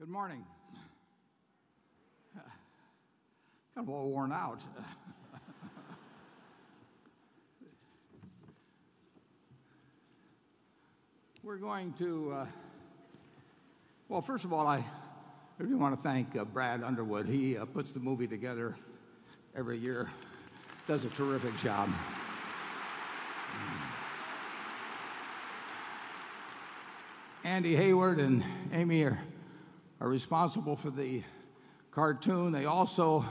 Good morning. Kind of all worn out. First of all, I really want to thank Brad Underwood. He puts the movie together every year. Does a terrific job. Andy Heyward and Amy are responsible for the cartoon. They also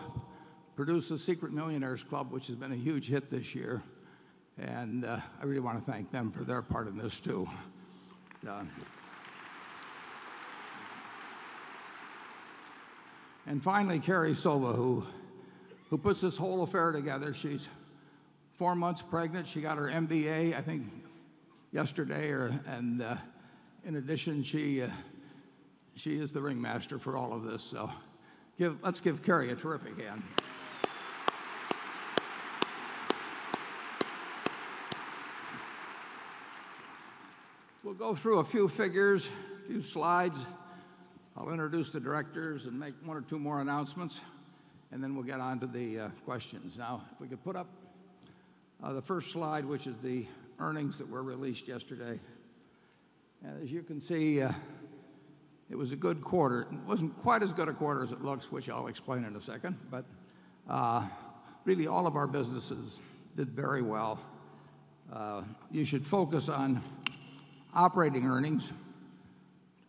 produce "Secret Millionaires Club," which has been a huge hit this year, and I really want to thank them for their part in this, too. Finally, Carrie Sova, who puts this whole affair together. She's four months pregnant. She got her MBA, I think, yesterday. In addition, she is the ringmaster for all of this. Let's give Carrie a terrific hand. We'll go through a few figures, a few slides. I'll introduce the directors and make one or two more announcements, and then we'll get onto the questions. If we could put up the first slide, which is the earnings that were released yesterday. As you can see, it was a good quarter. It wasn't quite as good a quarter as it looks, which I'll explain in a second. Really, all of our businesses did very well. You should focus on operating earnings.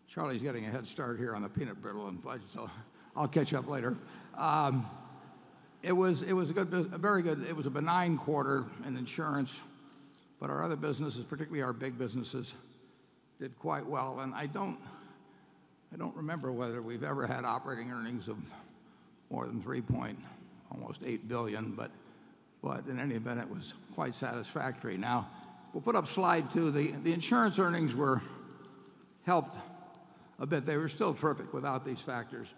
Charlie's getting a head start here on the peanut brittle and fudge, I'll catch up later. It was a benign quarter in insurance, our other businesses, particularly our big businesses, did quite well. I don't remember whether we've ever had operating earnings of more than almost $3.8 billion, but in any event, it was quite satisfactory. We'll put up slide two. The insurance earnings were helped a bit. They were still terrific without these factors,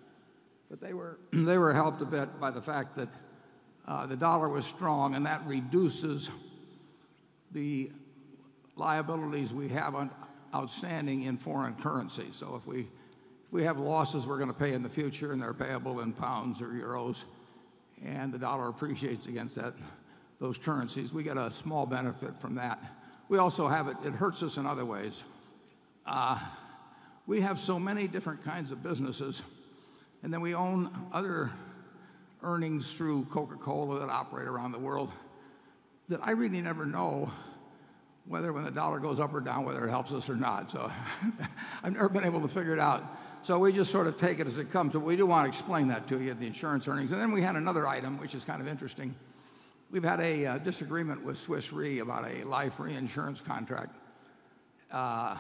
they were helped a bit by the fact that the dollar was strong, that reduces the liabilities we have outstanding in foreign currency. If we have losses we're going to pay in the future and they're payable in pounds or euros, the dollar appreciates against those currencies, we get a small benefit from that. It hurts us in other ways. We have so many different kinds of businesses, then we own other earnings through Coca-Cola that operate around the world, that I really never know whether when the dollar goes up or down, whether it helps us or not. I've never been able to figure it out. We just sort of take it as it comes, we do want to explain that to you, the insurance earnings. Then we had another item which is kind of interesting. We've had a disagreement with Swiss Re about a life reinsurance contract. The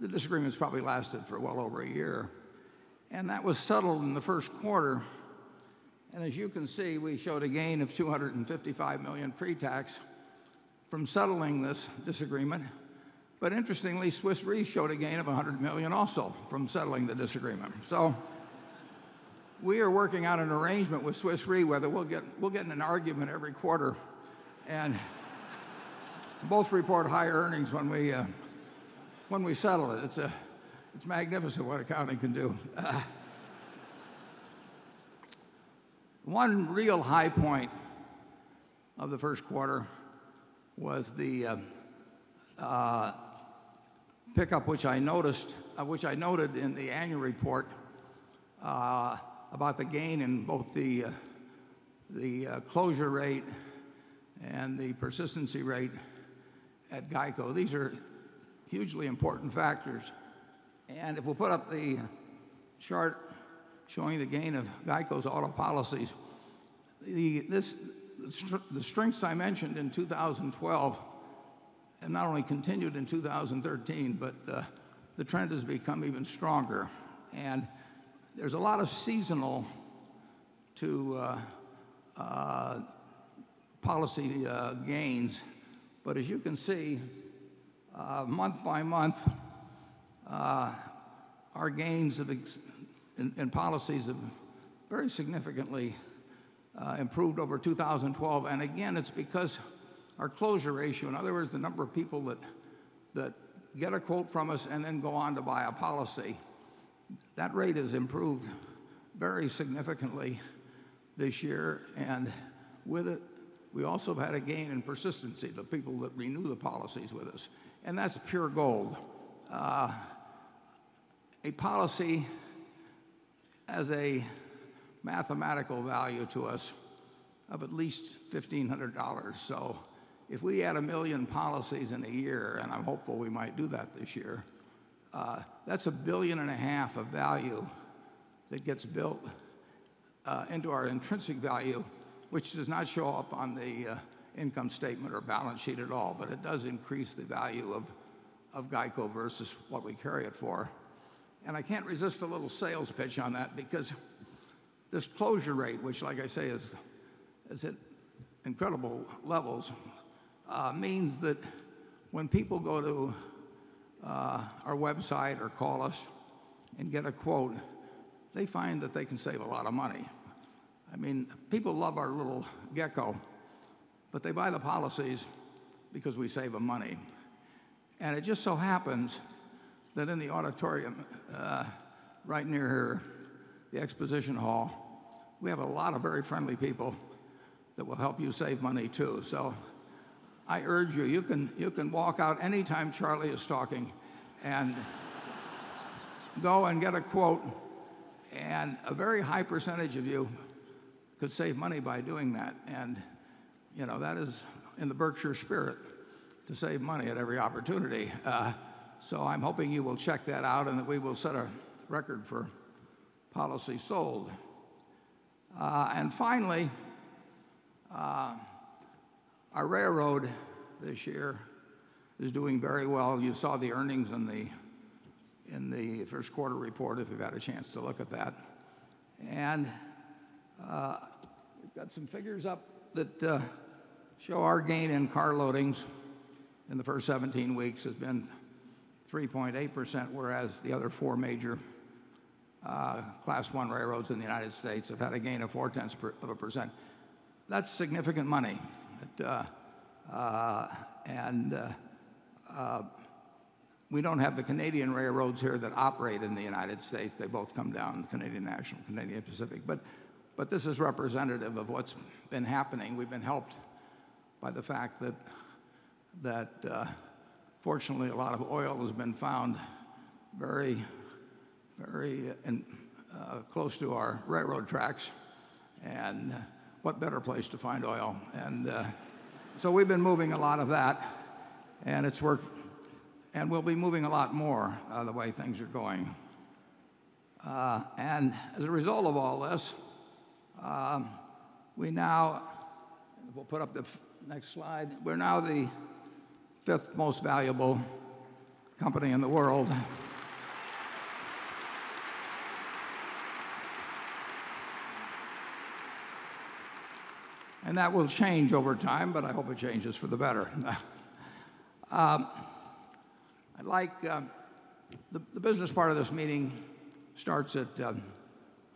disagreement's probably lasted for well over a year, that was settled in the first quarter. As you can see, we showed a gain of $255 million pre-tax from settling this disagreement. Interestingly, Swiss Re showed a gain of $100 million also from settling the disagreement. We are working out an arrangement with Swiss Re, whether we'll get in an argument every quarter and both report higher earnings when we settle it. It's magnificent what accounting can do. One real high point of the first quarter was the pickup which I noted in the annual report about the gain in both the closure rate and the persistency rate at GEICO. These are hugely important factors. If we'll put up the chart showing the gain of GEICO's auto policies. The strengths I mentioned in 2012 have not only continued in 2013, the trend has become even stronger. There's a lot of seasonal to policy gains. As you can see, month by month, our gains in policies have very significantly improved over 2012. Again, it's because our closure ratio, in other words, the number of people that get a quote from us and then go on to buy a policy, that rate has improved very significantly this year. With it, we also have had a gain in persistency, the people that renew the policies with us, and that's pure gold. A policy has a mathematical value to us of at least $1,500. If we add 1 million policies in a year, and I'm hopeful we might do that this year, that's $1.5 billion of value that gets built into our intrinsic value, which does not show up on the income statement or balance sheet at all, but it does increase the value of GEICO versus what we carry it for. I can't resist a little sales pitch on that because this closure rate, which like I say, is at incredible levels means that when people go to our website or call us and get a quote, they find that they can save a lot of money. People love our little gecko. They buy the policies because we save them money. It just so happens that in the auditorium right near the exposition hall, we have a lot of very friendly people that will help you save money too. I urge you can walk out any time Charlie is talking and go and get a quote, and a very high percentage of you could save money by doing that. That is in the Berkshire spirit to save money at every opportunity. I'm hoping you will check that out and that we will set a record for policy sold. Finally, our railroad this year is doing very well. You saw the earnings in the first quarter report, if you've had a chance to look at that. We've got some figures up that show our gain in car loadings in the first 17 weeks has been 3.8%, whereas the other four major Class I railroads in the U.S. have had a gain of 0.4%. That's significant money. We don't have the Canadian railroads here that operate in the U.S. They both come down, Canadian National, Canadian Pacific. This is representative of what's been happening. We've been helped by the fact that fortunately, a lot of oil has been found very close to our railroad tracks, and what better place to find oil. We've been moving a lot of that, and we'll be moving a lot more the way things are going. As a result of all this, we'll put up the next slide. We're now the fifth most valuable company in the world. That will change over time, but I hope it changes for the better. The business part of this meeting starts at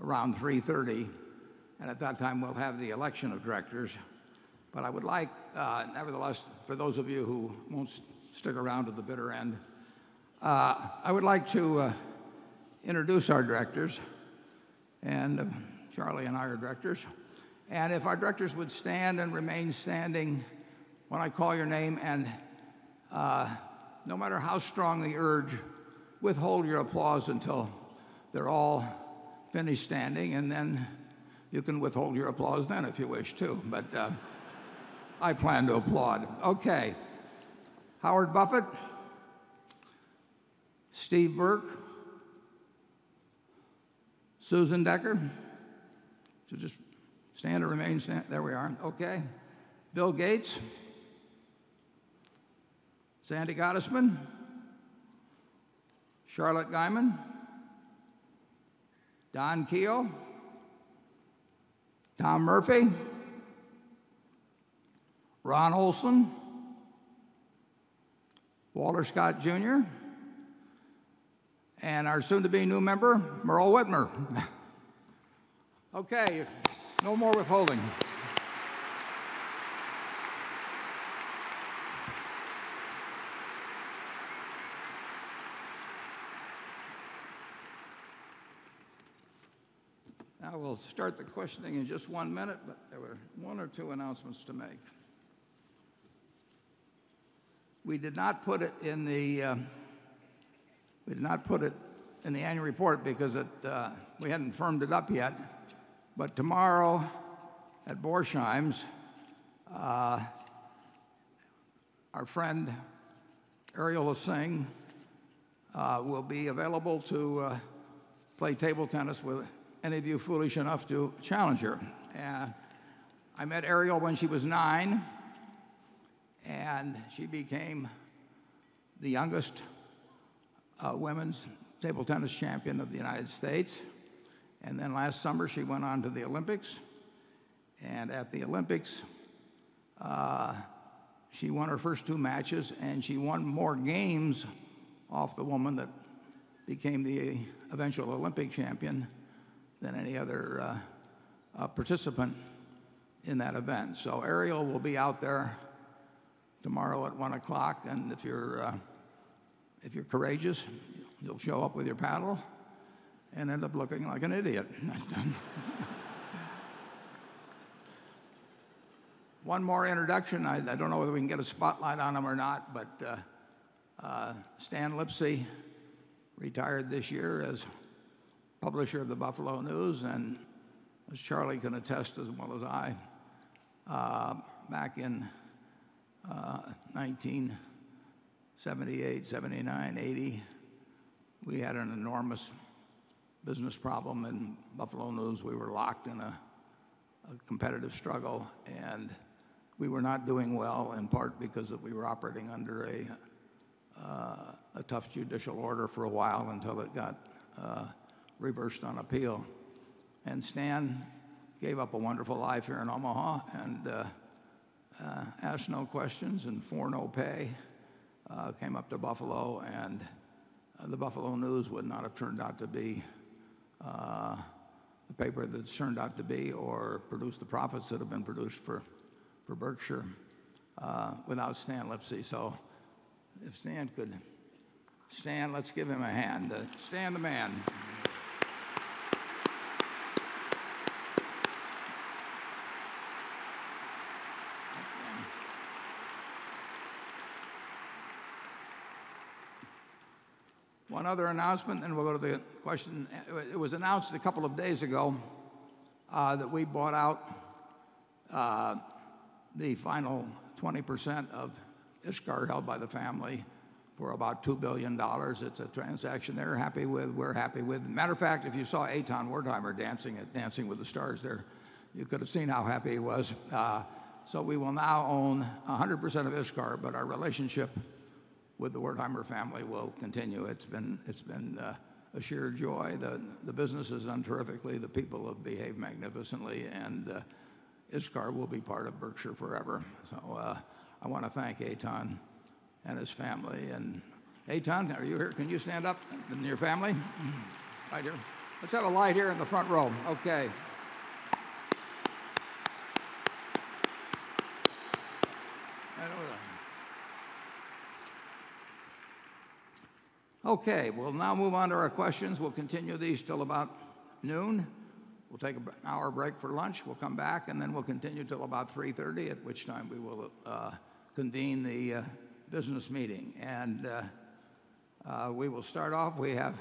around 3:30 P.M., and at that time, we'll have the election of directors. I would like, nevertheless, for those of you who won't stick around to the bitter end, I would like to introduce our directors, and Charlie and I are directors. If our directors would stand and remain stand when I call your name, and no matter how strongly you urge, withhold your applause until they're all finished standing, and then you can withhold your applause then if you wish too. I plan to applaud. Okay. Howard Buffett, Steve Burke, Susan Decker. So just stand or remain stand. There we are. Okay. Bill Gates, Sandy Gottesman, Charlotte Guyman, Don Keough, Tom Murphy, Ron Olson, Walter Scott Jr., and our soon to be new member, Meryl Witmer. Okay. We'll start the questioning in just one minute, there were one or two announcements to make. We did not put it in the annual report because we hadn't firmed it up yet, tomorrow at Borsheims, our friend Ariel Hsing will be available to play table tennis with any of you foolish enough to challenge her. I met Ariel when she was nine, and she became the youngest women's table tennis champion of the United States. Then last summer, she went on to the Olympics, and at the Olympics, she won her first two matches, and she won more games off the woman that became the eventual Olympic champion than any other participant in that event. Ariel will be out there tomorrow at 1:00 P.M., if you're courageous, you'll show up with your paddle and end up looking like an idiot. One more introduction. I don't know whether we can get a spotlight on him or not, Stan Lipsey retired this year as publisher of The Buffalo News, as Charlie can attest as well as I, back in 1978, 1979, 1980, we had an enormous business problem in The Buffalo News. We were locked in a competitive struggle, we were not doing well, in part because we were operating under a tough judicial order for a while until it got reversed on appeal. Stan gave up a wonderful life here in Omaha asked no questions for no pay, came up to Buffalo, The Buffalo News would not have turned out to be the paper that's turned out to be or produced the profits that have been produced for Berkshire without Stan Lipsey. Stan, let's give him a hand. Stan, the man. That's him. One other announcement, we'll go to the question. It was announced a couple of days ago that we bought out the final 20% of ISCAR held by the family for about $2 billion. It's a transaction they're happy with, we're happy with. Matter of fact, if you saw Eitan Wertheimer dancing at Dancing with the Stars there, you could've seen how happy he was. We will now own 100% of ISCAR, but our relationship with the Wertheimer family will continue. It's been a sheer joy. The business has done terrifically, the people have behaved magnificently, ISCAR will be part of Berkshire forever. I want to thank Eitan and his family. Eitan, are you here? Can you stand up? Your family. Thank you. Let's have a line here in the front row. Okay. Right over there. We'll now move on to our questions. We'll continue these till about noon. We'll take an hour break for lunch. We'll come back, then we'll continue till about 3:30, at which time we will convene the business meeting. We will start off. We have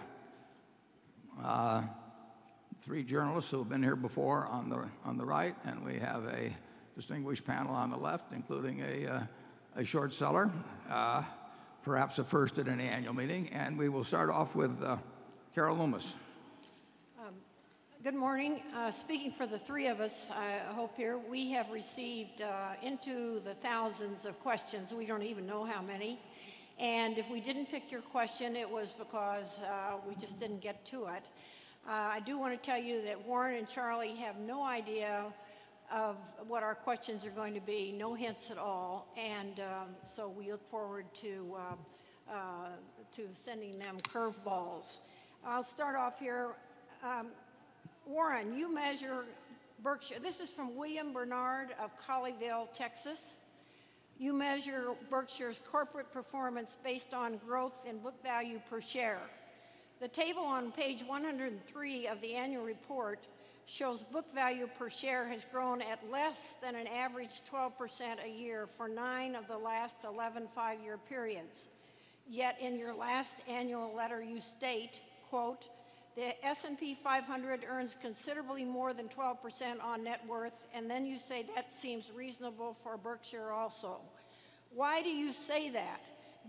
three journalists who have been here before on the right, and we have a distinguished panel on the left, including a short seller, perhaps a first at any annual meeting. We will start off with Carol Loomis. Good morning. Speaking for the three of us, I hope here, we have received into the thousands of questions. We don't even know how many. If we didn't pick your question, it was because we just didn't get to it. I do want to tell you that Warren and Charlie have no idea of what our questions are going to be, no hints at all. We look forward to sending them curve balls. I'll start off here. "Warren, you measure Berkshire" This is from William Bernard of Colleyville, Texas. "You measure Berkshire's corporate performance based on growth in book value per share. The table on page 103 of the annual report shows book value per share has grown at less than an average 12% a year for nine of the last 11 five-year periods. Yet, in your last annual letter, you state, quote, 'The S&P 500 earns considerably more than 12% on net worth,' and then you say, 'That seems reasonable for Berkshire also.' Why do you say that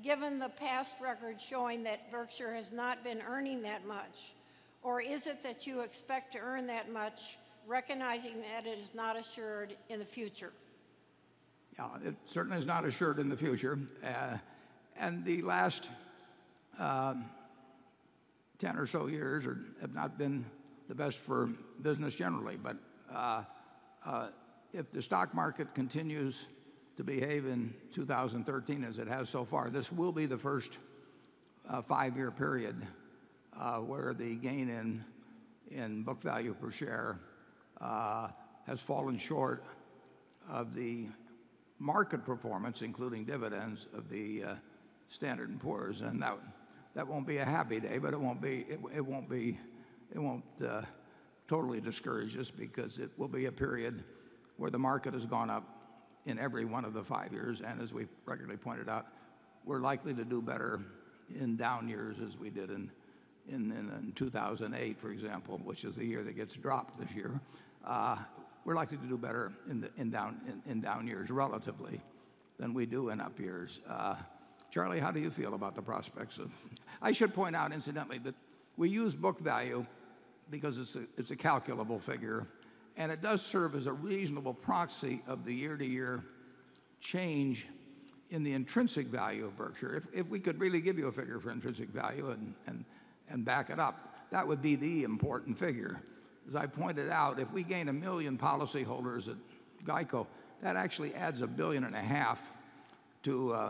given the past record showing that Berkshire has not been earning that much? Or is it that you expect to earn that much, recognizing that it is not assured in the future? Yeah, it certainly is not assured in the future. The last 10 or so years have not been the best for business generally. If the stock market continues to behave in 2013 as it has so far, this will be the first five-year period where the gain in book value per share has fallen short of the market performance, including dividends of the Standard & Poor's. That won't be a happy day, but it won't totally discourage us because it will be a period where the market has gone up in every one of the five years. As we've regularly pointed out, we're likely to do better in down years, as we did in 2008, for example, which is the year that gets dropped this year. We're likely to do better in down years relatively than we do in up years. Charlie, how do you feel about the prospects of I should point out incidentally, that we use book value because it's a calculable figure, and it does serve as a reasonable proxy of the year to year change in the intrinsic value of Berkshire. If we could really give you a figure for intrinsic value and back it up, that would be the important figure. As I pointed out, if we gain a million policy holders at GEICO, that actually adds a billion and a half to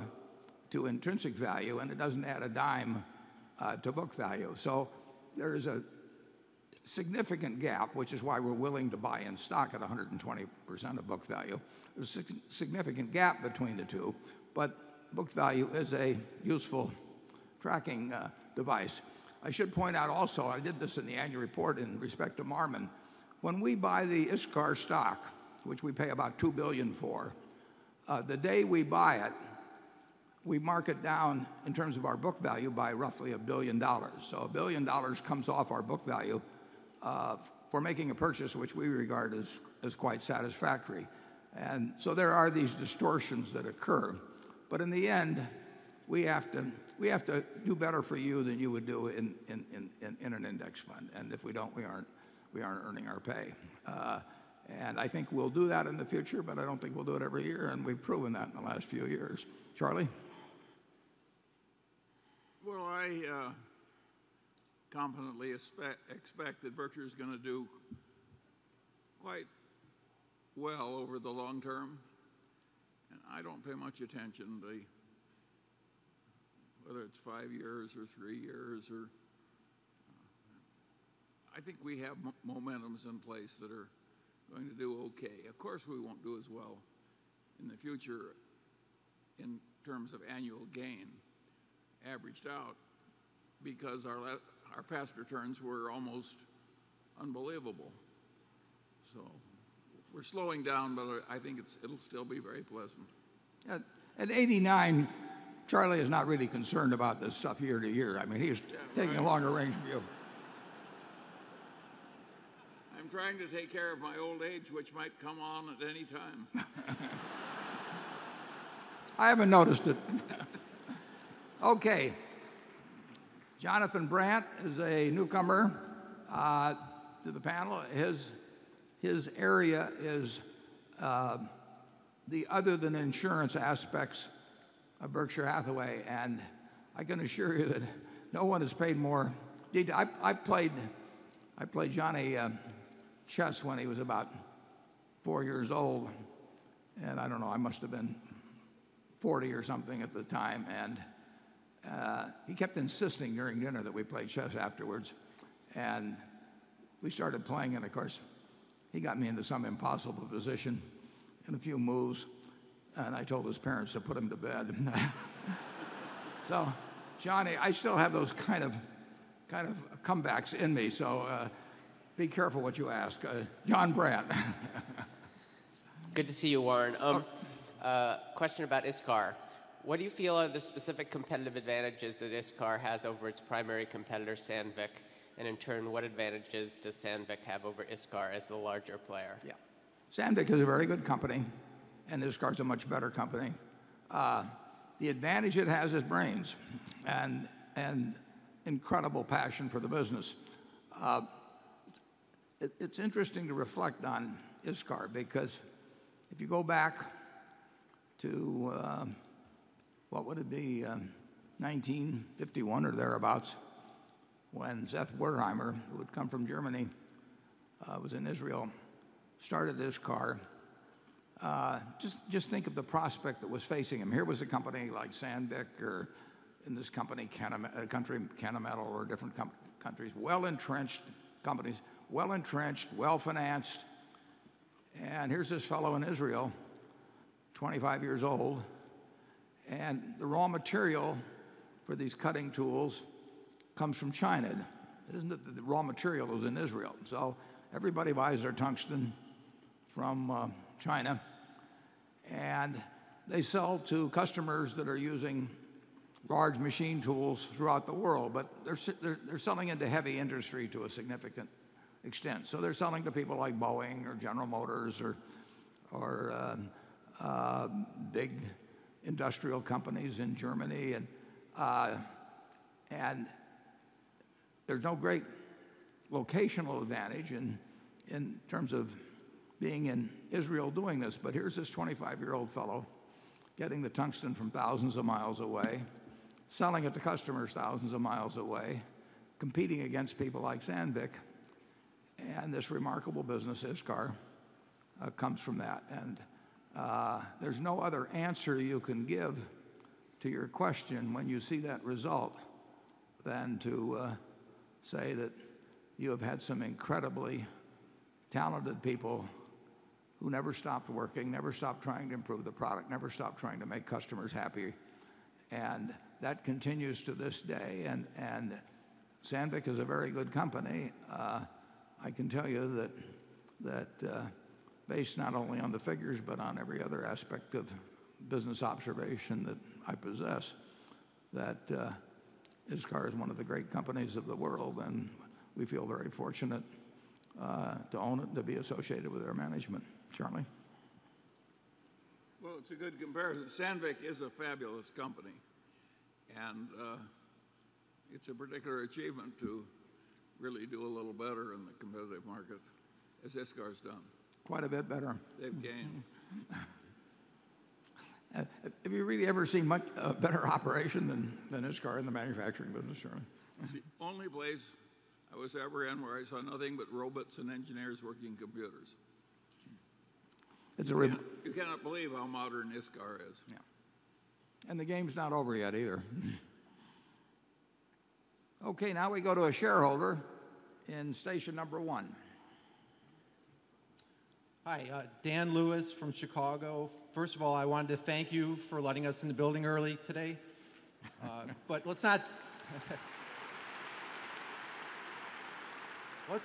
intrinsic value, and it doesn't add a dime to book value. There is a significant gap, which is why we're willing to buy in stock at 120% of book value. There's a significant gap between the two, but book value is a useful tracking device. I should point out also, I did this in the annual report in respect to Marmon. When we buy the ISCAR stock, which we pay about $2 billion for, the day we buy it, we mark it down in terms of our book value by roughly $1 billion. A billion dollars comes off our book value for making a purchase which we regard as quite satisfactory. There are these distortions that occur. In the end, we have to do better for you than you would do in an index fund. If we don't, we aren't earning our pay. I think we'll do that in the future, but I don't think we'll do it every year, and we've proven that in the last few years. Charlie? Well, I confidently expect that Berkshire is going to do quite well over the long term, and I don't pay much attention to Whether it's five years or three years, I think we have momentums in place that are going to do okay. Of course, we won't do as well in the future in terms of annual gain averaged out because our past returns were almost unbelievable. We're slowing down, but I think it'll still be very pleasant. At 89, Charlie is not really concerned about this stuff year to year. He's taking a longer range view. I'm trying to take care of my old age, which might come on at any time. I haven't noticed it. Okay. Jonathan Brandt is a newcomer to the panel. His area is the other than insurance aspects of Berkshire Hathaway, and I can assure you that no one has paid more detail I played Johnny chess when he was about four years old, and I don't know, I must have been 40 or something at the time. He kept insisting during dinner that we play chess afterwards. We started playing, and of course, he got me into some impossible position in a few moves, and I told his parents to put him to bed. Johnny, I still have those kind of comebacks in me, so be careful what you ask Jon Brandt. Good to see you, Warren. Okay. Question about ISCAR. What do you feel are the specific competitive advantages that ISCAR has over its primary competitor, Sandvik? In turn, what advantages does Sandvik have over ISCAR as the larger player? Yeah. Sandvik is a very good company. ISCAR is a much better company. The advantage it has is brains and incredible passion for the business. It's interesting to reflect on ISCAR because if you go back to, what would it be, 1951 or thereabouts, when Stef Wertheimer, who had come from Germany, was in Israel, started ISCAR. Just think of the prospect that was facing him. Here was a company like Sandvik or in this country Kennametal or different countries, well-entrenched companies. Well-entrenched, well-financed, here's this fellow in Israel, 25 years old. The raw material for these cutting tools comes from China. It isn't that the raw material was in Israel. Everybody buys their tungsten from China, and they sell to customers that are using large machine tools throughout the world, but they're selling into heavy industry to a significant extent. They're selling to people like Boeing or General Motors or big industrial companies in Germany. There's no great locational advantage in terms of being in Israel doing this. Here's this 25-year-old fellow getting the tungsten from thousands of miles away, selling it to customers thousands of miles away, competing against people like Sandvik. This remarkable business, ISCAR, comes from that. There's no other answer you can give to your question when you see that result than to say that you have had some incredibly talented people who never stopped working, never stopped trying to improve the product, never stopped trying to make customers happy. That continues to this day. Sandvik is a very good company. I can tell you that based not only on the figures but on every other aspect of business observation that I possess, that ISCAR is one of the great companies of the world. We feel very fortunate to own it and to be associated with their management. Charlie? Well, it's a good comparison. Sandvik is a fabulous company, and it's a particular achievement to really do a little better in the competitive market as ISCAR's done. Quite a bit better. They've gained. Have you really ever seen a much better operation than ISCAR in the manufacturing business, Charlie? It's the only place I was ever in where I saw nothing but robots and engineers working computers. It's a real- You cannot believe how modern ISCAR is. Yeah. The game's not over yet either. Okay, now we go to a shareholder in station number 1. Hi, Dan Lewis from Chicago. First of all, I wanted to thank you for letting us in the building early today. Let's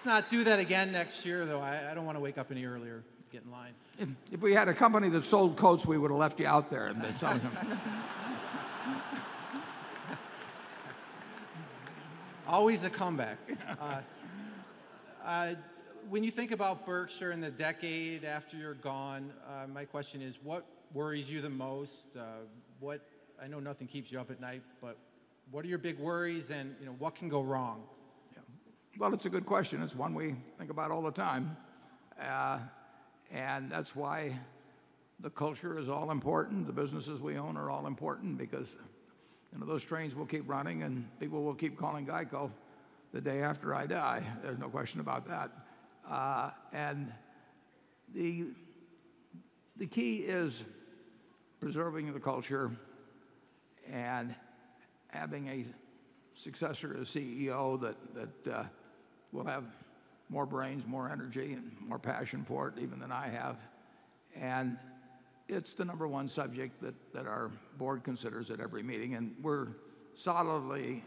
not do that again next year, though. I don't want to wake up any earlier to get in line. If we had a company that sold coats, we would have left you out there in the snow. Always a comeback. Yeah. When you think about Berkshire in the decade after you're gone, my question is, what worries you the most? I know nothing keeps you up at night, but what are your big worries and what can go wrong? Well, it's a good question. It's one we think about all the time. That's why the culture is all important, the businesses we own are all important because those trains will keep running, and people will keep calling GEICO the day after I die. There's no question about that. The key is preserving the culture and having a successor, a CEO that will have more brains, more energy, and more passion for it even than I have. It's the number 1 subject that our board considers at every meeting, and we're solidly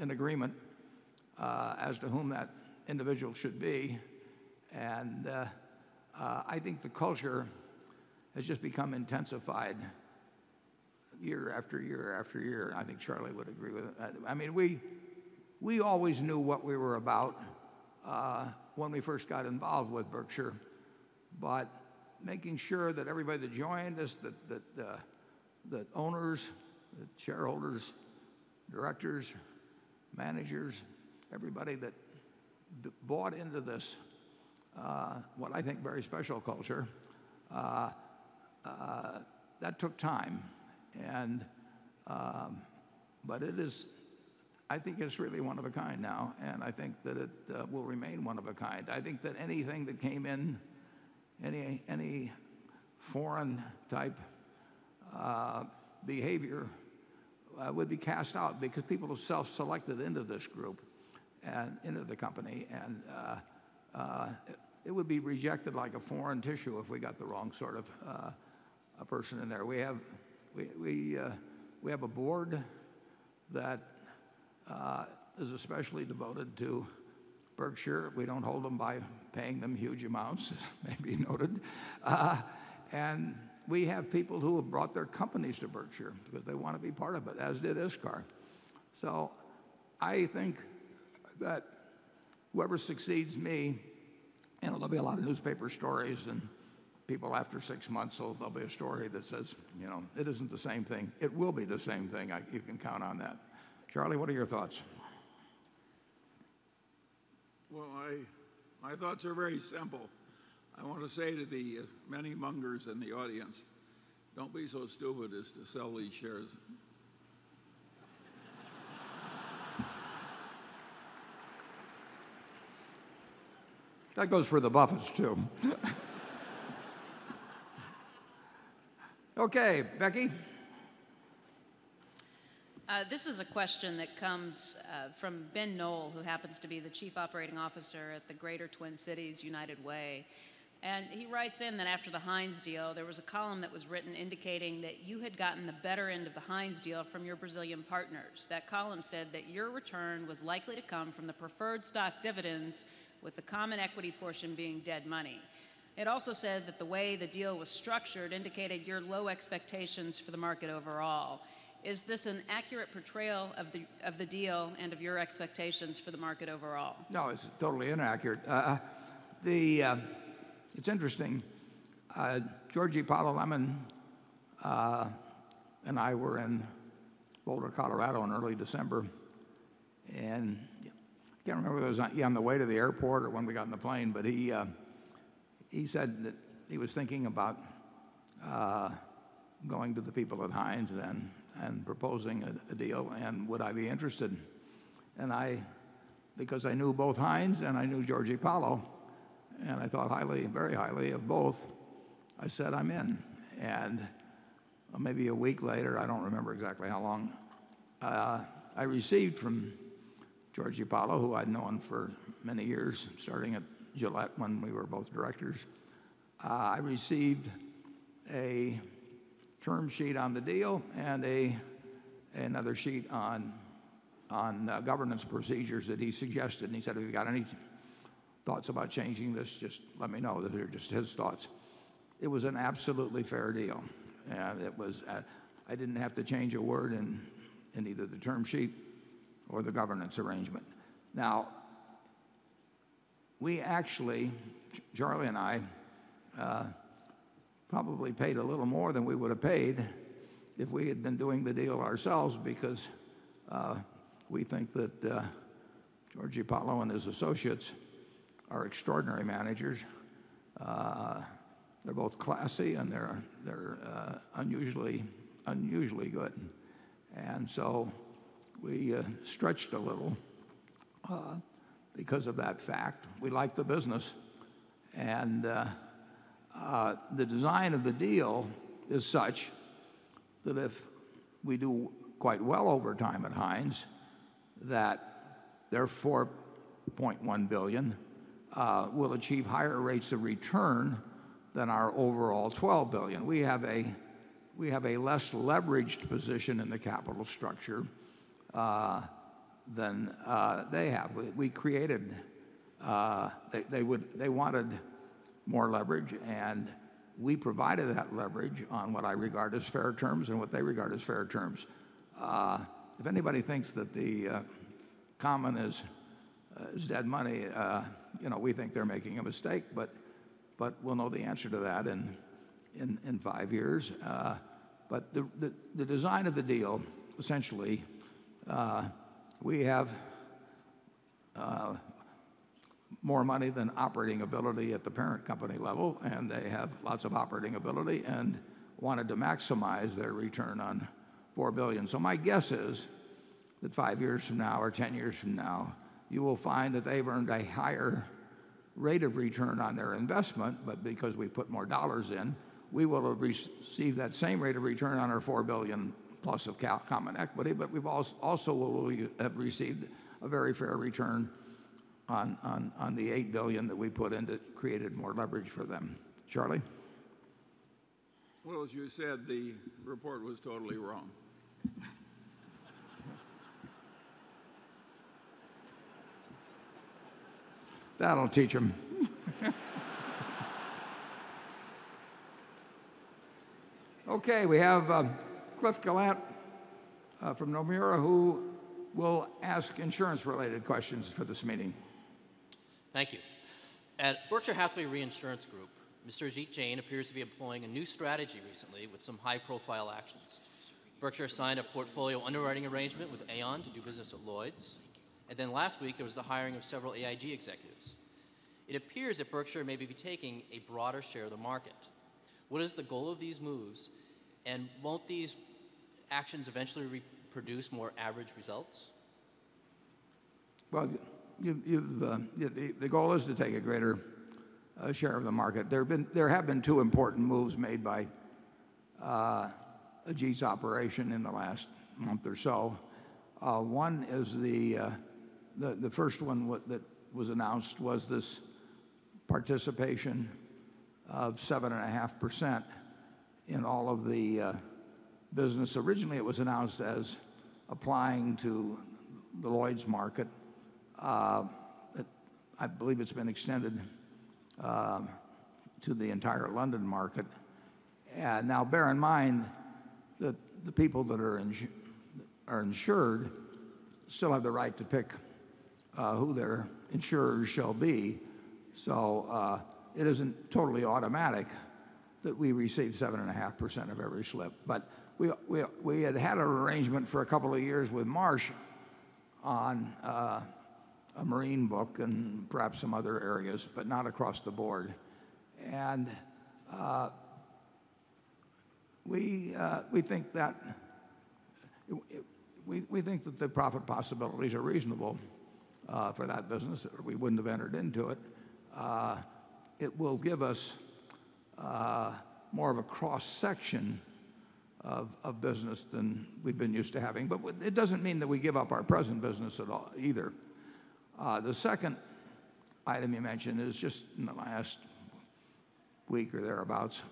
in agreement as to whom that individual should be. I think the culture has just become intensified year after year after year, and I think Charlie would agree with that. We always knew what we were about when we first got involved with Berkshire, making sure that everybody that joined us, the owners, the shareholders, directors, managers, everybody that bought into this, what I think very special culture, that took time. I think it's really one of a kind now, and I think that it will remain one of a kind. I think that anything that came in, any foreign type behavior would be cast out because people have self-selected into this group and into the company, and it would be rejected like a foreign tissue if we got the wrong sort of person in there. We have a board that is especially devoted to Berkshire. We don't hold them by paying them huge amounts, it may be noted. We have people who have brought their companies to Berkshire because they want to be part of it, as did ISCAR. I think that whoever succeeds me, and there'll be a lot of newspaper stories and people after 6 months, so there'll be a story that says, "It isn't the same thing." It will be the same thing. You can count on that. Charlie, what are your thoughts? Well, my thoughts are very simple. I want to say to the many Mungers in the audience, don't be so stupid as to sell these shares. That goes for the Buffetts too. Okay, Becky. This is a question that comes from Ben Knoll, who happens to be the chief operating officer at the Greater Twin Cities United Way. He writes in that after the Heinz deal, there was a column that was written indicating that you had gotten the better end of the Heinz deal from your Brazilian partners. That column said that your return was likely to come from the preferred stock dividends with the common equity portion being dead money. It also said that the way the deal was structured indicated your low expectations for the market overall. Is this an accurate portrayal of the deal and of your expectations for the market overall? No, it's totally inaccurate. It's interesting, Jorge Paulo Lemann and I were in Boulder, Colorado in early December, I can't remember whether it was on the way to the airport or when we got on the plane, He said that he was thinking about going to the people at Heinz then and proposing a deal Would I be interested. Because I knew both Heinz I knew Jorge Paulo, I thought very highly of both, I said, "I'm in." Maybe a week later, I don't remember exactly how long, I received from Jorge Paulo, who I'd known for many years, starting at Gillette when we were both directors, I received a term sheet on the deal and another sheet on governance procedures that he suggested, He said, "If you've got any thoughts about changing this, just let me know." That they're just his thoughts. It was an absolutely fair deal. I didn't have to change a word in either the term sheet or the governance arrangement. Now, we actually, Charlie and I, probably paid a little more than we would have paid if we had been doing the deal ourselves because we think that Jorge Paulo and his associates are extraordinary managers. They're both classy and they're unusually good. We stretched a little because of that fact. We like the business. The design of the deal is such that if we do quite well over time at Heinz, that their $4.1 billion will achieve higher rates of return than our overall $12 billion. We have a less leveraged position in the capital structure than they have. They wanted more leverage, and we provided that leverage on what I regard as fair terms and what they regard as fair terms. If anybody thinks that the common is dead money, we think they're making a mistake, but we'll know the answer to that in five years. The design of the deal, essentially, we have more money than operating ability at the parent company level, and they have lots of operating ability and wanted to maximize their return on $4 billion. My guess is That five years from now or 10 years from now, you will find that they've earned a higher rate of return on their investment. Because we put more dollars in, we will have received that same rate of return on our $4 billion plus of common equity, but we also will have received a very fair return on the $8 billion that we put in that created more leverage for them. Charlie? Well, as you said, the report was totally wrong. That'll teach them. Okay, we have Cliff Gallant from Nomura, who will ask insurance-related questions for this meeting. Thank you. At Berkshire Hathaway Reinsurance Group, Mr. Ajit Jain appears to be employing a new strategy recently with some high-profile actions. Berkshire signed a portfolio underwriting arrangement with Aon to do business at Lloyd's. Last week there was the hiring of several AIG executives. It appears that Berkshire may be taking a broader share of the market. What is the goal of these moves, and won't these actions eventually produce more average results? Well, the goal is to take a greater share of the market. There have been two important moves made by Ajit's operation in the last month or so. The first one that was announced was this participation of 7.5% in all of the business. Originally, it was announced as applying to the Lloyd's market. I believe it's been extended to the entire London market. Now, bear in mind that the people that are insured still have the right to pick who their insurers shall be. It isn't totally automatic that we receive 7.5% of every slip. But we had had an arrangement for a couple of years with Marsh on a marine book and perhaps some other areas, but not across the board. We think that the profit possibilities are reasonable for that business, or we wouldn't have entered into it. It will give us more of a cross-section of business than we've been used to having. It doesn't mean that we give up our present business at all either. The second item you mentioned is just in the last week or thereabouts.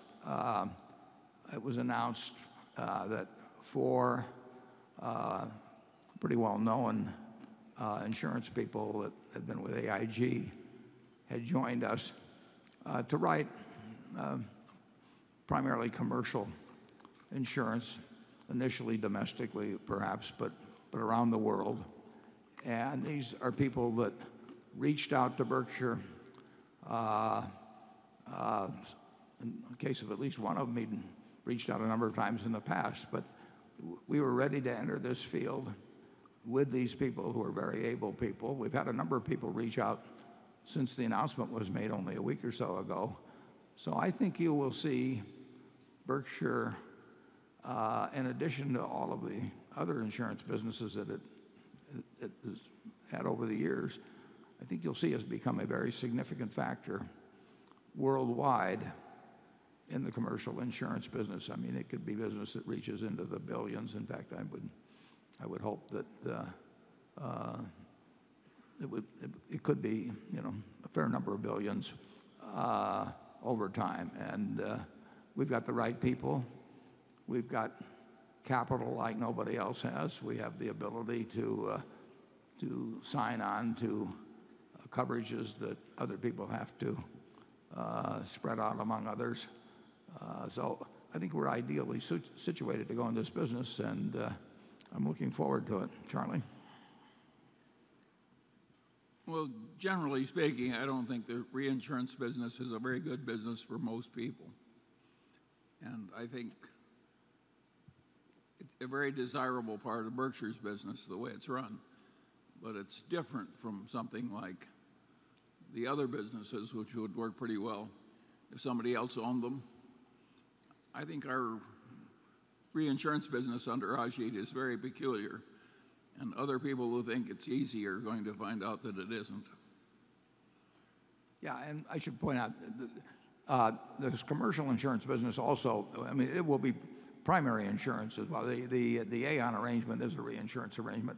It was announced that four pretty well-known insurance people that had been with AIG had joined us to write primarily commercial insurance, initially domestically, perhaps, but around the world. These are people that reached out to Berkshire. In case of at least one of them, even reached out a number of times in the past. We were ready to enter this field with these people, who are very able people. We've had a number of people reach out since the announcement was made only a week or so ago. I think you will see Berkshire, in addition to all of the other insurance businesses that it has had over the years, I think you'll see us become a very significant factor worldwide in the commercial insurance business. It could be business that reaches into the billions. In fact, I would hope that it could be a fair number of billions over time. We've got the right people. We've got capital like nobody else has. We have the ability to sign on to coverages that other people have to spread out among others. I think we're ideally situated to go into this business, and I'm looking forward to it. Charlie? Well, generally speaking, I don't think the reinsurance business is a very good business for most people, and I think it's a very desirable part of Berkshire's business the way it's run. It's different from something like the other businesses, which would work pretty well if somebody else owned them. I think our reinsurance business under Ajit is very peculiar, other people who think it's easy are going to find out that it isn't. I should point out this commercial insurance business also, it will be primary insurance as well. The Aon arrangement is a reinsurance arrangement,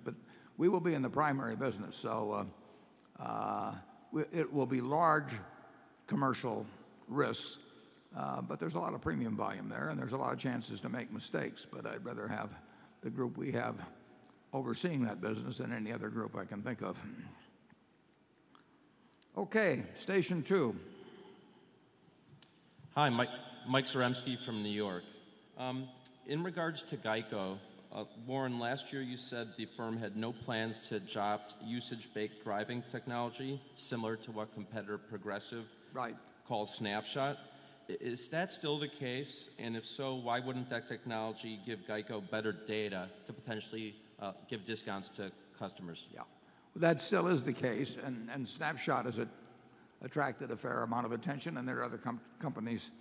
we will be in the primary business, it will be large commercial risks. There's a lot of premium volume there's a lot of chances to make mistakes. I'd rather have the group we have overseeing that business than any other group I can think of. Okay, station 2. Hi, Michael Zaremski from New York. In regards to GEICO, Warren, last year you said the firm had no plans to adopt usage-based driving technology similar to what competitor Progressive- Right calls Snapshot. Is that still the case? If so, why wouldn't that technology give GEICO better data to potentially give discounts to customers? Yeah. That still is the case, and Snapshot is Attracted a fair amount of attention, and there are other companies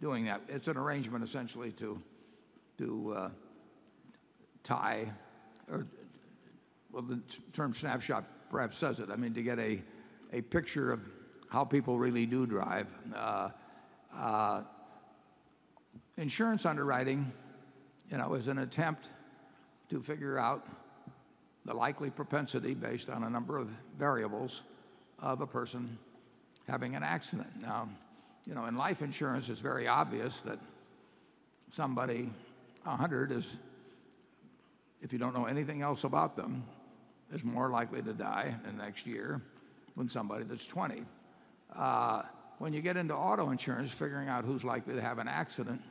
doing that. It's an arrangement essentially to tie. Well, the term Snapshot perhaps says it. I mean, to get a picture of how people really do drive. Insurance underwriting is an attempt to figure out the likely propensity based on a number of variables of a person having an accident. Now, in life insurance, it's very obvious that somebody 100, if you don't know anything else about them, is more likely to die in the next year than somebody that's 20. When you get into auto insurance, figuring out who's likely to have an accident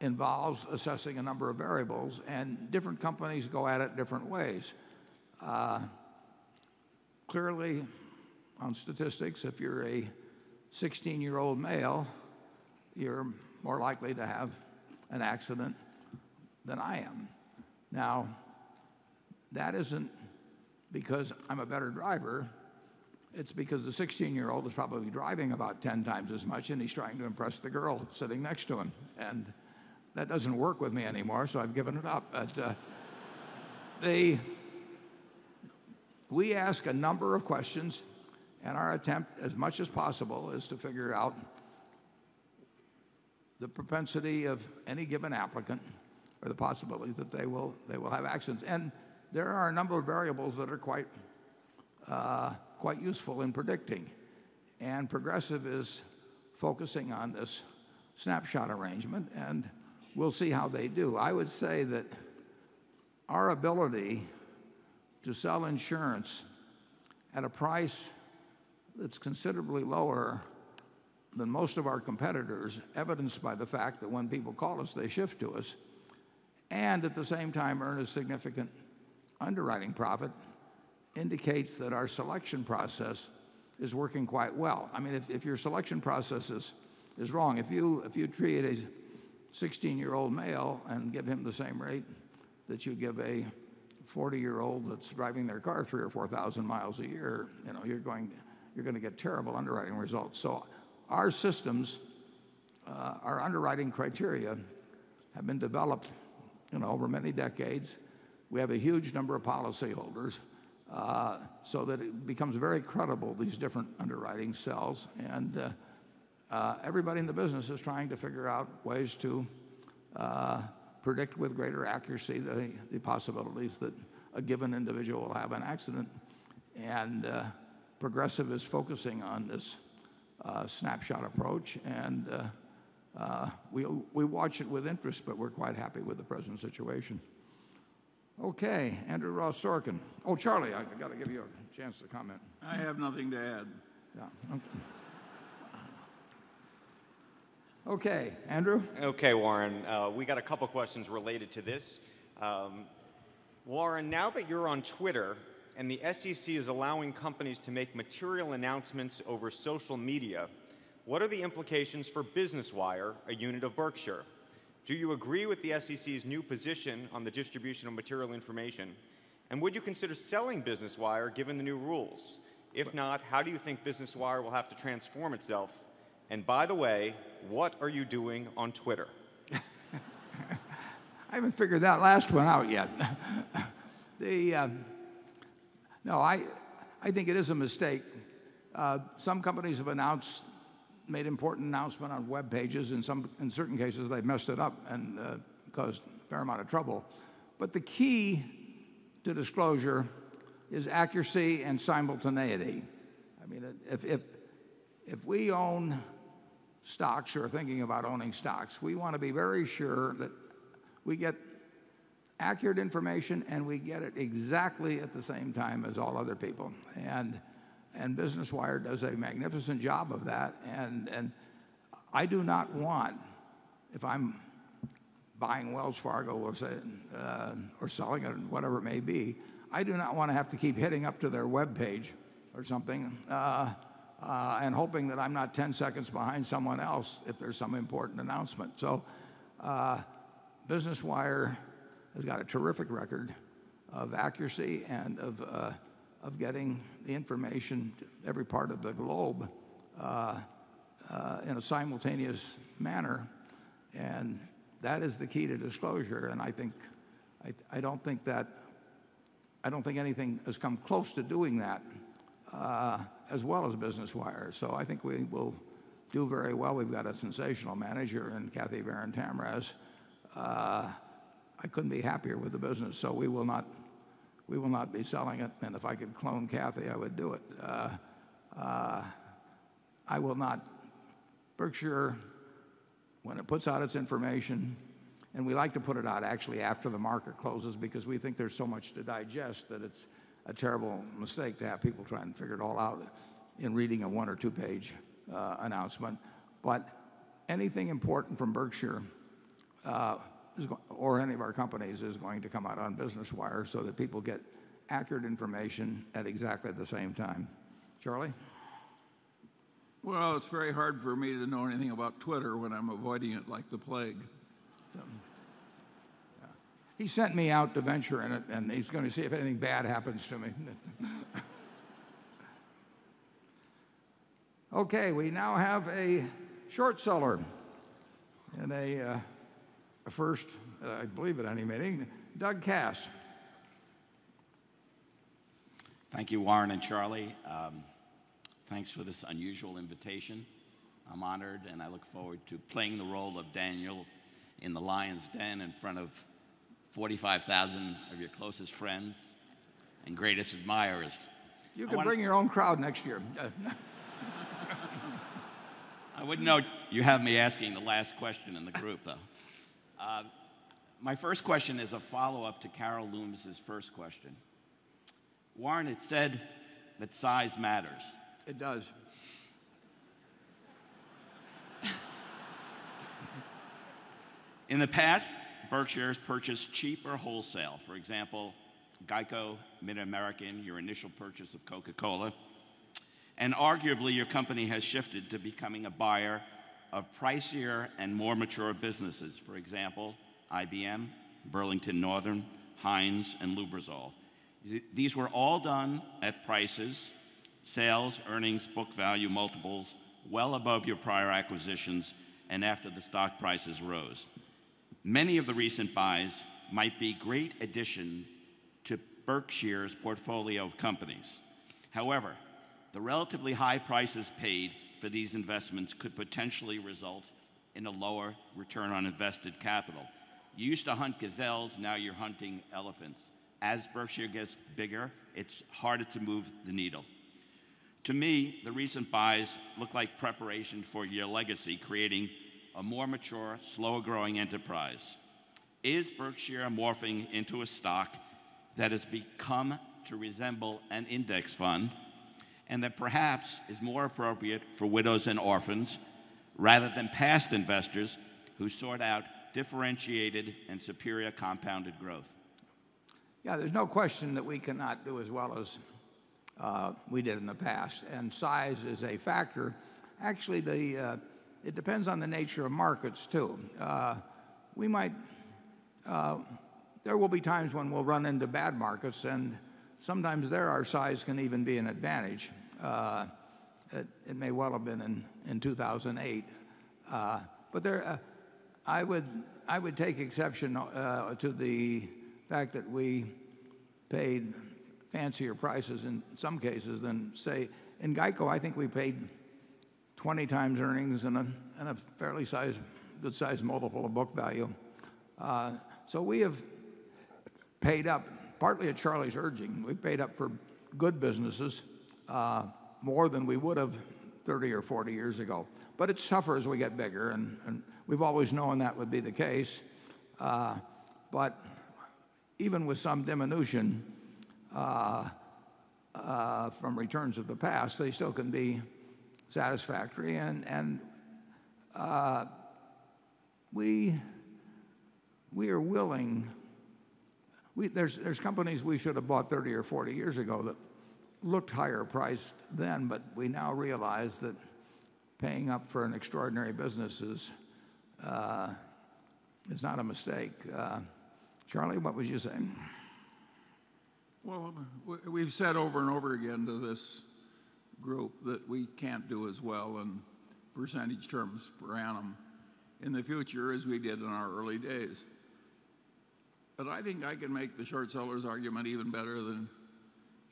involves assessing a number of variables, and different companies go at it different ways. Clearly, on statistics, if you're a 16-year-old male, you're more likely to have an accident than I am. Now, that isn't because I'm a better driver. It's because the 16-year-old is probably driving about 10 times as much and he's trying to impress the girl sitting next to him. That doesn't work with me anymore. I've given it up. We ask a number of questions, and our attempt, as much as possible, is to figure out the propensity of any given applicant or the possibility that they will have accidents. There are a number of variables that are quite useful in predicting. Progressive is focusing on this Snapshot arrangement, and we'll see how they do. I would say that our ability to sell insurance at a price that's considerably lower than most of our competitors, evidenced by the fact that when people call us, they shift to us, and at the same time earn a significant underwriting profit, indicates that our selection process is working quite well. If your selection process is wrong, if you treat a 16-year-old male and give him the same rate that you give a 40-year-old that's driving their car 3,000 or 4,000 miles a year, you're going to get terrible underwriting results. Our systems, our underwriting criteria, have been developed over many decades. We have a huge number of policyholders, so that it becomes very credible, these different underwriting cells. Everybody in the business is trying to figure out ways to predict with greater accuracy the possibilities that a given individual will have an accident. Progressive is focusing on this Snapshot approach, and we watch it with interest. We're quite happy with the present situation. Okay, Andrew Ross Sorkin. Oh, Charlie, I got to give you a chance to comment. I have nothing to add. Yeah. Okay. Okay, Andrew. Okay, Warren. We got a couple questions related to this. Warren, now that you're on Twitter and the SEC is allowing companies to make material announcements over social media, what are the implications for Business Wire, a unit of Berkshire? Do you agree with the SEC's new position on the distribution of material information, and would you consider selling Business Wire given the new rules? If not, how do you think Business Wire will have to transform itself? By the way, what are you doing on Twitter? I haven't figured that last one out yet. I think it is a mistake. Some companies have made important announcement on webpages. In certain cases, they've messed it up and caused a fair amount of trouble. The key to disclosure is accuracy and simultaneity. If we own stocks or are thinking about owning stocks, we want to be very sure that we get accurate information and we get it exactly at the same time as all other people. Business Wire does a magnificent job of that. I do not want, if I'm buying Wells Fargo or selling it or whatever it may be, I do not want to have to keep hitting up to their webpage or something and hoping that I'm not 10 seconds behind someone else if there's some important announcement. Business Wire has got a terrific record of accuracy and of getting the information to every part of the globe in a simultaneous manner, and that is the key to disclosure. I don't think anything has come close to doing that as well as Business Wire. I think we will do very well. We've got a sensational manager in Cathy Baron Tamraz. I couldn't be happier with the business. We will not be selling it, and if I could clone Cathy, I would do it. Berkshire, when it puts out its information, and we like to put it out actually after the market closes because we think there's so much to digest that it's a terrible mistake to have people trying to figure it all out in reading a one or two-page announcement. Anything important from Berkshire or any of our companies is going to come out on Business Wire so that people get accurate information at exactly the same time. Charlie? It's very hard for me to know anything about Twitter when I'm avoiding it like the plague. He sent me out to venture in it, and he's going to see if anything bad happens to me. We now have a short seller in a first, I believe, at any meeting, Doug Kass. Thank you, Warren and Charlie. Thanks for this unusual invitation. I'm honored, and I look forward to playing the role of Daniel in the lion's den in front of 45,000 of your closest friends and greatest admirers. You can bring your own crowd next year. I would note you have me asking the last question in the group, though. My first question is a follow-up to Carol Loomis' first question. Warren, it's said that size matters. It does. In the past, Berkshire has purchased cheap or wholesale, for example, GEICO, MidAmerican, your initial purchase of Coca-Cola, and arguably your company has shifted to becoming a buyer of pricier and more mature businesses. For example, IBM, Burlington Northern, Heinz, and Lubrizol. These were all done at prices, sales, earnings, book value multiples well above your prior acquisitions and after the stock prices rose. Many of the recent buys might be great addition to Berkshire's portfolio of companies. However, the relatively high prices paid for these investments could potentially result in a lower return on invested capital. You used to hunt gazelles, now you're hunting elephants. As Berkshire gets bigger, it's harder to move the needle. To me, the recent buys look like preparation for your legacy, creating a more mature, slower growing enterprise. Is Berkshire morphing into a stock that has become to resemble an index fund and that perhaps is more appropriate for widows and orphans rather than past investors who sought out differentiated and superior compounded growth? Yeah, there's no question that we cannot do as well as we did in the past, and size is a factor. Actually, it depends on the nature of markets, too. There will be times when we'll run into bad markets, and sometimes there our size can even be an advantage. It may well have been in 2008. I would take exception to the fact that we paid fancier prices in some cases than, say, in GEICO, I think we paid 20 times earnings and a fairly good size multiple of book value. We have paid up, partly at Charlie's urging, we've paid up for good businesses more than we would have 30 or 40 years ago. It suffers as we get bigger, and we've always known that would be the case. Even with some diminution from returns of the past, they still can be satisfactory. We are willing There's companies we should have bought 30 or 40 years ago that looked higher priced then, but we now realize that paying up for an extraordinary business is not a mistake. Charlie, what would you say? We've said over and over again to this group that we can't do as well in percentage terms per annum in the future as we did in our early days. I think I can make the short seller's argument even better than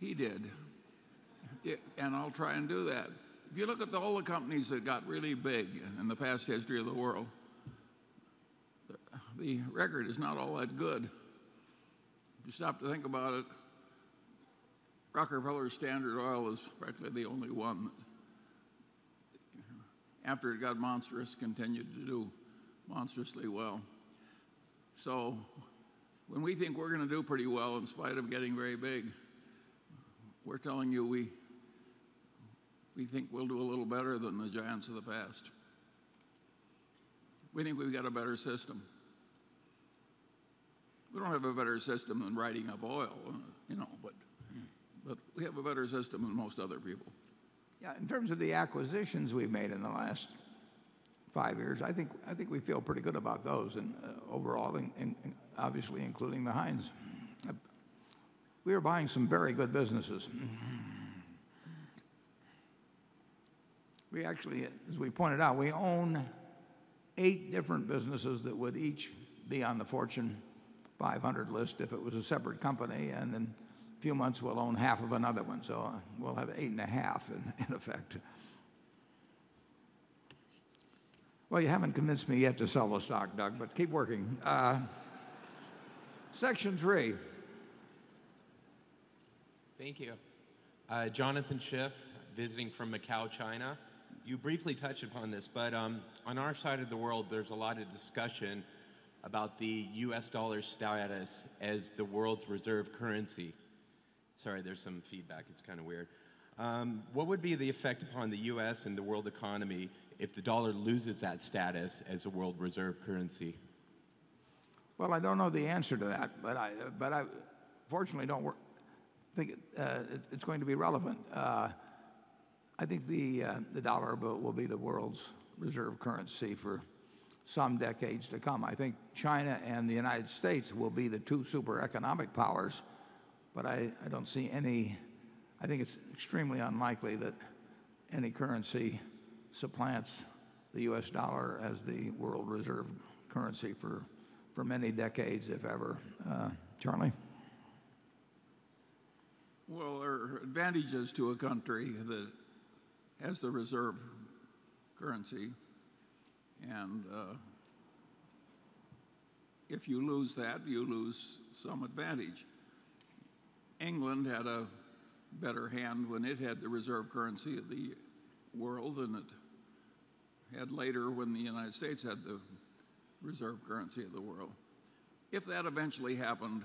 he did, and I'll try and do that. If you look at all the companies that got really big in the past history of the world, the record is not all that good. If you stop to think about it, Rockefeller Standard Oil is frankly the only one that after it got monstrous continued to do monstrously well. When we think we're going to do pretty well in spite of getting very big, we're telling you we think we'll do a little better than the giants of the past. We think we've got a better system. We don't have a better system than riding up oil, we have a better system than most other people. In terms of the acquisitions we've made in the last five years, I think we feel pretty good about those overall, obviously including the Heinz. We are buying some very good businesses. We actually, as we pointed out, we own eight different businesses that would each be on the Fortune 500 list if it was a separate company, and in a few months we'll own half of another one, so we'll have eight and a half in effect. You haven't convinced me yet to sell the stock, Doug, keep working. Section three. Thank you. Jonathan Schiff, visiting from Macau, China. You briefly touched upon this, on our side of the world, there's a lot of discussion about the U.S. dollar status as the world's reserve currency. Sorry, there's some feedback. It's kind of weird. What would be the effect upon the U.S. and the world economy if the dollar loses that status as a world reserve currency? Well, I don't know the answer to that, but I fortunately don't think it's going to be relevant. I think the dollar bill will be the world's reserve currency for some decades to come. I think China and the U.S. will be the two super economic powers, but I think it's extremely unlikely that any currency supplants the U.S. dollar as the world reserve currency for many decades, if ever. Charlie? Well, there are advantages to a country that has the reserve currency, and if you lose that, you lose some advantage. England had a better hand when it had the reserve currency of the world than it had later when the U.S. had the reserve currency of the world. If that eventually happened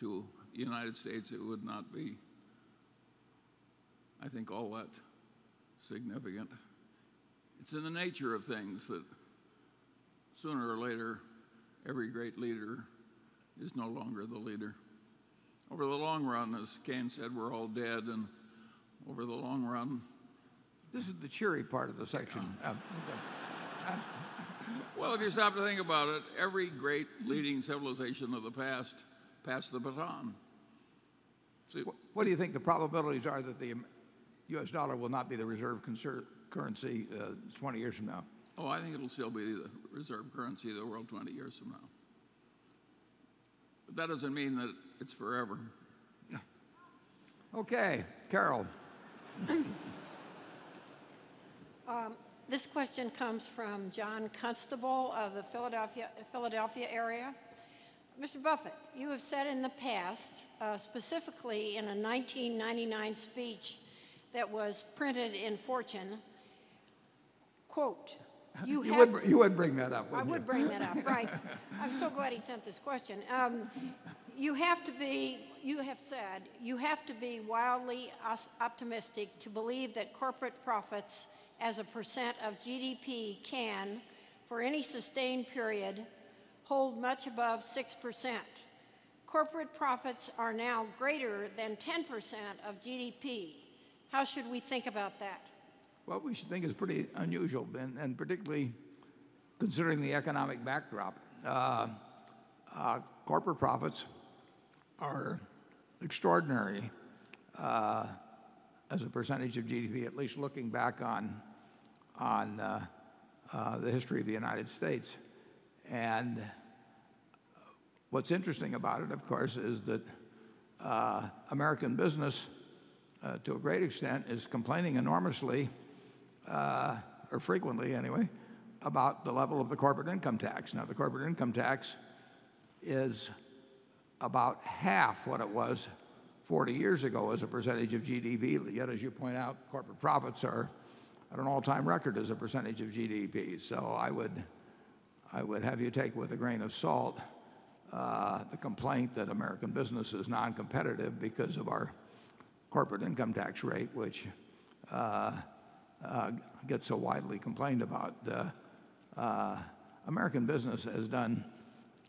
to the U.S., it would not be, I think, all that significant. It's in the nature of things that sooner or later, every great leader is no longer the leader. Over the long run, as Keynes said, we're all dead, and over the long run. This is the cheery part of the section. Well, if you stop to think about it, every great leading civilization of the past passed the baton. What do you think the probabilities are that the U.S. dollar will not be the reserve currency 20 years from now? Oh, I think it'll still be the reserve currency of the world 20 years from now. That doesn't mean that it's forever. Yeah. Okay, Carol. This question comes from John Constable of the Philadelphia area. "Mr. Buffett, you have said in the past, specifically in a 1999 speech that was printed in Fortune, quote- You would bring that up, wouldn't you? I would bring that up, right. I'm so glad he sent this question. You have said, "You have to be wildly optimistic to believe that corporate profits as a percent of GDP can, for any sustained period, hold much above 6%." Corporate profits are now greater than 10% of GDP. How should we think about that? Well, we should think it's pretty unusual, particularly considering the economic backdrop. Corporate profits are extraordinary as a percentage of GDP, at least looking back on the history of the United States. What's interesting about it, of course, is that American business, to a great extent, is complaining enormously, or frequently anyway, about the level of the corporate income tax. Now, the corporate income tax is about half what it was 40 years ago as a percentage of GDP. Yet, as you point out, corporate profits are at an all-time record as a percentage of GDP. I would have you take with a grain of salt the complaint that American business is non-competitive because of our corporate income tax rate, which gets so widely complained about. American business has done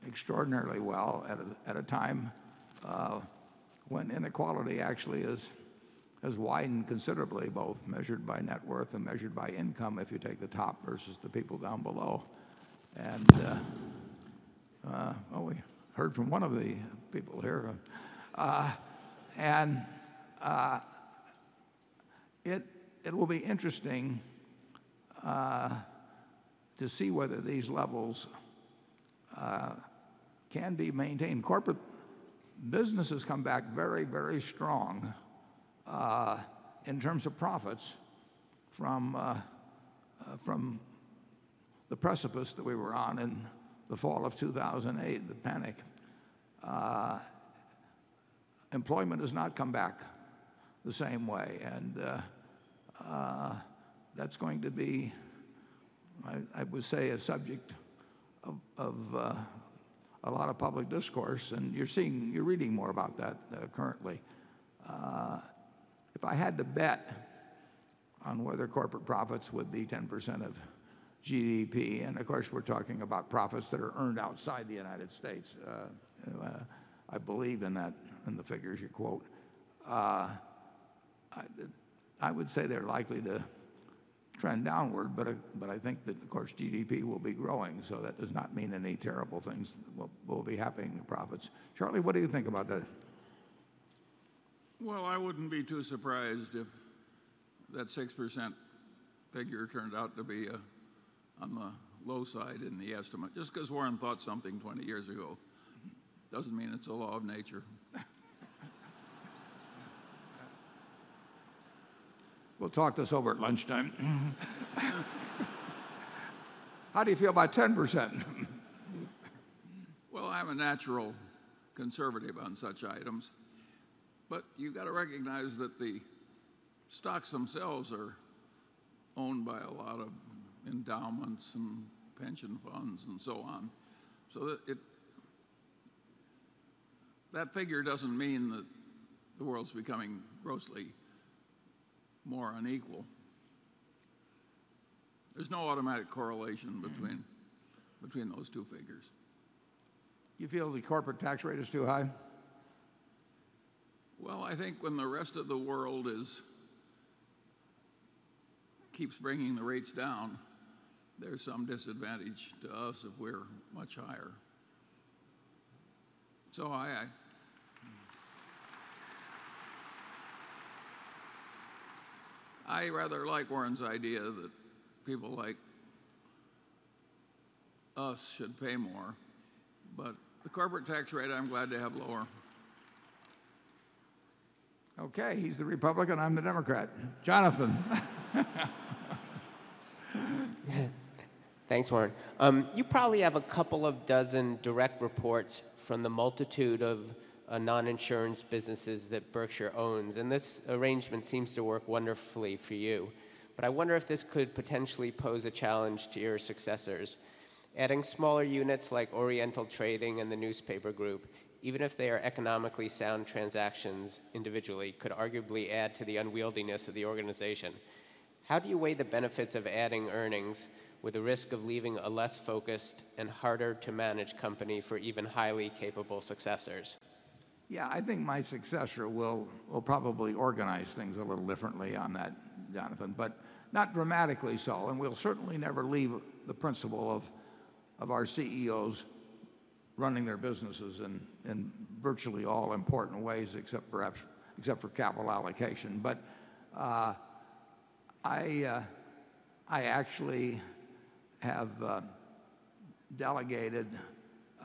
extraordinarily well at a time when inequality actually has widened considerably, both measured by net worth and measured by income, if you take the top versus the people down below. Oh, we heard from one of the people here. It will be interesting to see whether these levels can be maintained. Corporate business has come back very, very strong in terms of profits from the precipice that we were on in the fall of 2008, the panic. Employment has not come back the same way, and that's going to be, I would say, a subject of a lot of public discourse, and you're reading more about that currently. If I had to bet on whether corporate profits would be 10% of GDP, and of course, we're talking about profits that are earned outside the United States, I believe in the figures you quote. I would say they're likely to trend downward. I think that, of course, GDP will be growing, so that does not mean any terrible things will be happening to profits. Charlie, what do you think about that? Well, I wouldn't be too surprised if that 6% figure turned out to be on the low side in the estimate. Just because Warren thought something 20 years ago doesn't mean it's a law of nature. We'll talk this over at lunchtime. How do you feel about 10%? Well, I'm a natural conservative on such items. You got to recognize that the stocks themselves are owned by a lot of endowments and pension funds and so on. That figure doesn't mean that the world's becoming grossly more unequal. There's no automatic correlation between those two figures. You feel the corporate tax rate is too high? Well, I think when the rest of the world keeps bringing the rates down, there's some disadvantage to us if we're much higher. I rather like Warren's idea that people like us should pay more. The corporate tax rate, I'm glad to have lower. Okay. He's the Republican, I'm the Democrat. Jonathan. Thanks, Warren. You probably have a couple of dozen direct reports from the multitude of non-insurance businesses that Berkshire owns, and this arrangement seems to work wonderfully for you. I wonder if this could potentially pose a challenge to your successors. Adding smaller units like Oriental Trading and the Newspaper Group, even if they are economically sound transactions individually, could arguably add to the unwieldiness of the organization. How do you weigh the benefits of adding earnings with the risk of leaving a less focused and harder to manage company for even highly capable successors? I think my successor will probably organize things a little differently on that, Jonathan, but not dramatically so. We'll certainly never leave the principle of our CEOs running their businesses in virtually all important ways except for capital allocation. I actually have delegated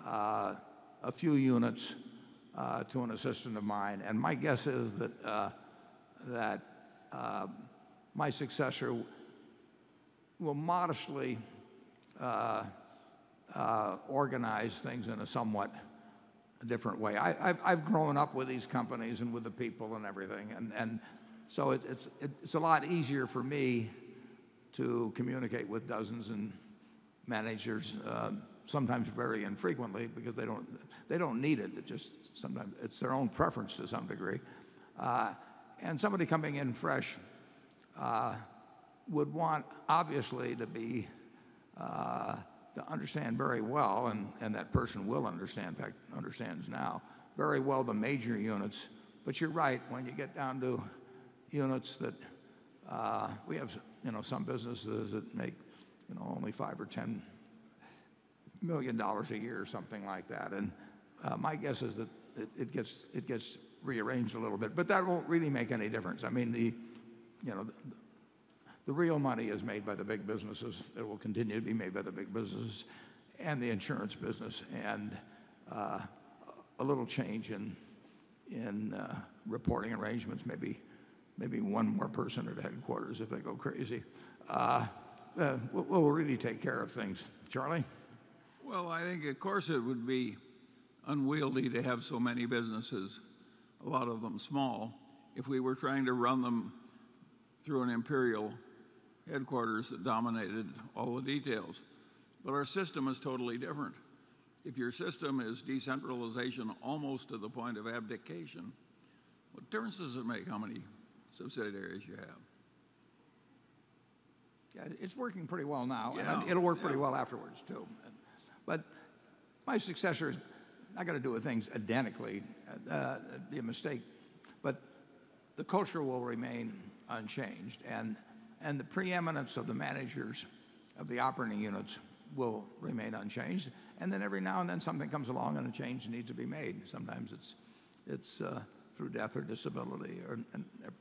a few units to an assistant of mine, and my guess is that my successor will modestly organize things in a somewhat different way. I've grown up with these companies and with the people and everything, so it's a lot easier for me to communicate with dozens of managers, sometimes very infrequently because they don't need it. It's their own preference to some degree. Somebody coming in fresh would want, obviously, to understand very well, and that person will understand, in fact, understands now very well the major units. You're right. When you get down to units that we have some businesses that make only $5 or $10 million a year or something like that, my guess is that it gets rearranged a little bit. That won't really make any difference. The real money is made by the big businesses. It will continue to be made by the big businesses and the insurance business, and a little change in reporting arrangements, maybe one more person at headquarters if they go crazy will really take care of things. Charlie? Well, I think of course it would be unwieldy to have so many businesses, a lot of them small, if we were trying to run them through an imperial headquarters that dominated all the details, our system is totally different. If your system is decentralization almost to the point of abdication, what difference does it make how many subsidiaries you have? Yeah, it's working pretty well now. Yeah. It'll work pretty well afterwards, too. My successor is not going to do things identically. It'd be a mistake. The culture will remain unchanged, and the preeminence of the managers of the operating units will remain unchanged. Every now and then something comes along and a change needs to be made. Sometimes it's through death or disability, or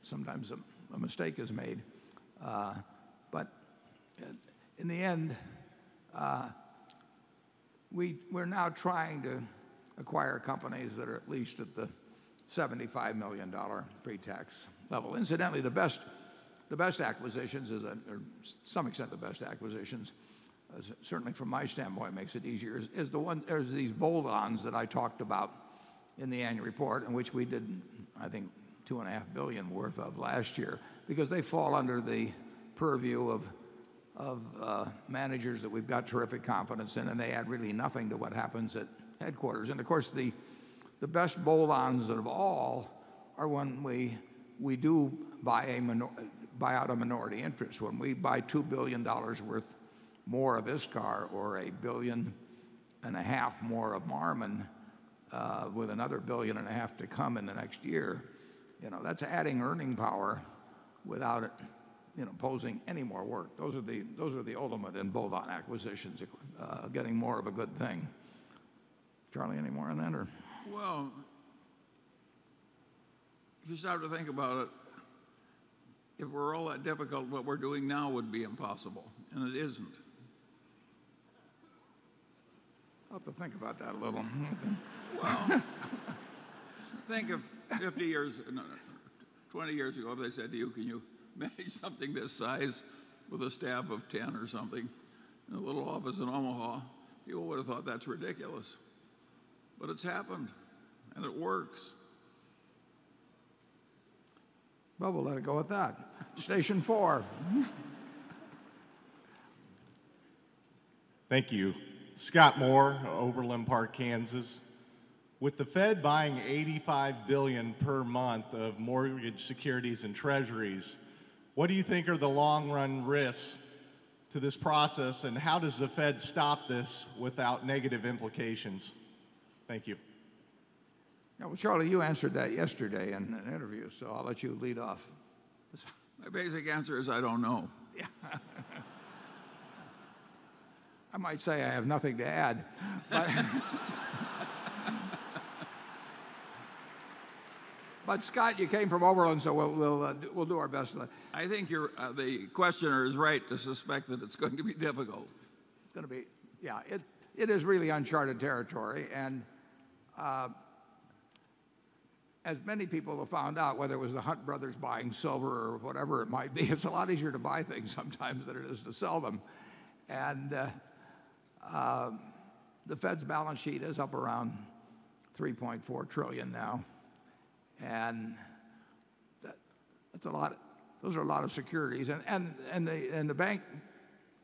sometimes a mistake is made. In the end, we're now trying to acquire companies that are at least at the $75 million pre-tax level. Incidentally, the best acquisitions is that, or to some extent the best acquisitions, certainly from my standpoint makes it easier, is these bolt-ons that I talked about in the annual report in which we did, I think, $2.5 billion worth of last year because they fall under the purview of managers that we've got terrific confidence in, and they add really nothing to what happens at headquarters. Of course, the best bolt-ons of all are when we do buy out a minority interest. When we buy $2 billion worth more of ISCAR or $1.5 billion more of Marmon with another $1.5 billion to come in the next year, that's adding earning power without imposing any more work. Those are the ultimate in bolt-on acquisitions, getting more of a good thing. Charlie, any more on that or? Well, if you stop to think about it, if we're all that difficult, what we're doing now would be impossible, and it isn't. I'll have to think about that a little. Think of 50 years, no, 20 years ago, if they said to you, "Can you manage something this size with a staff of 10 or something in a little office in Omaha?" People would have thought that's ridiculous, but it's happened and it works. We'll let it go at that. Station four. Thank you. Scott Moore, Overland Park, Kansas. With the Fed buying $85 billion per month of mortgage securities and treasuries, what do you think are the long-run risks to this process, and how does the Fed stop this without negative implications? Thank you. Charlie, you answered that yesterday in an interview. I'll let you lead off this one. My basic answer is, I don't know. Yeah. I might say I have nothing to add, but Scott, you came from Overland, we'll do our best. I think the questioner is right to suspect that it's going to be difficult. It's going to be Yeah. It is really uncharted territory. As many people have found out, whether it was the Hunt brothers buying silver or whatever it might be, it's a lot easier to buy things sometimes than it is to sell them. The Fed's balance sheet is up around $3.4 trillion now, those are a lot of securities. The bank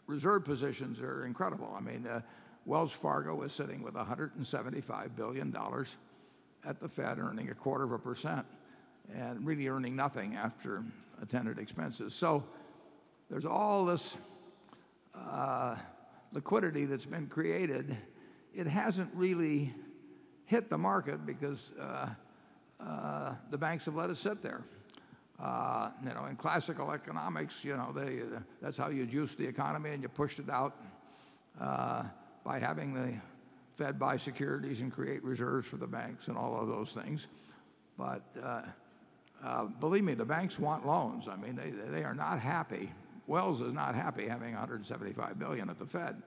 reserve positions are incredible. Wells Fargo is sitting with $175 billion at the Fed earning a quarter of a percent, and really earning nothing after attendant expenses. There's all this liquidity that's been created. It hasn't really hit the market because the banks have let it sit there. In classical economics, that's how you'd juice the economy and you pushed it out, by having the Fed buy securities and create reserves for the banks and all of those things. Believe me, the banks want loans. They are not happy. Wells is not happy having $175 billion at the Fed,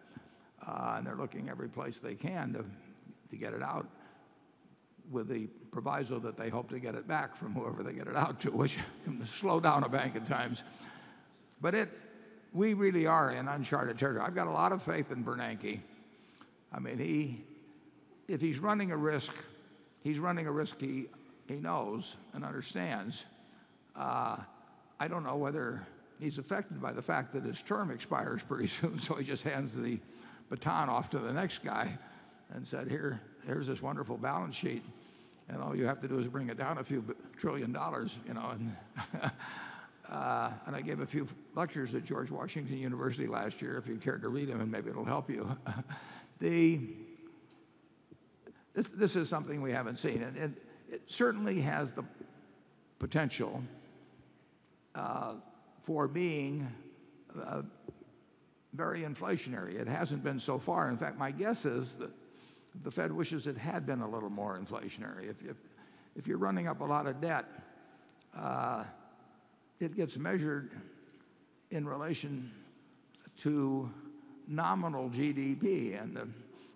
and they're looking every place they can to get it out with the proviso that they hope to get it back from whoever they get it out to, which can slow down a bank at times. We really are in uncharted territory. I've got a lot of faith in Bernanke. If he's running a risk, he's running a risk he knows and understands. I don't know whether he's affected by the fact that his term expires pretty soon, he just hands the baton off to the next guy and said, "Here's this wonderful balance sheet, and all you have to do is bring it down a few trillion dollars." I gave a few lectures at The George Washington University last year, if you care to read them, and maybe it'll help you. This is something we haven't seen, and it certainly has the potential for being very inflationary. It hasn't been so far. In fact, my guess is that the Fed wishes it had been a little more inflationary. If you're running up a lot of debt, it gets measured in relation to nominal GDP.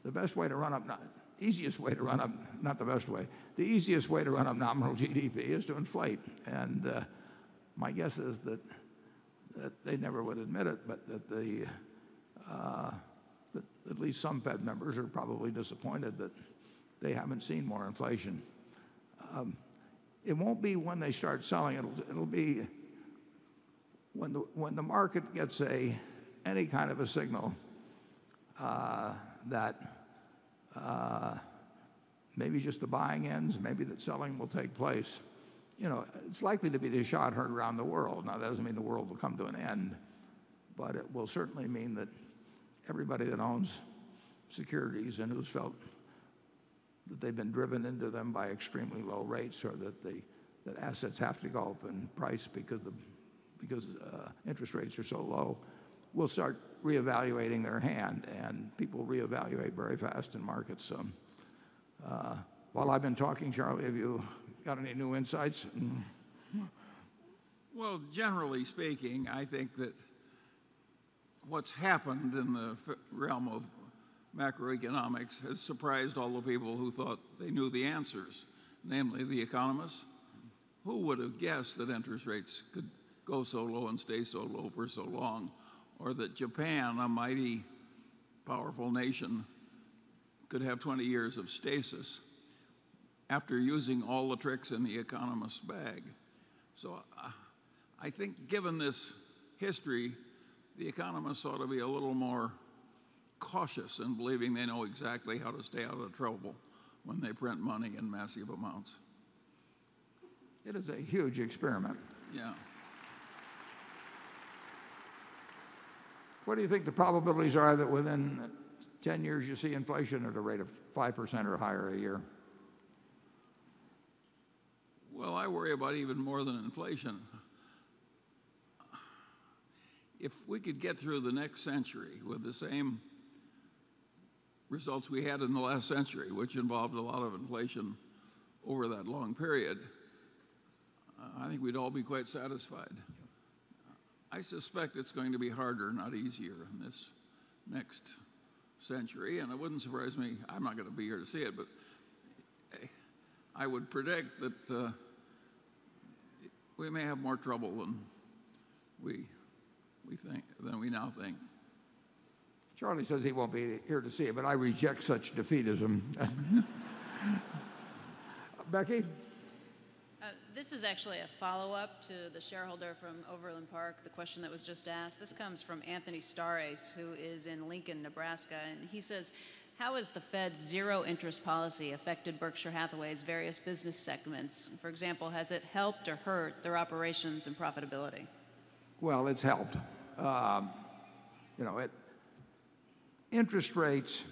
The best way to run up-- Not easiest way to run up, not the best way. The easiest way to run up nominal GDP is to inflate. My guess is that they never would admit it, but that at least some Fed members are probably disappointed that they haven't seen more inflation. It won't be when they start selling. It'll be when the market gets any kind of a signal that maybe just the buying ends, maybe that selling will take place. It's likely to be the shot heard around the world. That doesn't mean the world will come to an end, but it will certainly mean that everybody that owns securities and who's felt that they've been driven into them by extremely low rates or that assets have to go up in price because interest rates are so low will start reevaluating their hand. People reevaluate very fast in markets. While I've been talking, Charlie, have you got any new insights? Well, generally speaking, I think that what's happened in the realm of macroeconomics has surprised all the people who thought they knew the answers, namely the economists. Who would have guessed that interest rates could go so low and stay so low for so long? Or that Japan, a mighty, powerful nation, could have 20 years of stasis after using all the tricks in the economist's bag? I think given this history, the economists ought to be a little more cautious in believing they know exactly how to stay out of trouble when they print money in massive amounts. It is a huge experiment. Yeah. What do you think the probabilities are that within 10 years you see inflation at a rate of 5% or higher a year? Well, I worry about even more than inflation. If we could get through the next century with the same results we had in the last century, which involved a lot of inflation over that long period, I think we'd all be quite satisfied. I suspect it's going to be harder, not easier in this next century, and it wouldn't surprise me. I'm not going to be here to see it, but I would predict that we may have more trouble than we now think. Charlie says he won't be here to see it, I reject such defeatism. Becky? This is actually a follow-up to the shareholder from Overland Park, the question that was just asked. This comes from Anthony Starace, who is in Lincoln, Nebraska, and he says, "How has the Fed's zero interest policy affected Berkshire Hathaway's various business segments? For example, has it helped or hurt their operations and profitability? Well, it's helped. Interest rates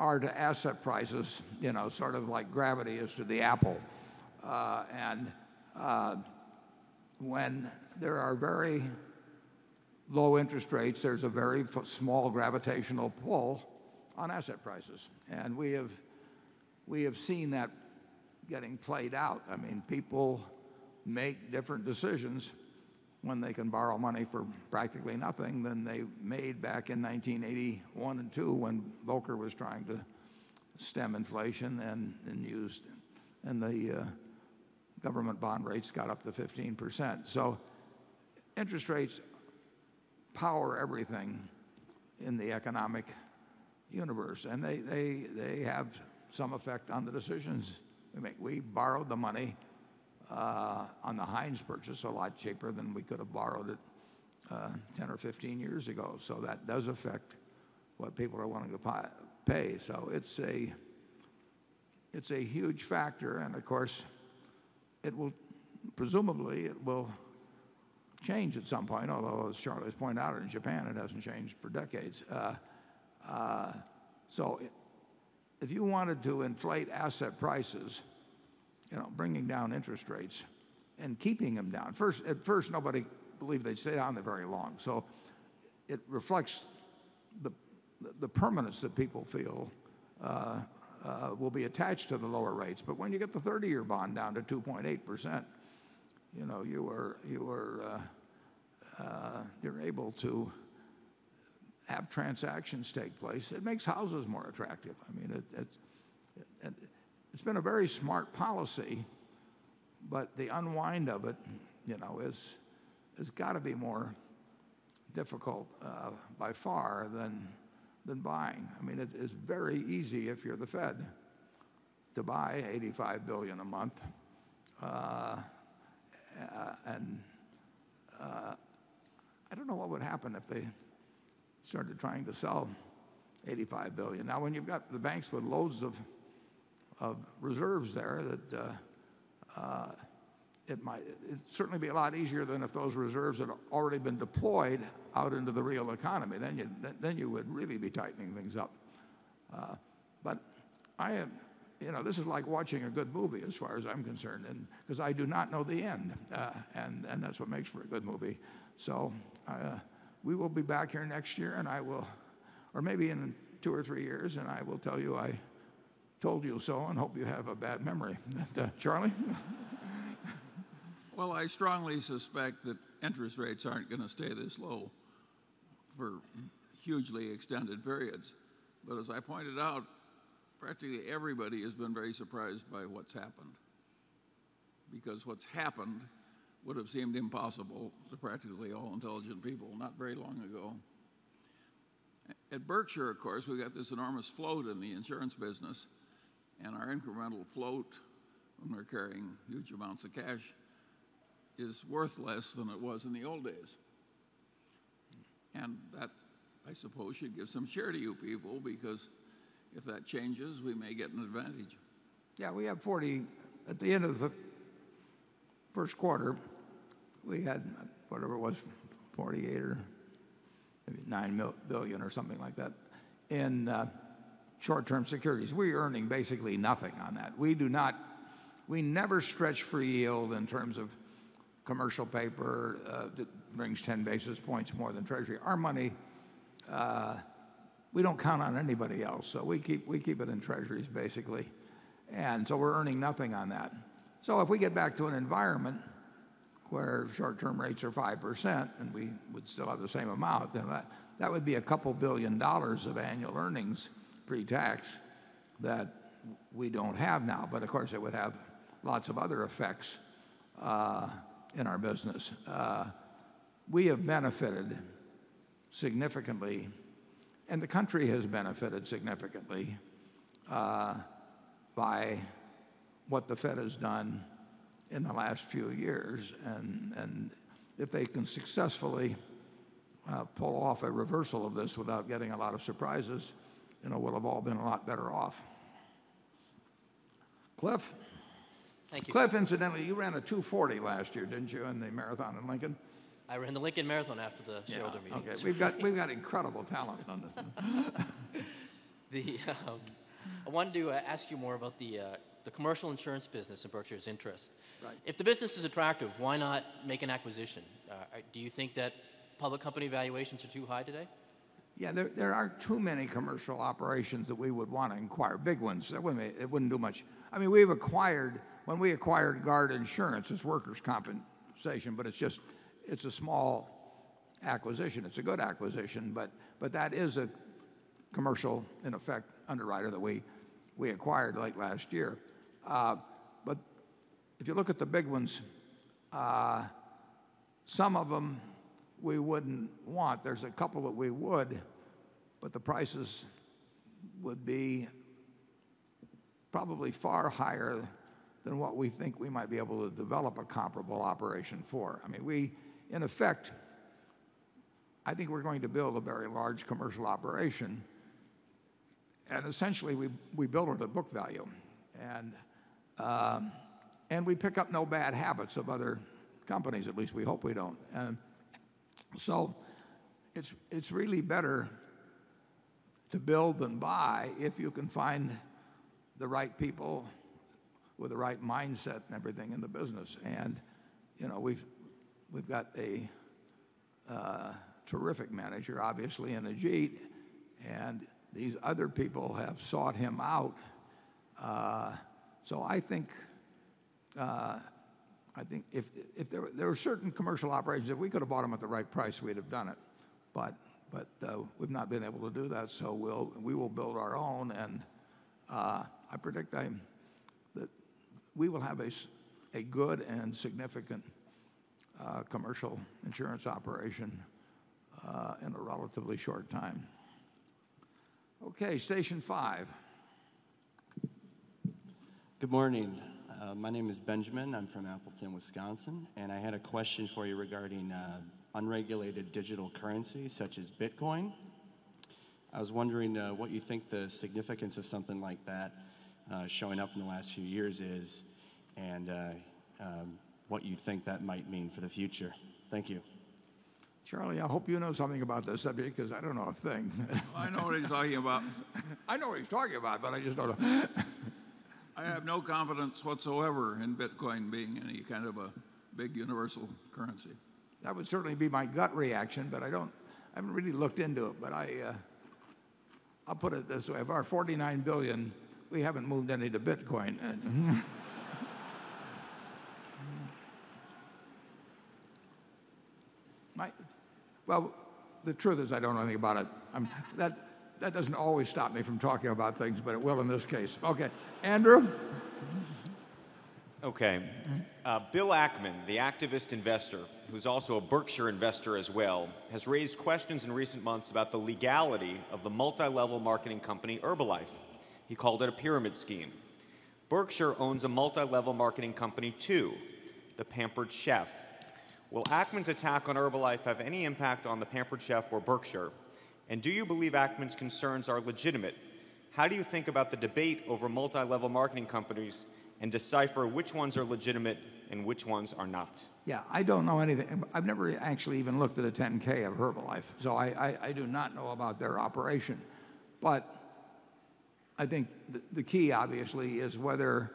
are to asset prices sort of like gravity is to the apple. When there are very low interest rates, there's a very small gravitational pull on asset prices. We have seen that getting played out. People make different decisions when they can borrow money for practically nothing than they made back in 1981 and 1982 when Volcker was trying to stem inflation and the government bond rates got up to 15%. Interest rates power everything in the economic universe, and they have some effect on the decisions we make. We borrowed the money on the Heinz purchase a lot cheaper than we could have borrowed it 10 or 15 years ago. That does affect what people are willing to pay. It's a huge factor, and of course, presumably it will change at some point, although as Charlie's pointed out in Japan, it hasn't changed for decades. If you wanted to inflate asset prices, bringing down interest rates and keeping them down. At first, nobody believed they'd stay down there very long. It reflects the permanence that people feel will be attached to the lower rates. When you get the 30-year bond down to 2.8%, you're able to have transactions take place. It makes houses more attractive. It's been a very smart policy, but the unwind of it has got to be more difficult by far than buying. It's very easy if you're the Fed to buy $85 billion a month. I don't know what would happen if they started trying to sell $85 billion. Now, when you've got the banks with loads of reserves there, it'd certainly be a lot easier than if those reserves had already been deployed out into the real economy. You would really be tightening things up. This is like watching a good movie as far as I'm concerned because I do not know the end, and that's what makes for a good movie. We will be back here next year, or maybe in two or three years, and I will tell you I told you so and hope you have a bad memory. Charlie? I strongly suspect that interest rates aren't going to stay this low for hugely extended periods. As I pointed out, practically everybody has been very surprised by what's happened because what's happened would have seemed impossible to practically all intelligent people not very long ago. At Berkshire, of course, we got this enormous float in the insurance business, and our incremental float when we're carrying huge amounts of cash is worth less than it was in the old days. That, I suppose, should give some cheer to you people because if that changes, we may get an advantage. At the end of the first quarter, we had, whatever it was, $48 billion or maybe $49 billion or something like that in short-term securities. We're earning basically nothing on that. We never stretch for yield in terms of commercial paper that brings 10 basis points more than Treasury. Our money, we don't count on anybody else, so we keep it in Treasuries basically, and so we're earning nothing on that. If we get back to an environment where short-term rates are 5% and we would still have the same amount, that would be a couple billion dollars of annual earnings pre-tax that we don't have now. Of course, it would have lots of other effects in our business. We have benefited significantly, the country has benefited significantly, by what the Fed has done in the last few years and if they can successfully pull off a reversal of this without getting a lot of surprises, we'll have all been a lot better off. Cliff? Thank you. Cliff, incidentally, you ran a 240 last year, didn't you, in the marathon in Lincoln? I ran the Lincoln marathon after the shareholder meeting. Yeah, okay. We've got incredible talent on this thing. I wanted to ask you more about the commercial insurance business in Berkshire's interest. Right. If the business is attractive, why not make an acquisition? Do you think that public company valuations are too high today? Yeah, there aren't too many commercial operations that we would want to acquire, big ones. It wouldn't do much. When we acquired Guard Insurance, it's workers' compensation, but it's a small acquisition. It's a good acquisition, but that is a commercial, in effect, underwriter that we acquired late last year. If you look at the big ones. Some of them we wouldn't want. There's a couple that we would, but the prices would be probably far higher than what we think we might be able to develop a comparable operation for. In effect, I think we're going to build a very large commercial operation, and essentially we build with a book value, and we pick up no bad habits of other companies. At least we hope we don't. It's really better to build than buy if you can find the right people with the right mindset and everything in the business. We've got a terrific manager, obviously, in Ajit, and these other people have sought him out. There are certain commercial operations if we could've bought them at the right price, we'd have done it. We've not been able to do that, so we will build our own, and I predict that we will have a good and significant commercial insurance operation in a relatively short time. Okay, station five. Good morning. My name is Benjamin. I'm from Appleton, Wisconsin, and I had a question for you regarding unregulated digital currency such as Bitcoin. I was wondering what you think the significance of something like that showing up in the last few years is and what you think that might mean for the future. Thank you. Charlie, I hope you know something about this subject because I don't know a thing. I know what he's talking about. I know what he's talking about, but I just don't know. I have no confidence whatsoever in Bitcoin being any kind of a big universal currency. That would certainly be my gut reaction, but I haven't really looked into it. I'll put it this way. Of our $49 billion, we haven't moved any to Bitcoin. The truth is I don't know anything about it. That doesn't always stop me from talking about things, but it will in this case. Andrew? Okay. Bill Ackman, the activist investor, who's also a Berkshire investor as well, has raised questions in recent months about the legality of the multi-level marketing company Herbalife. He called it a pyramid scheme. Berkshire owns a multi-level marketing company too, the Pampered Chef. Will Ackman's attack on Herbalife have any impact on the Pampered Chef or Berkshire? Do you believe Ackman's concerns are legitimate? How do you think about the debate over multi-level marketing companies and decipher which ones are legitimate and which ones are not? I don't know anything about it. I've never actually even looked at a 10-K of Herbalife. I do not know about their operation. I think the key, obviously, is whether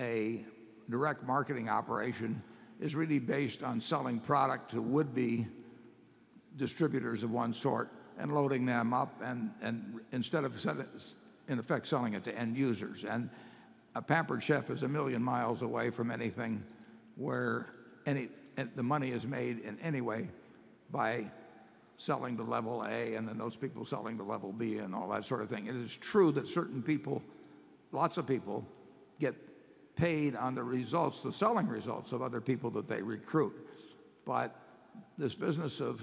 a direct marketing operation is really based on selling product to would-be distributors of one sort and loading them up instead of, in effect, selling it to end users. Pampered Chef is a million miles away from anything where the money is made in any way by selling to level A and then those people selling to level B and all that sort of thing. It is true that certain people, lots of people, get paid on the results, the selling results, of other people that they recruit. This business of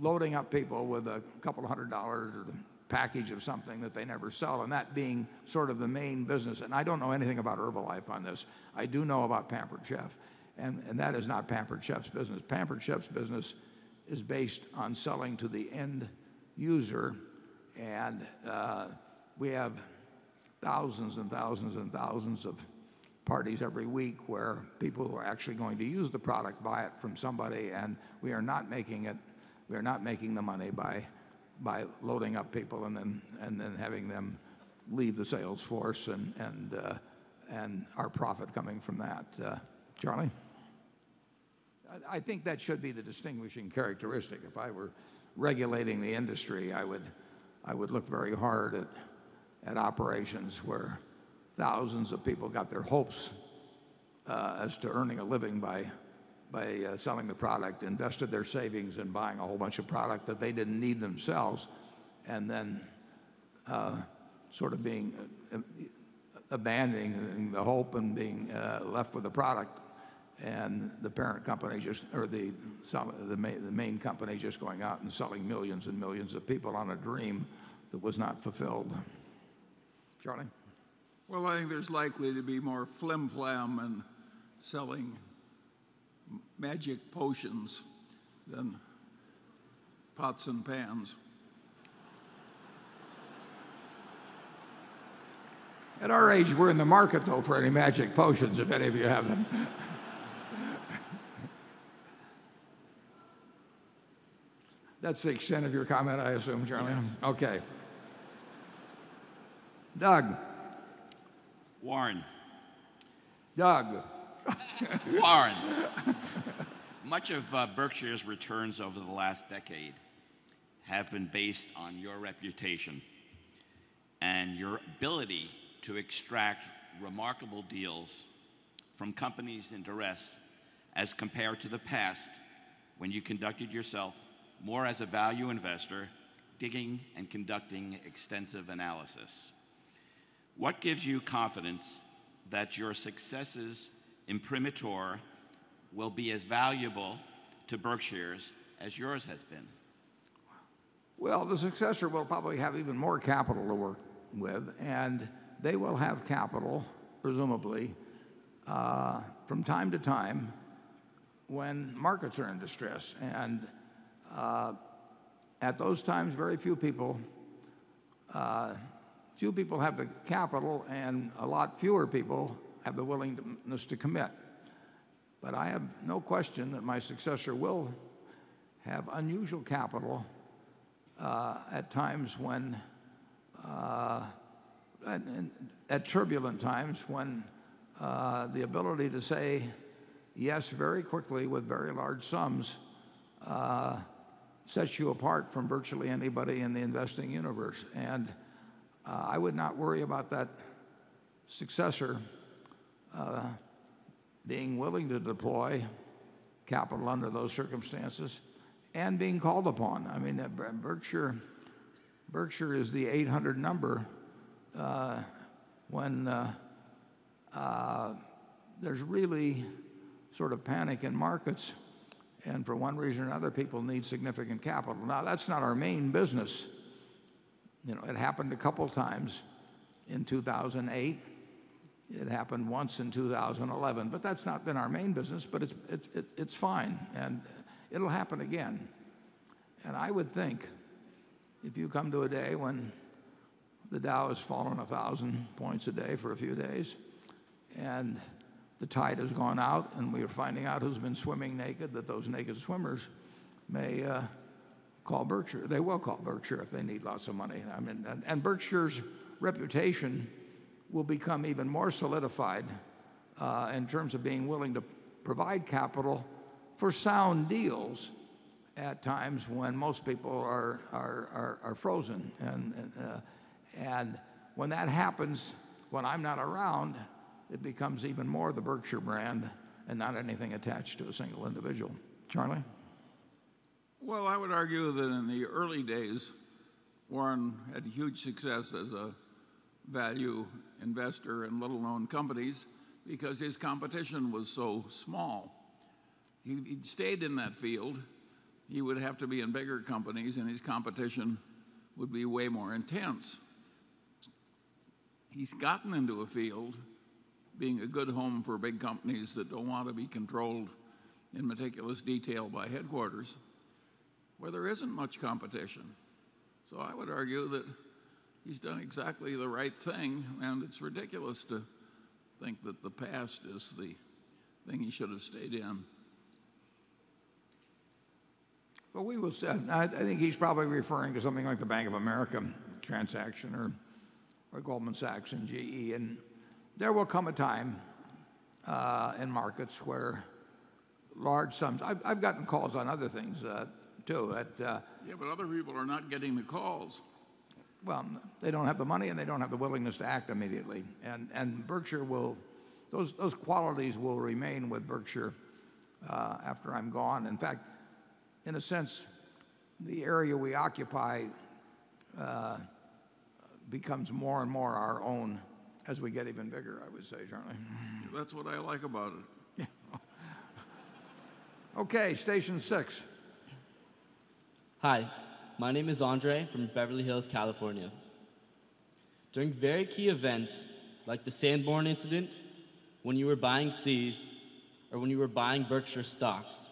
loading up people with a couple of hundred dollars or a package of something that they never sell, and that being sort of the main business, I don't know anything about Herbalife on this. I do know about Pampered Chef, and that is not Pampered Chef's business. Pampered Chef's business is based on selling to the end user, and we have thousands and thousands and thousands of parties every week where people who are actually going to use the product buy it from somebody, and we are not making the money by loading up people and then having them leave the sales force and our profit coming from that. Charlie? I think that should be the distinguishing characteristic. If I were regulating the industry, I would look very hard at operations where thousands of people got their hopes as to earning a living by selling the product, invested their savings in buying a whole bunch of product that they didn't need themselves, and then sort of abandoning the hope and being left with the product and the main company just going out and selling millions and millions of people on a dream that was not fulfilled. Charlie? Well, I think there's likely to be more flimflam in selling magic potions than pots and pans. At our age, we're in the market, though, for any magic potions, if any of you have them. That's the extent of your comment, I assume, Charlie. Yeah. Okay. Doug. Warren. Doug. Warren. Much of Berkshire's returns over the last decade have been based on your reputation and your ability to extract remarkable deals from companies in duress as compared to the past when you conducted yourself more as a value investor, digging and conducting extensive analysis. What gives you confidence that your successor's imprimatur will be as valuable to Berkshire's as yours has been? The successor will probably have even more capital to work with, and they will have capital presumably from time to time when markets are in distress. At those times, very few people have the capital, and a lot fewer people have the willingness to commit. I have no question that my successor will have unusual capital at turbulent times when the ability to say yes very quickly with very large sums sets you apart from virtually anybody in the investing universe. I would not worry about that successor being willing to deploy capital under those circumstances and being called upon. Berkshire is the 800 number when there's really panic in markets, and for one reason or another, people need significant capital. Now, that's not our main business. It happened a couple of times in 2008. It happened once in 2011. That's not been our main business, but it's fine, and it'll happen again. I would think if you come to a day when the Dow has fallen 1,000 points a day for a few days and the tide has gone out and we are finding out who's been swimming naked, that those naked swimmers may call Berkshire. They will call Berkshire if they need lots of money. Berkshire's reputation will become even more solidified in terms of being willing to provide capital for sound deals at times when most people are frozen. When that happens when I'm not around, it becomes even more the Berkshire brand and not anything attached to a single individual. Charlie? I would argue that in the early days, Warren had huge success as a value investor in little-known companies because his competition was so small. He stayed in that field, he would have to be in bigger companies, and his competition would be way more intense. I would argue that he's done exactly the right thing, and it's ridiculous to think that the past is the thing he should have stayed in. We will see. I think he's probably referring to something like the Bank of America transaction or Goldman Sachs and GE. There will come a time in markets where large sums. I've gotten calls on other things too at. Other people are not getting the calls. They don't have the money, and they don't have the willingness to act immediately. Those qualities will remain with Berkshire after I'm gone. In fact, in a sense, the area we occupy becomes more and more our own as we get even bigger, I would say, Charlie. That's what I like about it. Okay, station six. Hi, my name is Andre from Beverly Hills, California. During very key events like the Sanborn incident, when you were buying See's or when you were buying Berkshire stocks,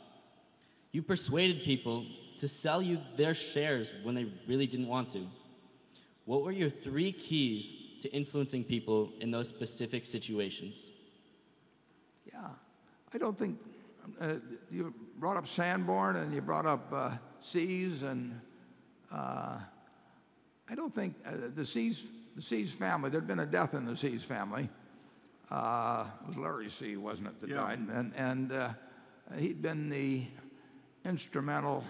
you persuaded people to sell you their shares when they really didn't want to. What were your three keys to influencing people in those specific situations? Yeah. You brought up Sanborn and you brought up See's. The See's family, there'd been a death in the See's family. It was Larry See, wasn't it, that died? Yeah. He'd been the instrumental,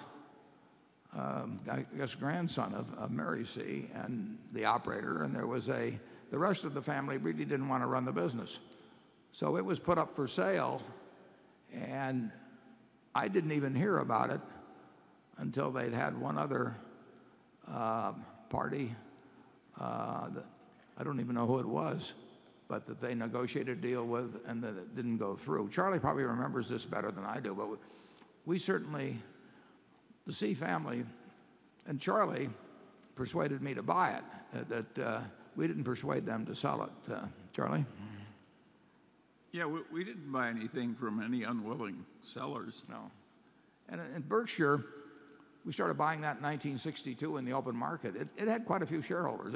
I guess, grandson of Mary See and the operator. The rest of the family really didn't want to run the business. It was put up for sale, I didn't even hear about it until they'd had one other party, I don't even know who it was, but that they negotiated a deal with and that it didn't go through. Charlie probably remembers this better than I do. The See family and Charlie persuaded me to buy it, that we didn't persuade them to sell it. Charlie? Yeah, we didn't buy anything from any unwilling sellers, no. Berkshire, we started buying that in 1962 in the open market. It had quite a few shareholders.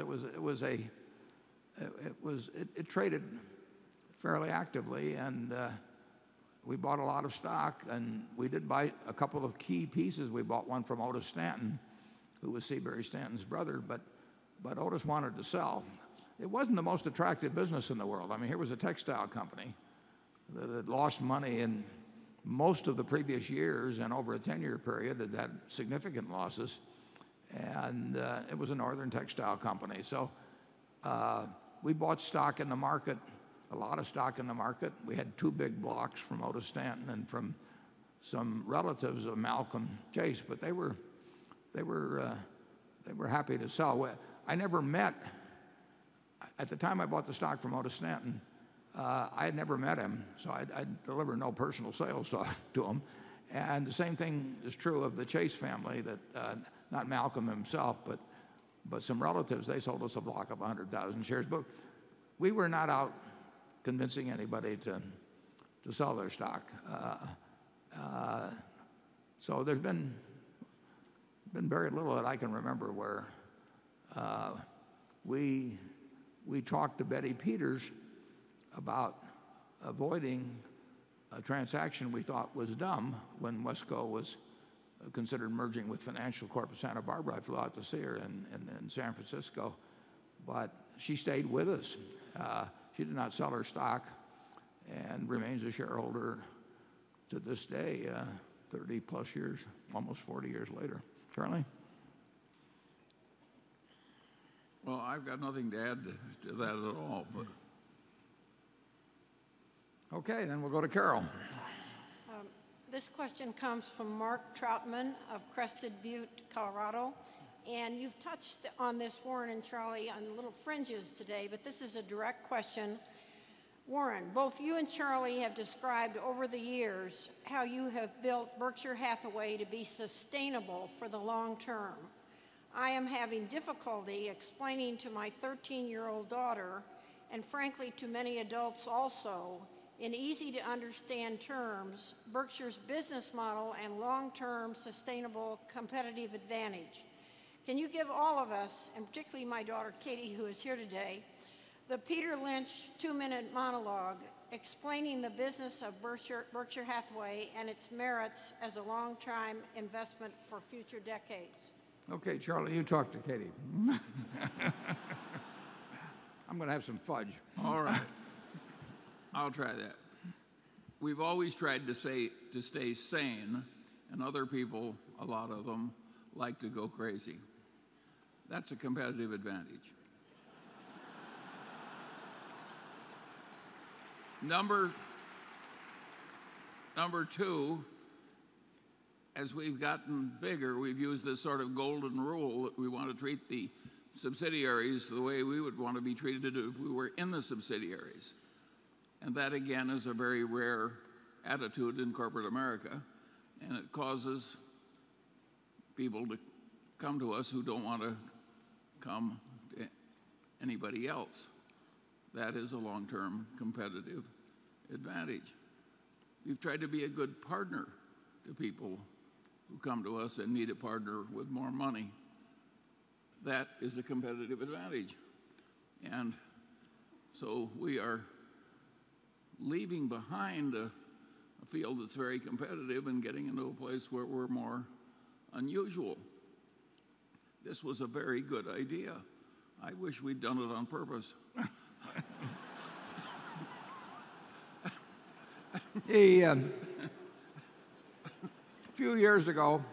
It traded fairly actively, we bought a lot of stock, and we did buy a couple of key pieces. We bought one from Otis Stanton, who was Seabury Stanton's brother. Otis wanted to sell. It wasn't the most attractive business in the world. Here was a textile company that had lost money in most of the previous years and over a 10-year period had had significant losses, and it was a northern textile company. We bought stock in the market, a lot of stock in the market. We had two big blocks from Otis Stanton and from some relatives of Malcolm Chace. They were happy to sell. At the time I bought the stock from Otis Stanton, I had never met him, so I delivered no personal sales talk to him. The same thing is true of the Chace family, not Malcolm himself, but some relatives. They sold us a block of 100,000 shares. We were not out convincing anybody to sell their stock. There's been very little that I can remember where we talked to Betty Peters about avoiding a transaction we thought was dumb when Wesco was considering merging with Financial Corp. of Santa Barbara. I flew out to see her in San Francisco, she stayed with us. She did not sell her stock and remains a shareholder to this day, 30-plus years, almost 40 years later. Charlie? Well, I've got nothing to add to that at all. Okay. We'll go to Carol. This question comes from Mark Troutman of Crested Butte, Colorado. You've touched on this, Warren and Charlie, on little fringes today, but this is a direct question. Warren, both you and Charlie have described over the years how you have built Berkshire Hathaway to be sustainable for the long term. I am having difficulty explaining to my 13-year-old daughter, and frankly to many adults also, in easy-to-understand terms, Berkshire's business model and long-term sustainable competitive advantage. Can you give all of us, and particularly my daughter, Katie, who is here today, the Peter Lynch two-minute monologue explaining the business of Berkshire Hathaway and its merits as a long-time investment for future decades? Okay. Charlie, you talk to Katie. I'm going to have some fudge. All right. I'll try that. We've always tried to stay sane, and other people, a lot of them, like to go crazy. That's a competitive advantage. Number two, as we've gotten bigger, we've used this sort of golden rule that we want to treat the subsidiaries the way we would want to be treated if we were in the subsidiaries. That, again, is a very rare attitude in corporate America, and it causes people to come to us who don't want to come to anybody else. That is a long-term competitive advantage. We've tried to be a good partner to people who come to us and need a partner with more money. That is a competitive advantage. So we are leaving behind a field that's very competitive and getting into a place where we're more unusual. This was a very good idea. I wish we'd done it on purpose. A few years ago,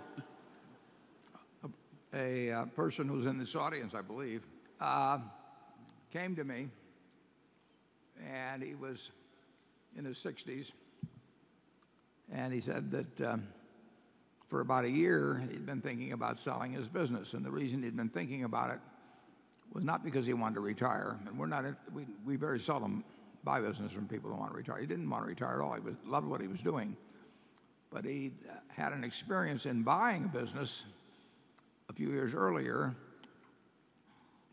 a person who's in this audience, I believe, came to me, and he was in his 60s, and he said that for about a year, he'd been thinking about selling his business. The reason he'd been thinking about it was not because he wanted to retire. We very seldom buy business from people who want to retire. He didn't want to retire at all. He loved what he was doing. He had an experience in buying a business a few years earlier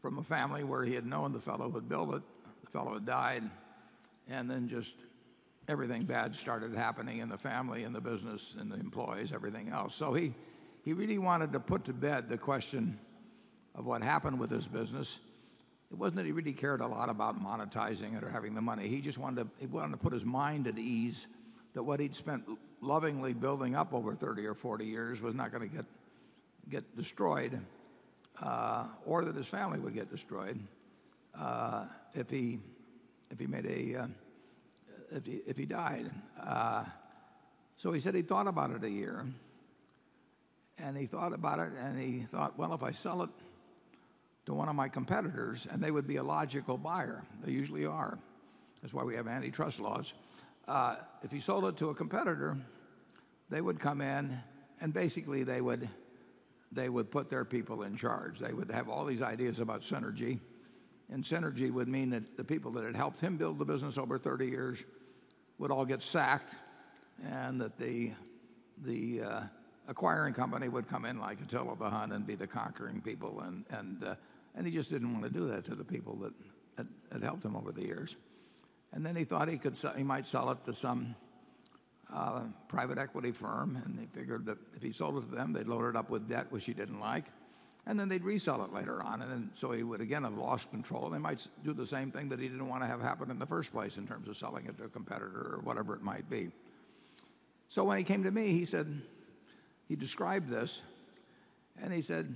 from a family where he had known the fellow who had built it. The fellow had died, then just everything bad started happening in the family, in the business, in the employees, everything else. He really wanted to put to bed the question of what happened with his business. It wasn't that he really cared a lot about monetizing it or having the money. He wanted to put his mind at ease that what he'd spent lovingly building up over 30 or 40 years was not going to get destroyed, or that his family would get destroyed if he died. He said he thought about it a year, he thought about it, he thought, "Well, if I sell it to one of my competitors," they would be a logical buyer. They usually are. That's why we have antitrust laws. If he sold it to a competitor, they would come in and basically they would put their people in charge. They would have all these ideas about synergy would mean that the people that had helped him build the business over 30 years would all get sacked and that the acquiring company would come in like Attila the Hun and be the conquering people, he just didn't want to do that to the people that had helped him over the years. He thought he might sell it to some private equity firm, he figured that if he sold it to them, they'd load it up with debt, which he didn't like, they'd resell it later on, he would again have lost control. They might do the same thing that he didn't want to have happen in the first place in terms of selling it to a competitor or whatever it might be. When he came to me, he described this and he said,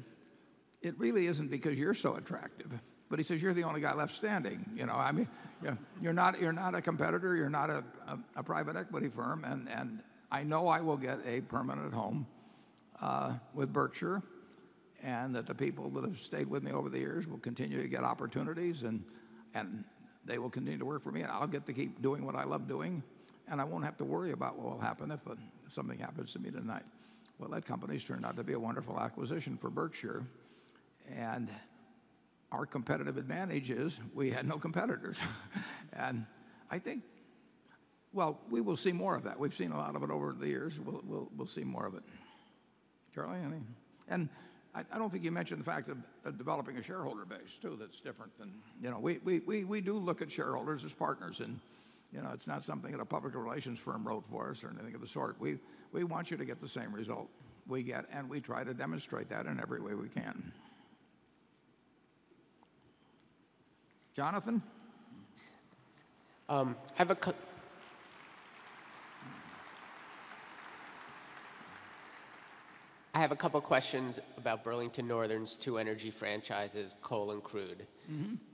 "It really isn't because you're so attractive," he says, "You're the only guy left standing. You're not a competitor. You're not a private equity firm, and I know I will get a permanent home with Berkshire, and that the people that have stayed with me over the years will continue to get opportunities, and they will continue to work for me, and I'll get to keep doing what I love doing." I won't have to worry about what will happen if something happens to me tonight. That company's turned out to be a wonderful acquisition for Berkshire, and our competitive advantage is we had no competitors. I think we will see more of that. We've seen a lot of it over the years. We'll see more of it. Charlie, anything? I don't think you mentioned the fact of developing a shareholder base, too, that's different. We do look at shareholders as partners and it's not something that a public relations firm wrote for us or anything of the sort. We want you to get the same result we get, and we try to demonstrate that in every way we can. Jonathan? I have a couple questions about Burlington Northern's two energy franchises, coal and crude.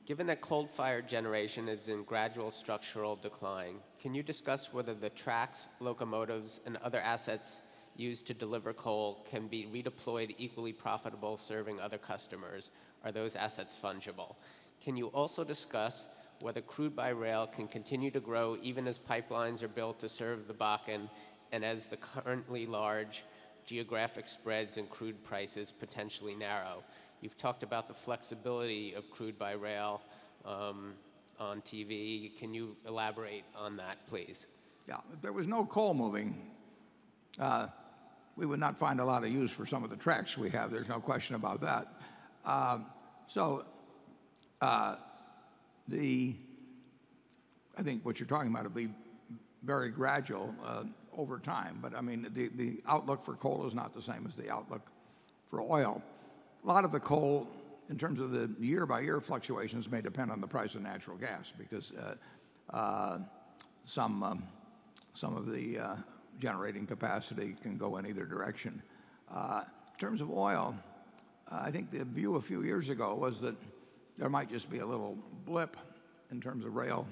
Given that coal-fired generation is in gradual structural decline, can you discuss whether the tracks, locomotives, and other assets used to deliver coal can be redeployed equally profitable serving other customers? Are those assets fungible? Can you also discuss whether crude by rail can continue to grow even as pipelines are built to serve the Bakken and as the currently large geographic spreads in crude prices potentially narrow? You've talked about the flexibility of crude by rail on TV. Can you elaborate on that, please? Yeah. If there was no coal moving, we would not find a lot of use for some of the tracks we have. There's no question about that. I think what you're talking about would be very gradual over time, but the outlook for coal is not the same as the outlook for oil. A lot of the coal, in terms of the year-by-year fluctuations, may depend on the price of natural gas because some of the generating capacity can go in either direction. In terms of oil, I think the view a few years ago was that there might just be a little blip in terms of rail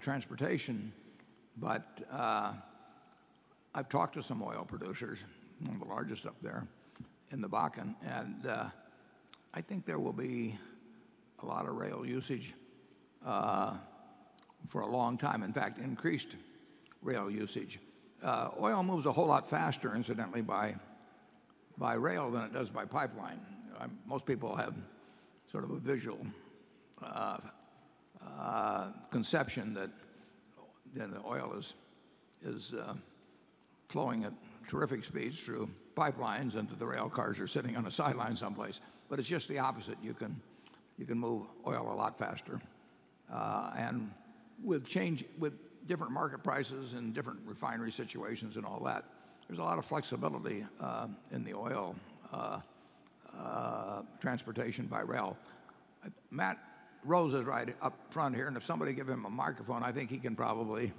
transportation. I've talked to some oil producers, the largest up there in the Bakken, and I think there will be a lot of rail usage for a long time. In fact, increased rail usage. Oil moves a whole lot faster, incidentally, by rail than it does by pipeline. Most people have sort of a visual conception that the oil is flowing at terrific speeds through pipelines and that the rail cars are sitting on a sideline someplace. It's just the opposite. You can move oil a lot faster. With different market prices and different refinery situations and all that, there's a lot of flexibility in the oil transportation by rail. Matt Rose is right up front here, and if somebody give him a microphone, I think he can probably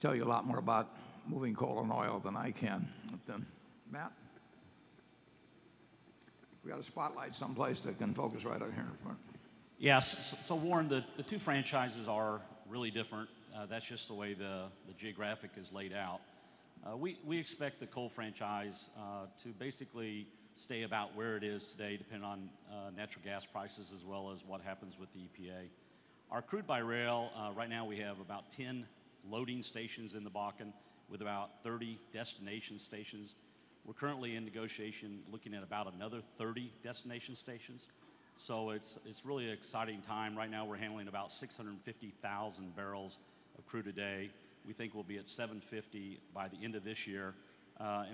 tell you a lot more about moving coal and oil than I can. Matt? We got a spotlight someplace that can focus right out here in front. Yes. Warren, the two franchises are really different. That's just the way the geographic is laid out. We expect the coal franchise to basically stay about where it is today, depending on natural gas prices, as well as what happens with the EPA. Our crude by rail, right now we have about 10 loading stations in the Bakken with about 30 destination stations. We're currently in negotiation looking at about another 30 destination stations. It's really an exciting time. Right now, we're handling about 650,000 barrels of crude a day. We think we'll be at 750 by the end of this year.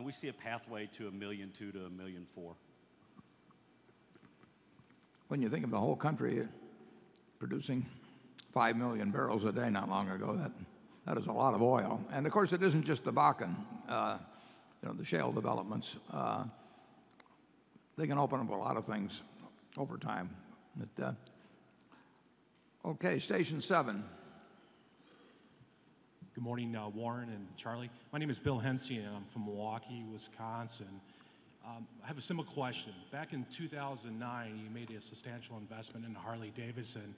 We see a pathway to 1,000,200 to 1,000,400. When you think of the whole country producing five million barrels a day not long ago, that is a lot of oil. Of course, it isn't just the Bakken, the shale developments. They can open up a lot of things over time. Okay, station seven. Good morning, Warren and Charlie. My name is Bill Hency and I'm from Milwaukee, Wisconsin. I have a similar question. Back in 2009, you made a substantial investment into Harley-Davidson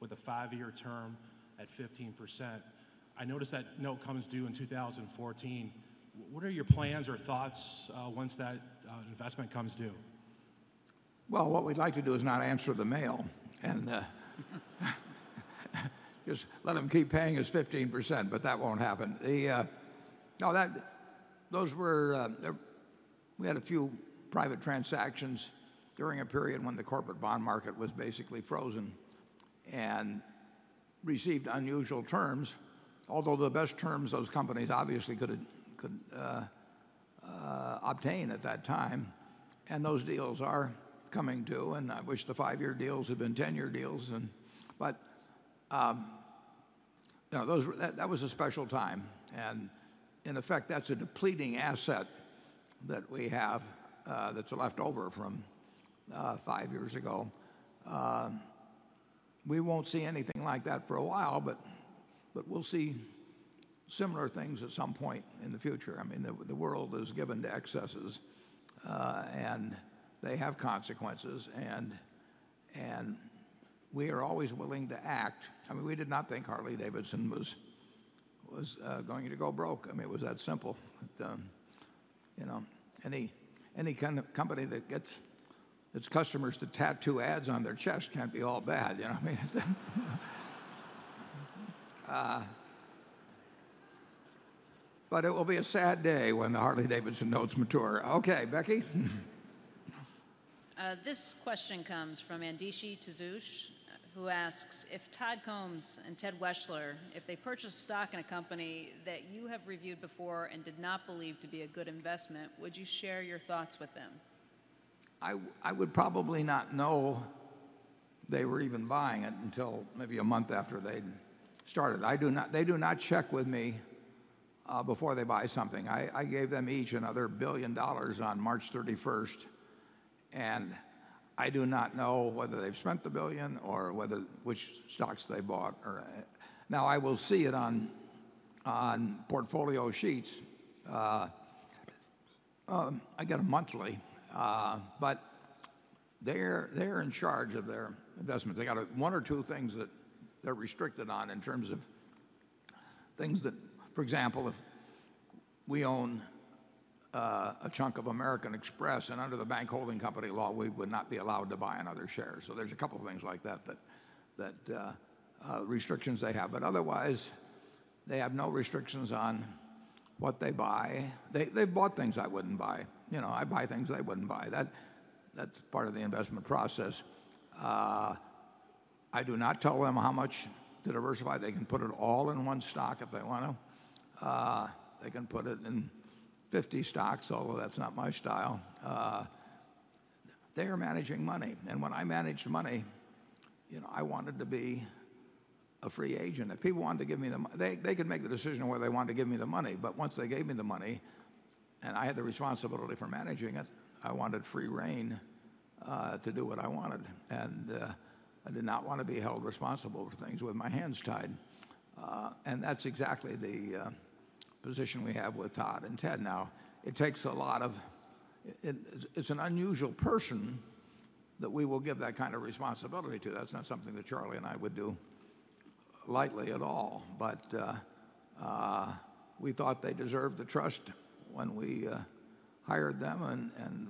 with a five-year term at 15%. I noticed that note comes due in 2014. What are your plans or thoughts once that investment comes due? Well, what we'd like to do is not answer the mail and just let them keep paying us 15%. That won't happen. We had a few private transactions during a period when the corporate bond market was basically frozen and received unusual terms, although the best terms those companies obviously could obtain at that time. Those deals are coming due, and I wish the five-year deals had been 10-year deals. That was a special time, and in effect, that's a depleting asset that we have that's left over from five years ago. We won't see anything like that for a while, but we'll see similar things at some point in the future. The world is given to excesses, and they have consequences, and we are always willing to act. We did not think Harley-Davidson was going to go broke. It was that simple. Any kind of company that gets its customers to tattoo ads on their chest can't be all bad. You know what I mean? It will be a sad day when the Harley-Davidson notes mature. Okay, Becky? This question comes from [Andishi Tizush], who asks, "If Todd Combs and Ted Weschler purchase stock in a company that you have reviewed before and did not believe to be a good investment, would you share your thoughts with them? I would probably not know they were even buying it until maybe a month after they'd started. They do not check with me before they buy something. I gave them each another $1 billion on March 31st, and I do not know whether they've spent the $1 billion or which stocks they bought. I will see it on portfolio sheets. I get them monthly. They're in charge of their investments. They got one or two things that they're restricted on in terms of things that, for example, if we own a chunk of American Express and under the bank holding company law, we would not be allowed to buy another share. There's a couple of things like that, restrictions they have. Otherwise, they have no restrictions on what they buy. They've bought things I wouldn't buy. I buy things they wouldn't buy. That's part of the investment process. I do not tell them how much to diversify. They can put it all in one stock if they want to. They can put it in 50 stocks, although that's not my style. They are managing money, and when I managed money, I wanted to be a free agent. They could make the decision whether they wanted to give me the money, but once they gave me the money and I had the responsibility for managing it, I wanted free rein to do what I wanted. I did not want to be held responsible for things with my hands tied. That's exactly the position we have with Todd and Ted now. It's an unusual person that we will give that kind of responsibility to. That's not something that Charlie and I would do lightly at all. We thought they deserved the trust when we hired them, and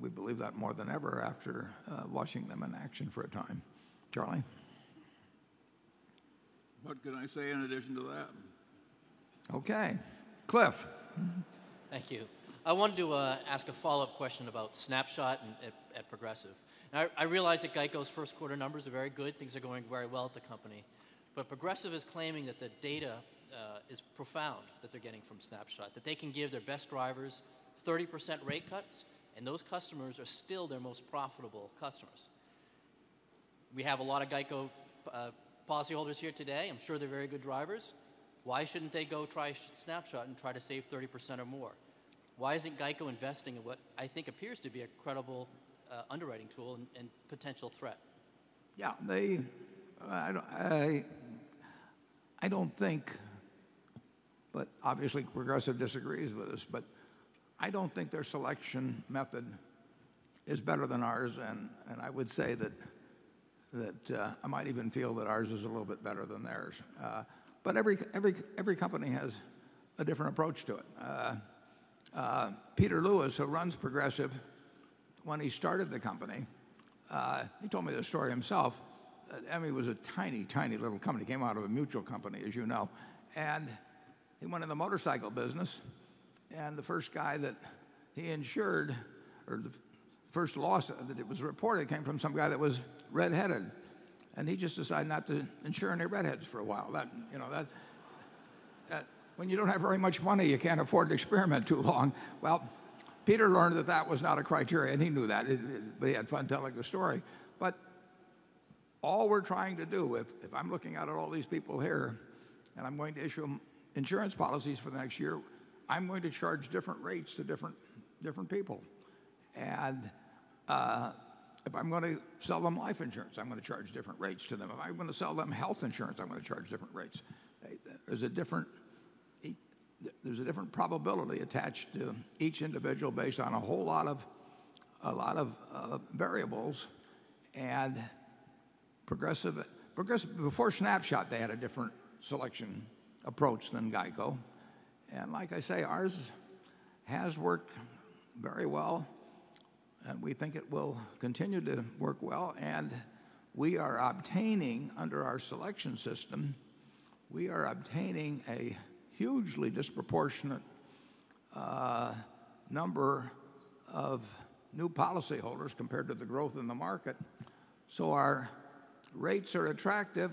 we believe that more than ever after watching them in action for a time. Charlie? What can I say in addition to that? Okay. Cliff? Thank you. I wanted to ask a follow-up question about Snapshot at Progressive. I realize that GEICO's first quarter numbers are very good. Things are going very well at the company. Progressive is claiming that the data is profound that they're getting from Snapshot, that they can give their best drivers 30% rate cuts, and those customers are still their most profitable customers. We have a lot of GEICO policyholders here today. I'm sure they're very good drivers. Why shouldn't they go try Snapshot and try to save 30% or more? Why isn't GEICO investing in what I think appears to be a credible underwriting tool and potential threat? Yeah. I don't think, but obviously Progressive disagrees with us, but I don't think their selection method is better than ours, and I would say that I might even feel that ours is a little bit better than theirs. Every company has a different approach to it. Peter Lewis, who runs Progressive, when he started the company, he told me this story himself. I mean, it was a tiny little company, came out of a mutual company, as you know. He went in the motorcycle business, and the first guy that he insured, or the first loss that it was reported came from some guy that was redheaded, and he just decided not to insure any redheads for a while. When you don't have very much money, you can't afford to experiment too long. Well, Peter learned that that was not a criteria, and he knew that, but he had fun telling the story. All we're trying to do, if I'm looking out at all these people here and I'm going to issue them insurance policies for the next year, I'm going to charge different rates to different people. If I'm going to sell them life insurance, I'm going to charge different rates to them. If I'm going to sell them health insurance, I'm going to charge different rates. There's a different probability attached to each individual based on a whole lot of variables, and Progressive, before Snapshot, they had a different selection approach than GEICO. Like I say, ours has worked very well, and we think it will continue to work well. We are obtaining, under our selection system, we are obtaining a hugely disproportionate number of new policyholders compared to the growth in the market. Our rates are attractive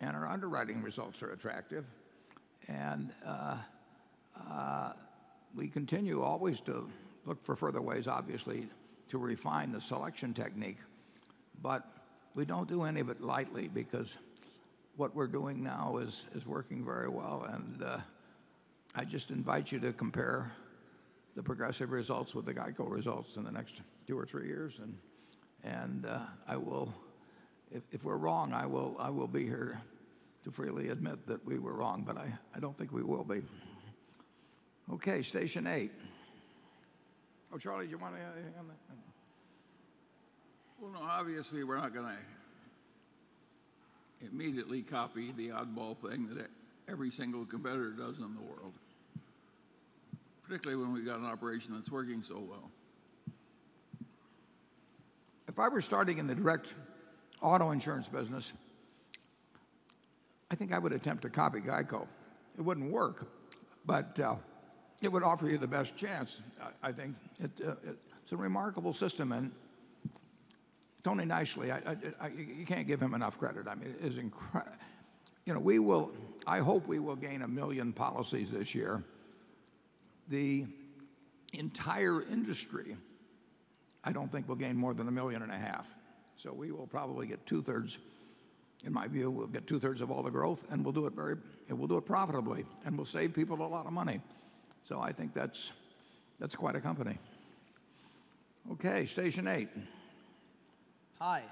and our underwriting results are attractive, and we continue always to look for further ways, obviously, to refine the selection technique. We don't do any of it lightly because what we're doing now is working very well, and I just invite you to compare the Progressive results with the GEICO results in the next two or three years, and if we're wrong, I will be here to freely admit that we were wrong, but I don't think we will be. Okay, station eight. Oh, Charlie, did you want to add anything on that? Well, no, obviously we're not going to immediately copy the oddball thing that every single competitor does in the world, particularly when we've got an operation that's working so well. If I were starting in the direct auto insurance business, I think I would attempt to copy GEICO. It wouldn't work, but it would offer you the best chance, I think. It's a remarkable system, and Tony Nicely, you can't give him enough credit. I hope we will gain 1 million policies this year. The entire industry, I don't think will gain more than 1.5 million. We will probably get two-thirds, in my view, we'll get two-thirds of all the growth, and we'll do it profitably, and we'll save people a lot of money. I think that's quite a company. Okay, station eight. Hi,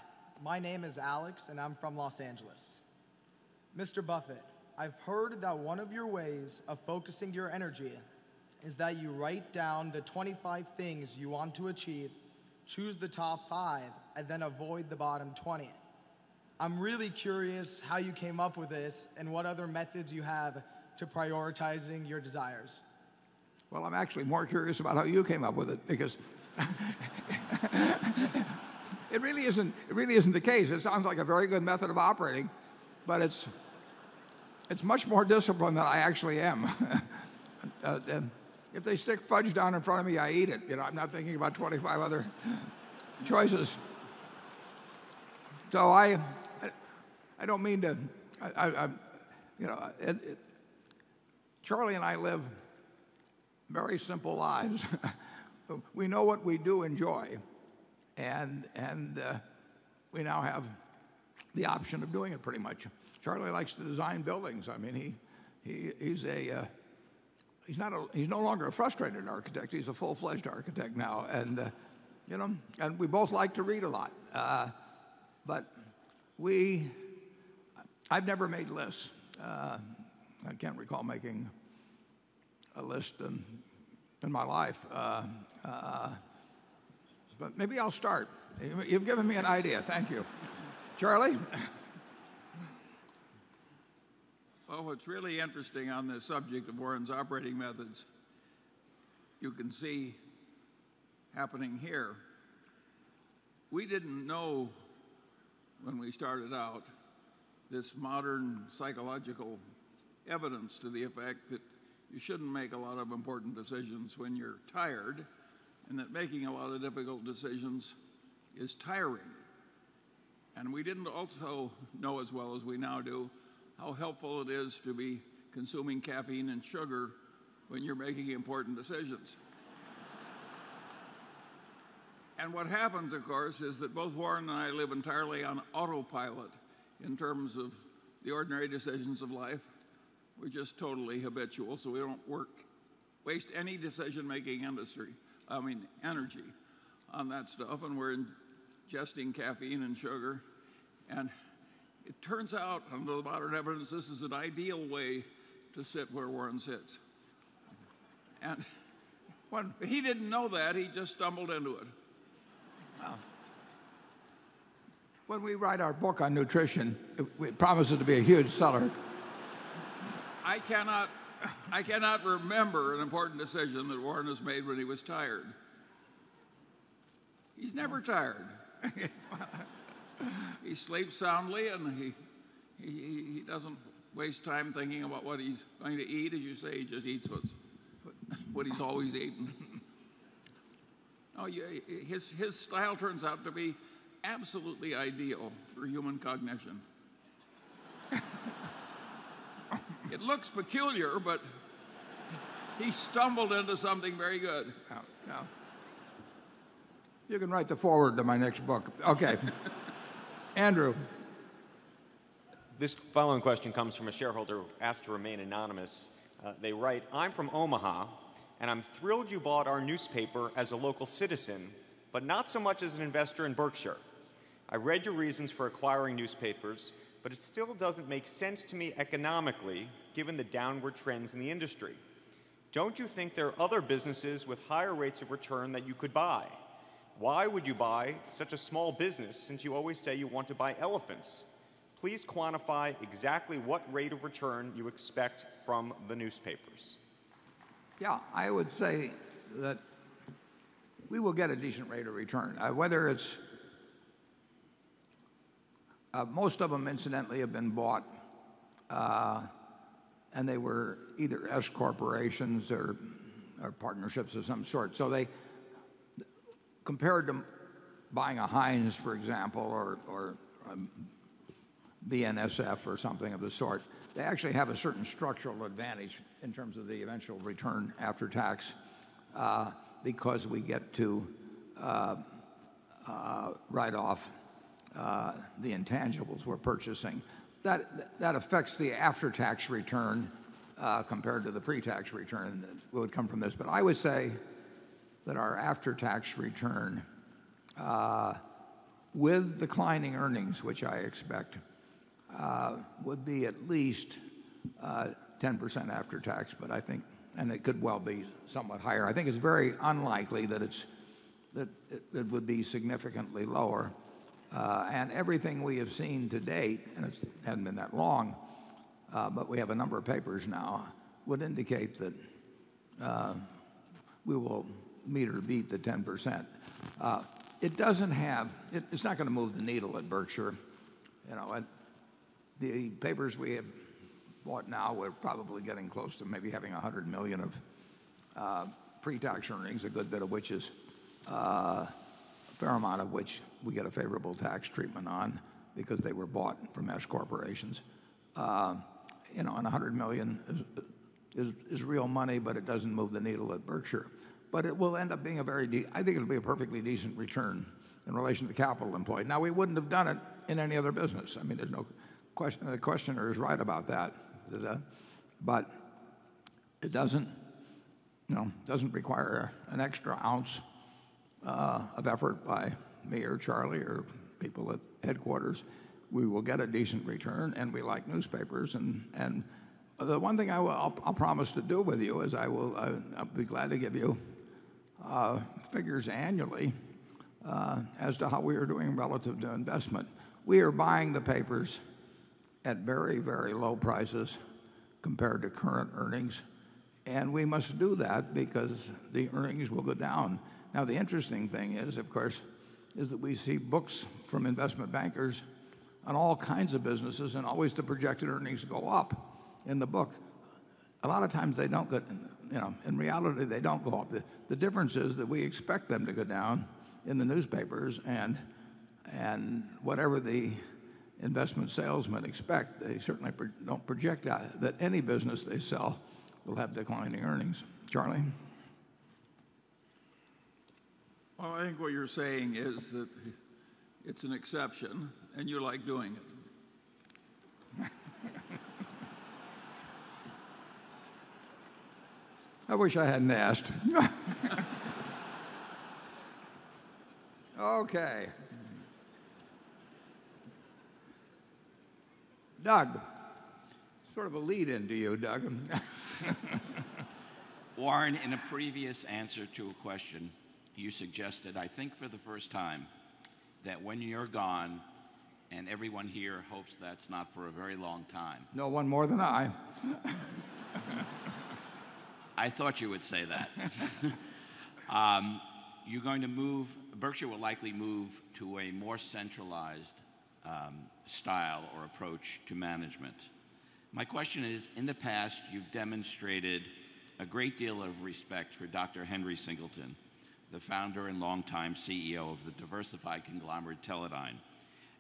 my name is Alex and I'm from Los Angeles. Mr. Buffett, I've heard that one of your ways of focusing your energy is that you write down the 25 things you want to achieve, choose the top five, and then avoid the bottom 20. I'm really curious how you came up with this and what other methods you have to prioritizing your desires. Well, I'm actually more curious about how you came up with it because it really isn't the case. It sounds like a very good method of operating, but it's much more disciplined than I actually am. If they stick fudge down in front of me, I eat it. I'm not thinking about 25 other choices. Charlie and I live very simple lives. We know what we do enjoy, and we now have the option of doing it pretty much. Charlie likes to design buildings. He's no longer a frustrated architect. He's a full-fledged architect now, and we both like to read a lot. I've never made lists. I can't recall making a list in my life. Maybe I'll start. You've given me an idea. Thank you. Charlie? Well, what's really interesting on this subject of Warren's operating methods, you can see happening here, we didn't know when we started out this modern psychological evidence to the effect that you shouldn't make a lot of important decisions when you're tired, and that making a lot of difficult decisions is tiring. We didn't also know as well as we now do how helpful it is to be consuming caffeine and sugar when you're making important decisions. What happens, of course, is that both Warren and I live entirely on autopilot in terms of the ordinary decisions of life. We're just totally habitual, so we don't waste any decision-making industry, I mean, energy on that stuff, and we're ingesting caffeine and sugar. It turns out, under the modern evidence, this is an ideal way to sit where Warren sits. He didn't know that. He just stumbled into it. When we write our book on nutrition, it promises to be a huge seller. I cannot remember an important decision that Warren has made when he was tired. He's never tired. He sleeps soundly, and he doesn't waste time thinking about what he's going to eat. As you say, he just eats what he's always eaten. His style turns out to be absolutely ideal for human cognition. It looks peculiar, but he stumbled into something very good. Yeah. You can write the forward to my next book. Okay. Andrew. This following question comes from a shareholder who asked to remain anonymous. They write, "I'm from Omaha, and I'm thrilled you bought our newspaper as a local citizen, but not so much as an investor in Berkshire. I read your reasons for acquiring newspapers, but it still doesn't make sense to me economically given the downward trends in the industry. Don't you think there are other businesses with higher rates of return that you could buy? Why would you buy such a small business since you always say you want to buy elephants? Please quantify exactly what rate of return you expect from the newspapers. Yeah, I would say that we will get a decent rate of return. Most of them, incidentally, have been bought, and they were either S corporations or partnerships of some sort. Compared to buying a Heinz, for example, or a BNSF or something of the sort, they actually have a certain structural advantage in terms of the eventual return after tax, because we get to write off the intangibles we're purchasing. That affects the after-tax return, compared to the pre-tax return that would come from this. I would say that our after-tax return, with declining earnings, which I expect, would be at least 10% after tax, and it could well be somewhat higher. I think it's very unlikely that it would be significantly lower. Everything we have seen to date, and it hasn't been that long, but we have a number of papers now, would indicate that we will meet or beat the 10%. It's not going to move the needle at Berkshire. The papers we have bought now, we're probably getting close to maybe having $100 million of pre-tax earnings, a fair amount of which we get a favorable tax treatment on because they were bought from S corporations. $100 million is real money, but it doesn't move the needle at Berkshire. I think it'll be a perfectly decent return in relation to capital employed. Now, we wouldn't have done it in any other business. The questioner is right about that. It doesn't require an extra ounce of effort by me or Charlie or people at headquarters. We will get a decent return, and we like newspapers. The one thing I'll promise to do with you is I'll be glad to give you figures annually as to how we are doing relative to investment. We are buying the papers at very, very low prices compared to current earnings, and we must do that because the earnings will go down. The interesting thing is, of course, is that we see books from investment bankers on all kinds of businesses and always the projected earnings go up in the book. A lot of times, in reality, they don't go up. The difference is that we expect them to go down in the newspapers, and whatever the investment salesmen expect, they certainly don't project that any business they sell will have declining earnings. Charlie? I think what you're saying is that it's an exception and you like doing it. I wish I hadn't asked. Okay. Doug. Sort of a lead in to you, Doug. Warren, in a previous answer to a question, you suggested, I think for the first time, that when you're gone, and everyone here hopes that's not for a very long time. No one more than I. I thought you would say that. Berkshire will likely move to a more centralized style or approach to management. My question is, in the past, you've demonstrated a great deal of respect for Dr. Henry Singleton, the founder and longtime CEO of the diversified conglomerate, Teledyne.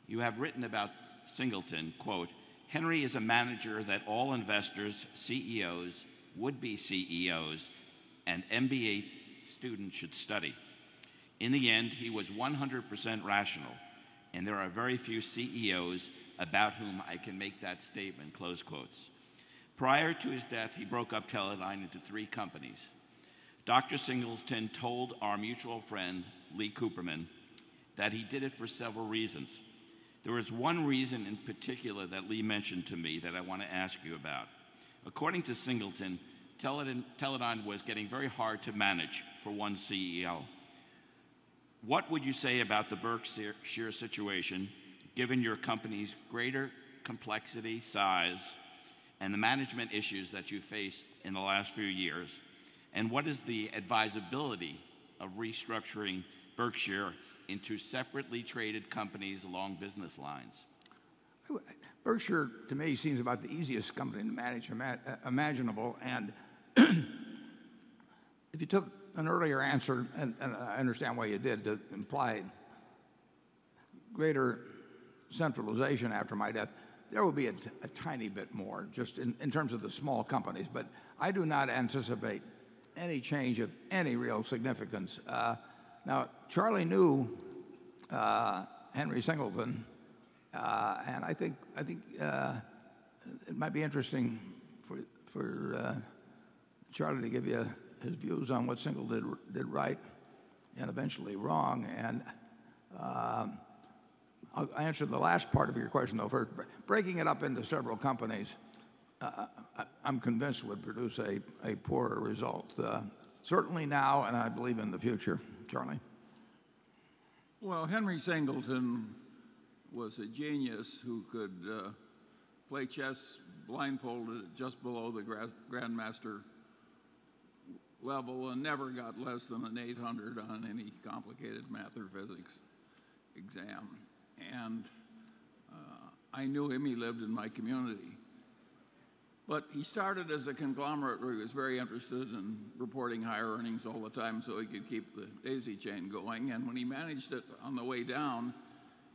You have written about Singleton, quote, "Henry is a manager that all investors, CEOs, would-be CEOs, and MBA students should study. In the end, he was 100% rational. There are very few CEOs about whom I can make that statement," close quotes. Prior to his death, he broke up Teledyne into three companies. Dr. Singleton told our mutual friend, Lee Cooperman, that he did it for several reasons. There was one reason in particular that Lee mentioned to me that I want to ask you about. According to Singleton, Teledyne was getting very hard to manage for one CEO. What would you say about the Berkshire situation, given your company's greater complexity, size, and the management issues that you faced in the last few years? What is the advisability of restructuring Berkshire into separately traded companies along business lines? Berkshire, to me, seems about the easiest company to manage imaginable. If you took an earlier answer, and I understand why you did, to imply greater centralization after my death, there will be a tiny bit more just in terms of the small companies. I do not anticipate any change of any real significance. Charlie knew Henry Singleton, and I think it might be interesting for Charlie to give you his views on what Singleton did right and eventually wrong. I'll answer the last part of your question, though first. Breaking it up into several companies, I'm convinced would produce a poorer result. Certainly now. I believe in the future. Charlie? Well, Henry Singleton was a genius who could play chess blindfolded just below the grandmaster level and never got less than an 800 on any complicated math or physics exam. I knew him. He lived in my community. He started as a conglomerate where he was very interested in reporting higher earnings all the time so he could keep the daisy chain going. When he managed it on the way down,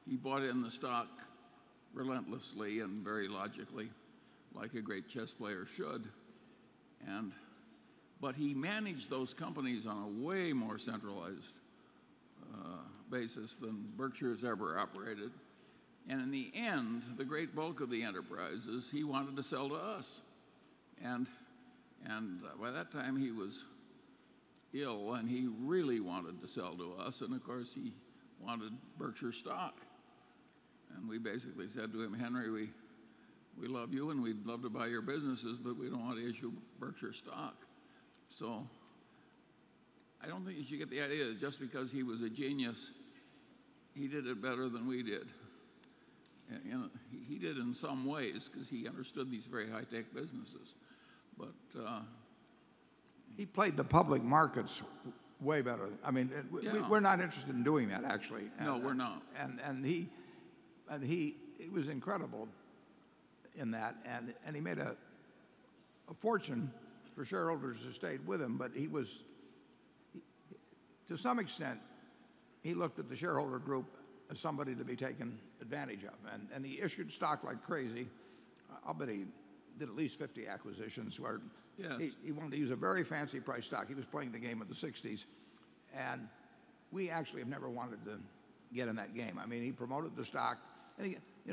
he bought in the stock relentlessly and very logically, like a great chess player should. He managed those companies on a way more centralized basis than Berkshire has ever operated. In the end, the great bulk of the enterprises, he wanted to sell to us. By that time, he was ill. He really wanted to sell to us. Of course, he wanted Berkshire stock. We basically said to him, "Henry, we love you and we'd love to buy your businesses, but we don't want to issue Berkshire stock." I don't think you should get the idea that just because he was a genius, he did it better than we did. He did in some ways because he understood these very high-tech businesses. He played the public markets way better. Yeah. We're not interested in doing that, actually. No, we're not. He was incredible in that, he made a fortune for shareholders that stayed with him, but to some extent, he looked at the shareholder group as somebody to be taken advantage of. He issued stock like crazy. I'll bet he did at least 50 acquisitions where- Yes he wanted to use a very fancy price stock. He was playing the game of the '60s, and we actually have never wanted to get in that game. He promoted the stock, and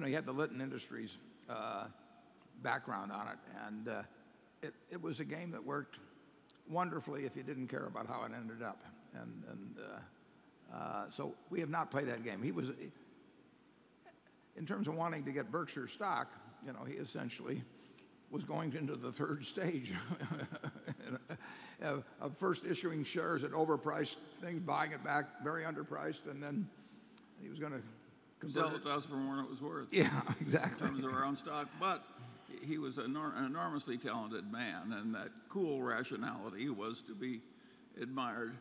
he had the Litton Industries background on it, and it was a game that worked wonderfully if you didn't care about how it ended up. We have not played that game. In terms of wanting to get Berkshire stock, he essentially was going into the third stage of first issuing shares at overpriced things, buying it back very underpriced, and then he was going to convert- Sell it to us for more than it was worth- Yeah, exactly. in terms of our own stock. He was an enormously talented man, and that cool rationality was to be admired.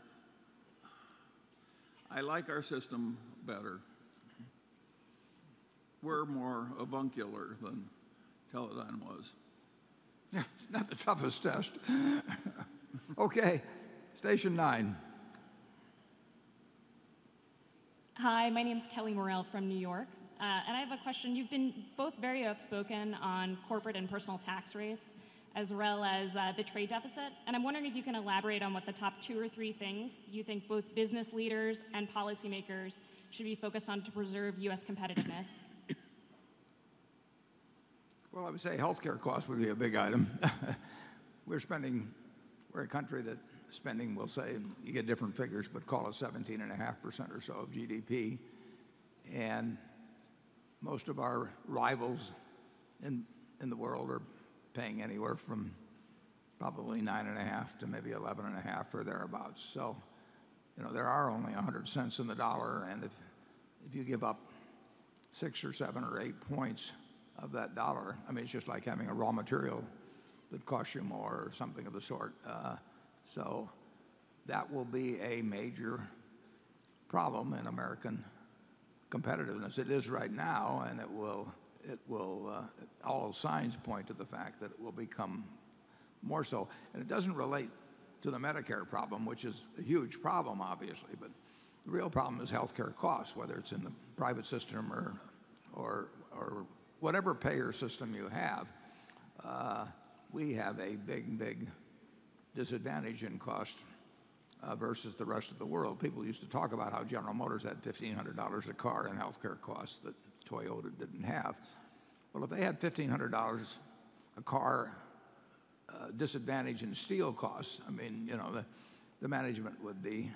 I like our system better. We're more avuncular than Teledyne was. Yeah. It's not the toughest test. Okay. Station nine. Hi, my name is Kelley Morrell from New York, and I have a question. I'm wondering if you can elaborate on what the top two or three things you think both business leaders and policy makers should be focused on to preserve U.S. competitiveness. Well, I would say healthcare costs would be a big item. We're a country that spending, we'll say, you get different figures, but call it 17.5% or so of GDP. Most of our rivals in the world are paying anywhere from probably 9.5% to maybe 11.5% or thereabout. There are only 100 cents in the dollar, and if you give up six or seven or eight points of that dollar, it's just like having a raw material that costs you more or something of the sort. That will be a major problem in American competitiveness. It is right now, and all signs point to the fact that it will become more so. It doesn't relate to the Medicare problem, which is a huge problem, obviously. The real problem is healthcare costs, whether it's in the private system or whatever payer system you have. We have a big disadvantage in cost versus the rest of the world. People used to talk about how General Motors had $1,500 a car in healthcare costs that Toyota didn't have. Well, if they had $1,500 a car disadvantage in steel costs, the management would be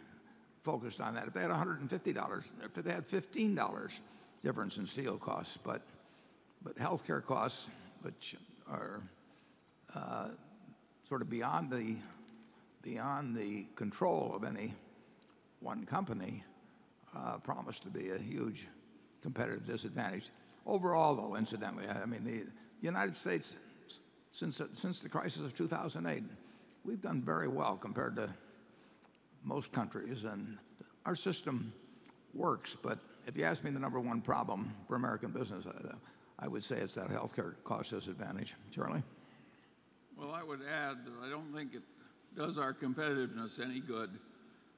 focused on that. If they had $150, if they had $15 difference in steel costs. Healthcare costs, which are sort of beyond the control of any one company, promise to be a huge competitive disadvantage. Overall, though, incidentally, the U.S., since the crisis of 2008, we've done very well compared to most countries and our system works. If you ask me the number one problem for American business, I would say it's that healthcare cost disadvantage. Charlie? Well, I would add that I don't think it does our competitiveness any good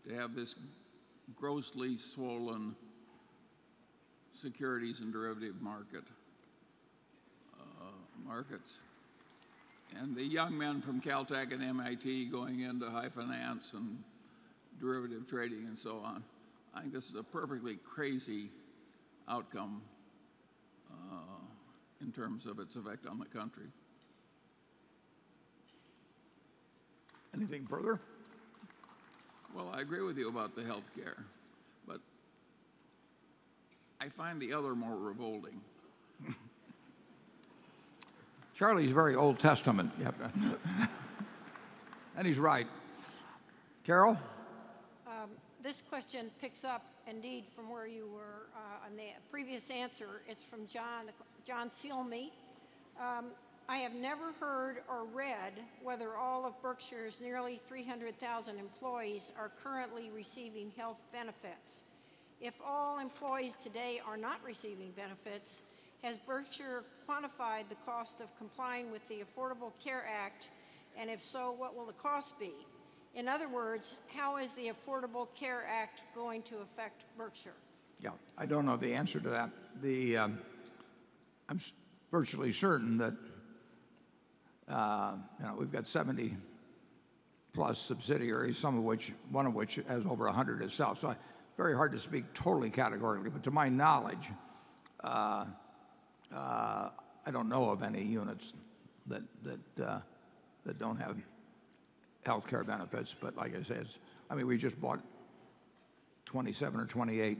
to have this grossly swollen securities and derivative markets. The young men from Caltech and MIT going into high finance and derivative trading and so on, I think this is a perfectly crazy outcome in terms of its effect on the country. Anything further? Well, I agree with you about the healthcare, I find the other more revolting. Charlie's very Old Testament. He's right. Carol? This question picks up indeed from where you were on the previous answer. It's from John [Thilmit]. I have never heard or read whether all of Berkshire's nearly 300,000 employees are currently receiving health benefits. If all employees today are not receiving benefits, has Berkshire quantified the cost of complying with the Affordable Care Act? If so, what will the cost be? In other words, how is the Affordable Care Act going to affect Berkshire? Yeah. I don't know the answer to that. I'm virtually certain that we've got 70 plus subsidiaries, one of which has over 100 itself. Very hard to speak totally categorically, but to my knowledge, I don't know of any units that don't have healthcare benefits. Like I said, we just bought 27 or 28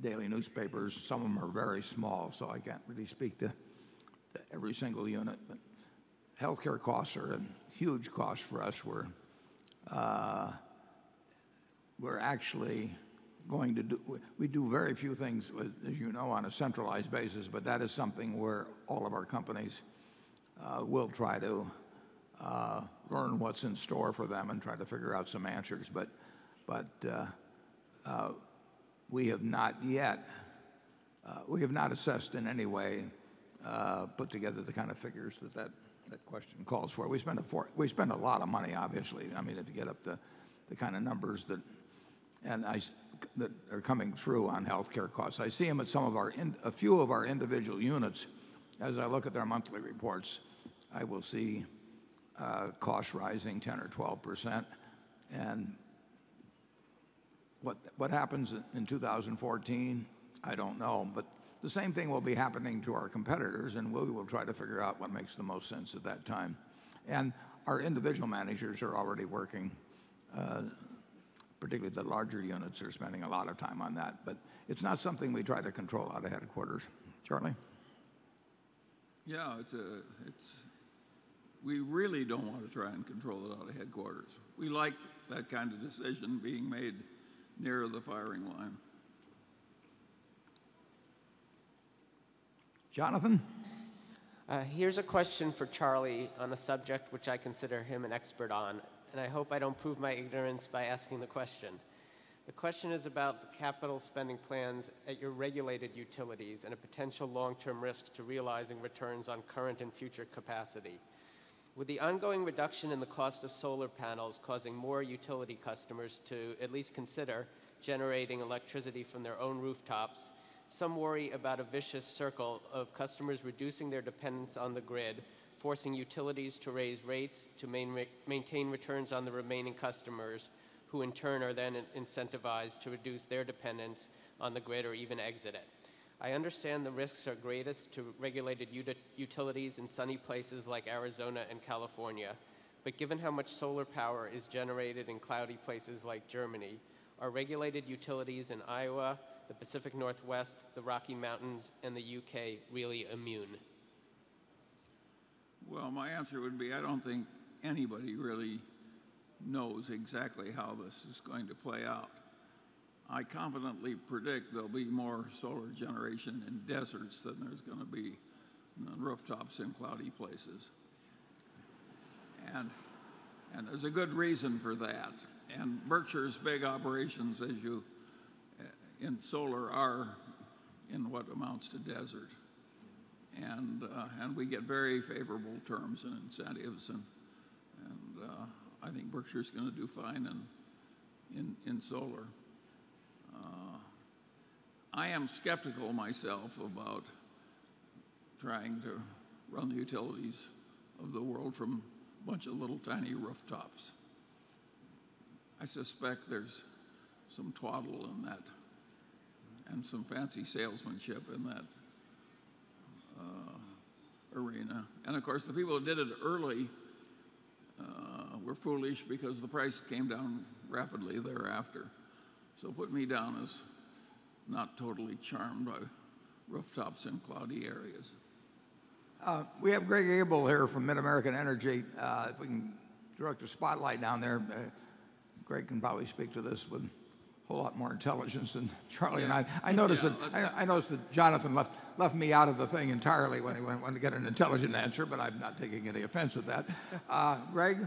daily newspapers. Some of them are very small, so I can't really speak to every single unit. Healthcare costs are a huge cost for us, where we do very few things, as you know, on a centralized basis, but that is something where all of our companies will try to learn what's in store for them and try to figure out some answers. We have not assessed in any way, put together the kind of figures that that question calls for. We spend a lot of money, obviously, to get up the kind of numbers that are coming through on healthcare costs. I see them at a few of our individual units. As I look at their monthly reports, I will see costs rising 10% or 12%, and what happens in 2014, I don't know. The same thing will be happening to our competitors, and we will try to figure out what makes the most sense at that time. Our individual managers are already working. Particularly the larger units are spending a lot of time on that. It's not something we try to control out of headquarters. Charlie? We really don't want to try and control it out of headquarters. We like that kind of decision being made nearer the firing line. Jonathan? Here's a question for Charlie on a subject which I consider him an expert on, and I hope I don't prove my ignorance by asking the question. The question is about the capital spending plans at your regulated utilities and a potential long-term risk to realizing returns on current and future capacity. With the ongoing reduction in the cost of solar panels causing more utility customers to at least consider generating electricity from their own rooftops, some worry about a vicious circle of customers reducing their dependence on the grid, forcing utilities to raise rates to maintain returns on the remaining customers, who in turn are then incentivized to reduce their dependence on the grid or even exit it. I understand the risks are greatest to regulated utilities in sunny places like Arizona and California, but given how much solar power is generated in cloudy places like Germany, are regulated utilities in Iowa, the Pacific Northwest, the Rocky Mountains, and the U.K. really immune? My answer would be, I don't think anybody really knows exactly how this is going to play out. I confidently predict there'll be more solar generation in deserts than there's going to be on rooftops in cloudy places. There's a good reason for that. Berkshire's big operations in solar are in what amounts to desert. We get very favorable terms and incentives, and I think Berkshire's going to do fine in solar. I am skeptical myself about trying to run the utilities of the world from a bunch of little tiny rooftops. I suspect there's some twaddle in that and some fancy salesmanship in that arena. Of course, the people that did it early were foolish because the price came down rapidly thereafter. Put me down as not totally charmed by rooftops in cloudy areas. We have Greg Abel here from MidAmerican Energy. If we can direct a spotlight down there, Greg can probably speak to this with a whole lot more intelligence than Charlie and I. I noticed that Jonathan left me out of the thing entirely when he wanted to get an intelligent answer, I'm not taking any offense at that. Greg?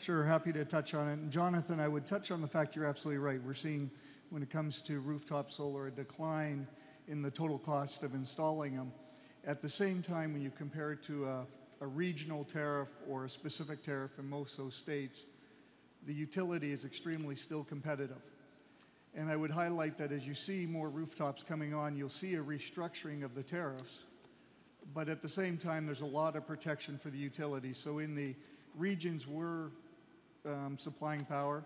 Sure. Happy to touch on it. Jonathan, I would touch on the fact you're absolutely right. We're seeing, when it comes to rooftop solar, a decline in the total cost of installing them. At the same time, when you compare it to a regional tariff or a specific tariff in most of those states, the utility is extremely still competitive. I would highlight that as you see more rooftops coming on, you'll see a restructuring of the tariffs. At the same time, there's a lot of protection for the utility. In the regions we're supplying power,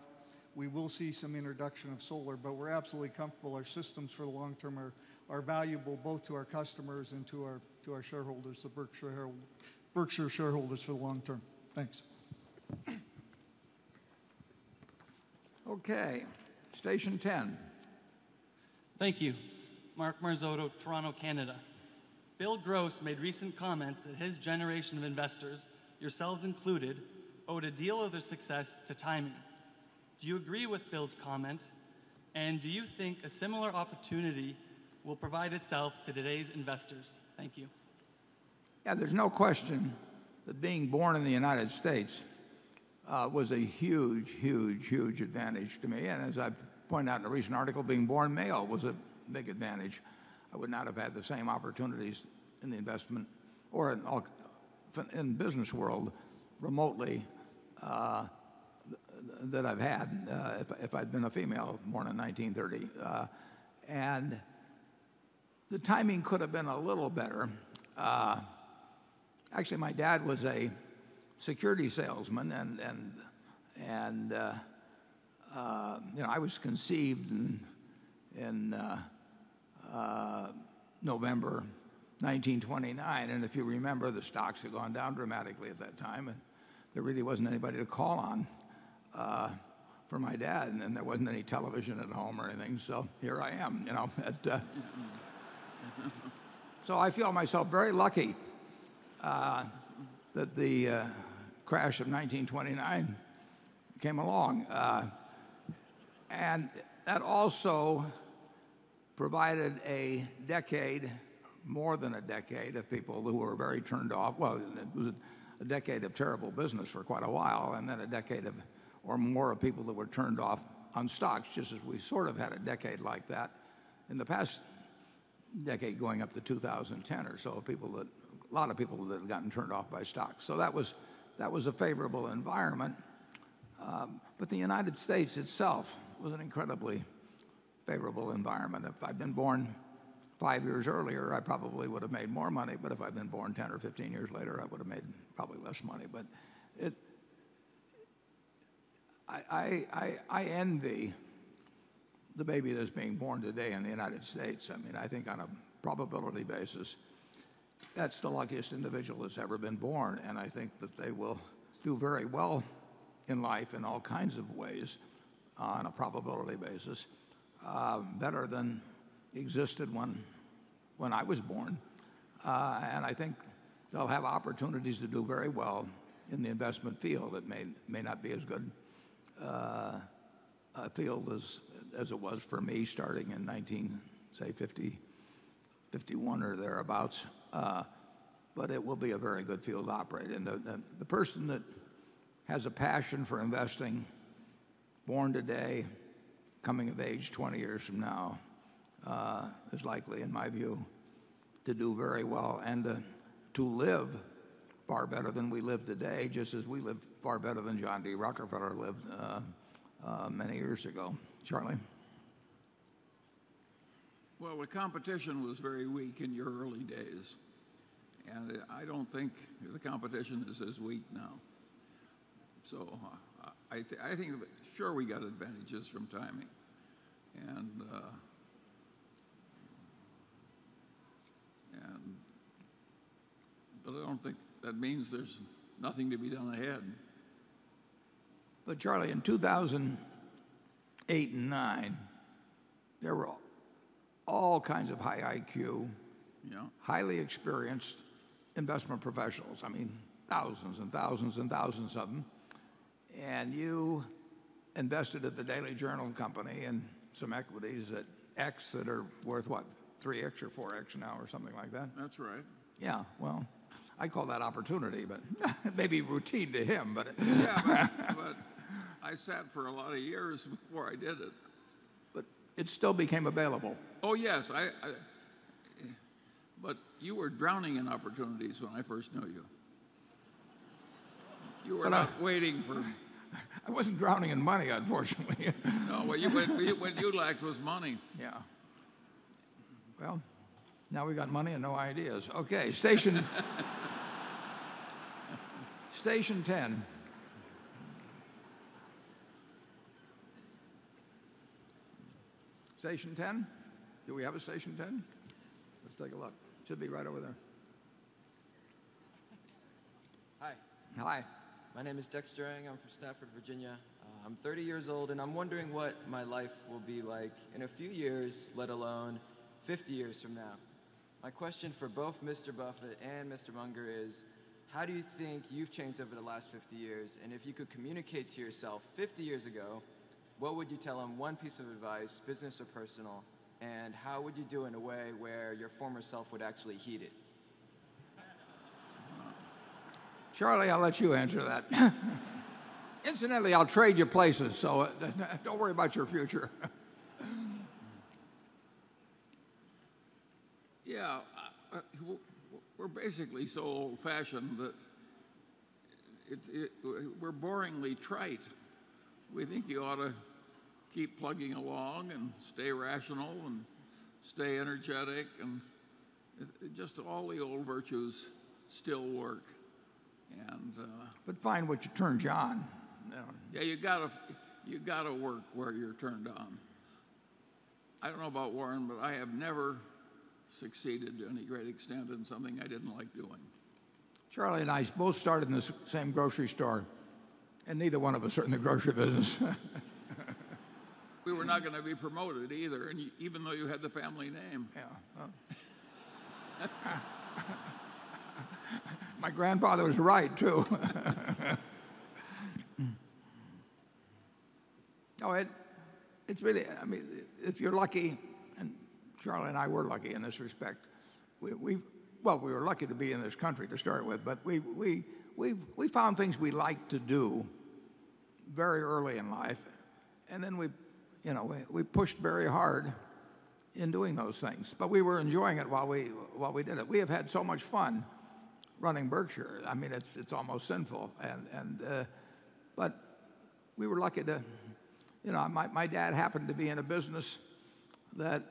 we will see some introduction of solar, but we're absolutely comfortable our systems for the long term are valuable both to our customers and to our shareholders of Berkshire shareholders for the long term. Thanks. Okay. Station 10. Thank you. Mark Marzotto, Toronto, Canada. Bill Gross made recent comments that his generation of investors, yourselves included, owed a deal of their success to timing. Do you agree with Bill's comment, and do you think a similar opportunity will provide itself to today's investors? Thank you. There's no question that being born in the United States was a huge, huge, huge advantage to me. As I've pointed out in a recent article, being born male was a big advantage. I would not have had the same opportunities in the investment or in business world remotely that I've had if I'd been a female born in 1930. The timing could have been a little better. Actually, my dad was a security salesman and I was conceived in November 1929. If you remember, the stocks had gone down dramatically at that time, there really wasn't anybody to call on for my dad. There wasn't any television at home or anything, so here I am. I feel myself very lucky that the crash of 1929 came along. That also provided a decade, more than a decade, of people who were very turned off. Well, it was a decade of terrible business for quite a while, then a decade or more of people that were turned off on stocks, just as we sort of had a decade like that in the past decade going up to 2010 or so, a lot of people that had gotten turned off by stocks. That was a favorable environment. The United States itself was an incredibly favorable environment. If I'd been born five years earlier, I probably would have made more money. If I'd been born 10 or 15 years later, I would have made probably less money. I envy the baby that's being born today in the United States. I think on a probability basis, that's the luckiest individual that's ever been born, and I think that they will do very well in life in all kinds of ways on a probability basis, better than existed when I was born. I think they'll have opportunities to do very well in the investment field. It may not be as good a field as it was for me starting in 1950, '51 or thereabouts, but it will be a very good field to operate in. The person that has a passion for investing born today, coming of age 20 years from now, is likely, in my view, to do very well and to live far better than we live today, just as we live far better than John D. Rockefeller lived many years ago. Charlie? Well, the competition was very weak in your early days, I don't think the competition is as weak now. I think, sure, we got advantages from timing, I don't think that means there's nothing to be done ahead. Charlie, in 2008 and 2009, there were all kinds of high IQ. Yeah highly experienced investment professionals, thousands of them. You invested at the Daily Journal Corporation in some equities at X that are worth what? 3X or 4X now or something like that? That's right. Yeah. Well, I call that opportunity, maybe routine to him. Yeah, I sat for a lot of years before I did it. It still became available. Oh, yes. You were drowning in opportunities when I first knew you. I wasn't drowning in money, unfortunately. No, what you lacked was money. Yeah. Well, now we got money and no ideas. Okay, Station 10. Station 10? Do we have a Station 10? Let's take a look. Should be right over there. Hi. Hi. My name is Dexter Ang. I'm from Stafford, Virginia. I'm 30 years old, and I'm wondering what my life will be like in a few years, let alone 50 years from now. My question for both Mr. Buffett and Mr. Munger is, how do you think you've changed over the last 50 years? If you could communicate to yourself 50 years ago, what would you tell them, one piece of advice, business or personal, and how would you do in a way where your former self would actually heed it? Charlie, I'll let you answer that. Incidentally, I'll trade you places, so don't worry about your future. Yeah. We're basically so old-fashioned that we're boringly trite. We think you ought to keep plugging along and stay rational and stay energetic and just all the old virtues still work. Find what turns you on. Yeah, you got to work where you're turned on. I don't know about Warren, but I have never succeeded to any great extent in something I didn't like doing. Charlie and I both started in the same grocery store, and neither one of us are in the grocery business. We were not going to be promoted either, even though you had the family name. Yeah. My grandfather was right, too. If you're lucky, and Charlie and I were lucky in this respect. We were lucky to be in this country to start with, but we found things we liked to do very early in life, and then we pushed very hard in doing those things. We were enjoying it while we did it. We have had so much fun running Berkshire. It's almost sinful. We were lucky. My dad happened to be in a business that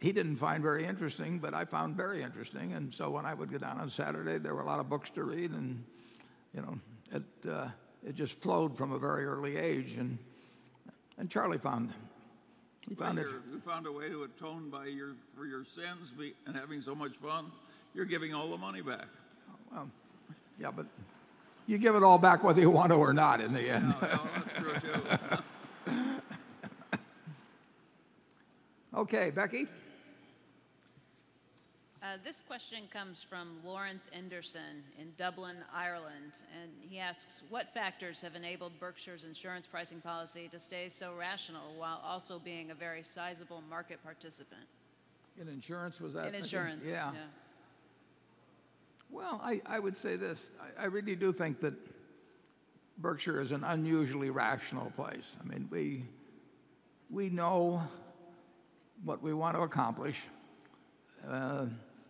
he didn't find very interesting, but I found very interesting. When I would go down on Saturday, there were a lot of books to read, and it just flowed from a very early age. Charlie found it. You found a way to atone for your sins and having so much fun, you're giving all the money back. Yeah, you give it all back whether you want to or not in the end. Yeah. No, that's true, too. Okay, Becky? This question comes from Lawrence Anderson in Dublin, Ireland, and he asks: "What factors have enabled Berkshire's insurance pricing policy to stay so rational while also being a very sizable market participant? In insurance, was that the thing? In insurance. Yeah. Yeah. Well, I would say this. I really do think that Berkshire is an unusually rational place. We know what we want to accomplish.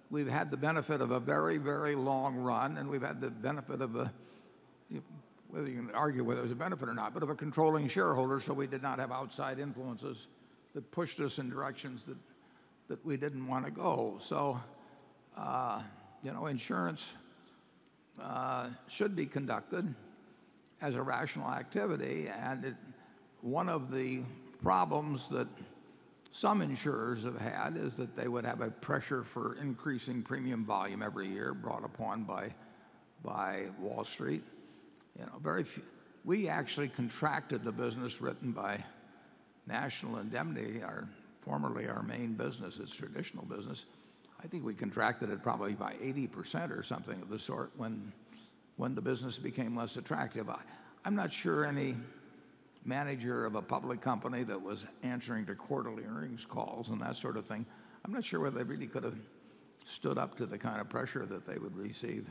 We've had the benefit of a very, very long run, and we've had the benefit of a, whether you can argue whether it was a benefit or not, but of a controlling shareholder so we did not have outside influences that pushed us in directions that we didn't want to go. Insurance should be conducted as a rational activity. One of the problems that some insurers have had is that they would have a pressure for increasing premium volume every year brought upon by Wall Street. We actually contracted the business written by National Indemnity, formerly our main business, its traditional business. I think we contracted it probably by 80% or something of the sort when the business became less attractive. I'm not sure any manager of a public company that was answering to quarterly earnings calls and that sort of thing, I'm not sure whether they really could have stood up to the kind of pressure that they would receive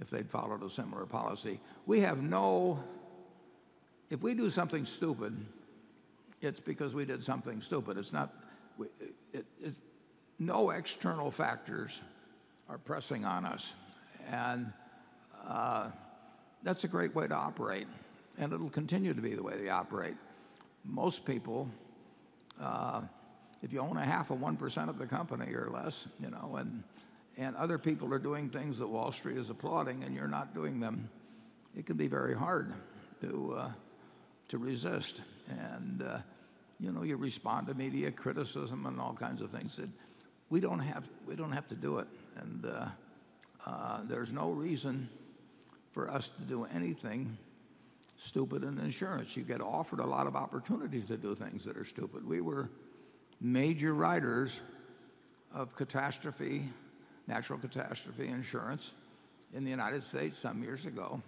if they'd followed a similar policy. If we do something stupid, it's because we did something stupid. No external factors are pressing on us, and that's a great way to operate, and it'll continue to be the way we operate. Most people, if you own a half of 1% of the company or less, and other people are doing things that Wall Street is applauding and you're not doing them, it can be very hard to resist. You respond to media criticism and all kinds of things that we don't have to do it. There's no reason for us to do anything stupid in insurance. You get offered a lot of opportunities to do things that are stupid. We were major writers of catastrophe, natural catastrophe insurance in the U.S. some years ago,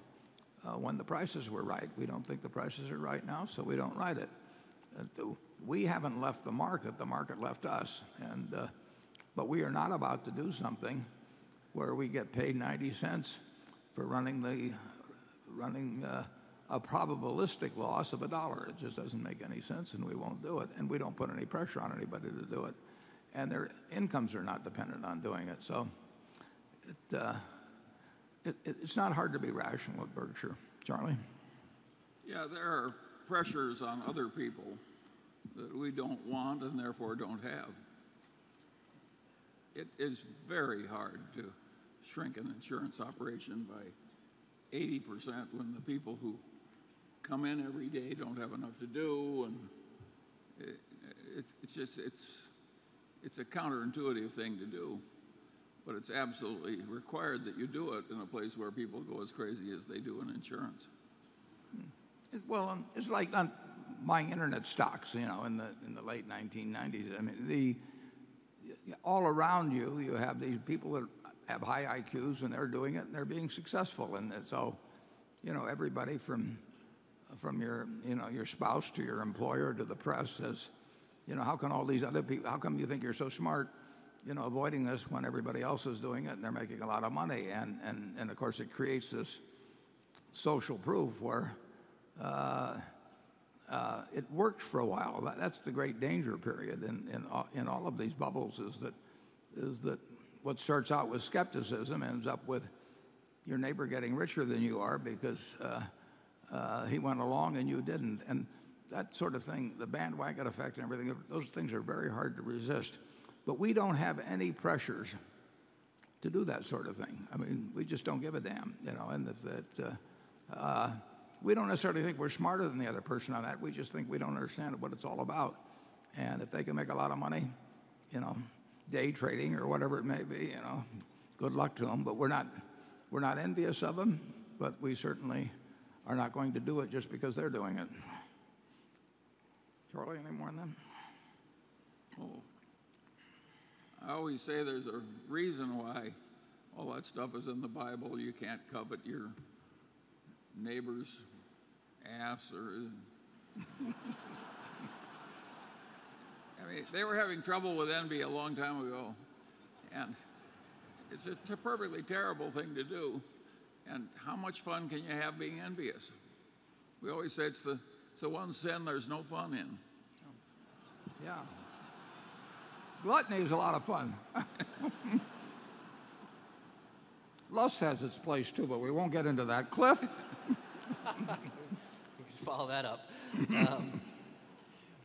when the prices were right. We don't think the prices are right now, so we don't write it. We haven't left the market. The market left us. We are not about to do something where we get paid $0.90 for running a probabilistic loss of $1. It just doesn't make any sense, and we won't do it. We don't put any pressure on anybody to do it. Their incomes are not dependent on doing it. It's not hard to be rational at Berkshire. Charlie? Yeah, there are pressures on other people that we don't want and therefore don't have. It is very hard to shrink an insurance operation by 80% when the people who come in every day don't have enough to do, and it's a counterintuitive thing to do, but it's absolutely required that you do it in a place where people go as crazy as they do in insurance. Well, it's like on my internet stocks, in the late 1990s. Everybody from your spouse to your employer to the press says, "How come you think you're so smart avoiding this when everybody else is doing it and they're making a lot of money?" Of course, it creates this social proof where it worked for a while. That's the great danger period in all of these bubbles is that what starts out with skepticism ends up with your neighbor getting richer than you are because he went along and you didn't. That sort of thing, the bandwagon effect and everything, those things are very hard to resist. We don't have any pressures to do that sort of thing. We just don't give a damn. We don't necessarily think we're smarter than the other person on that. We just think we don't understand what it's all about. If they can make a lot of money day trading or whatever it may be, good luck to them. We're not envious of them, but we certainly are not going to do it just because they're doing it. Charlie, any more on them? I always say there's a reason why all that stuff is in the Bible. You can't covet your neighbor's ass or They were having trouble with envy a long time ago, and it's a perfectly terrible thing to do, and how much fun can you have being envious? We always say it's the one sin there's no fun in. Gluttony is a lot of fun. Lust has its place too. We won't get into that. Cliff? We can follow that up.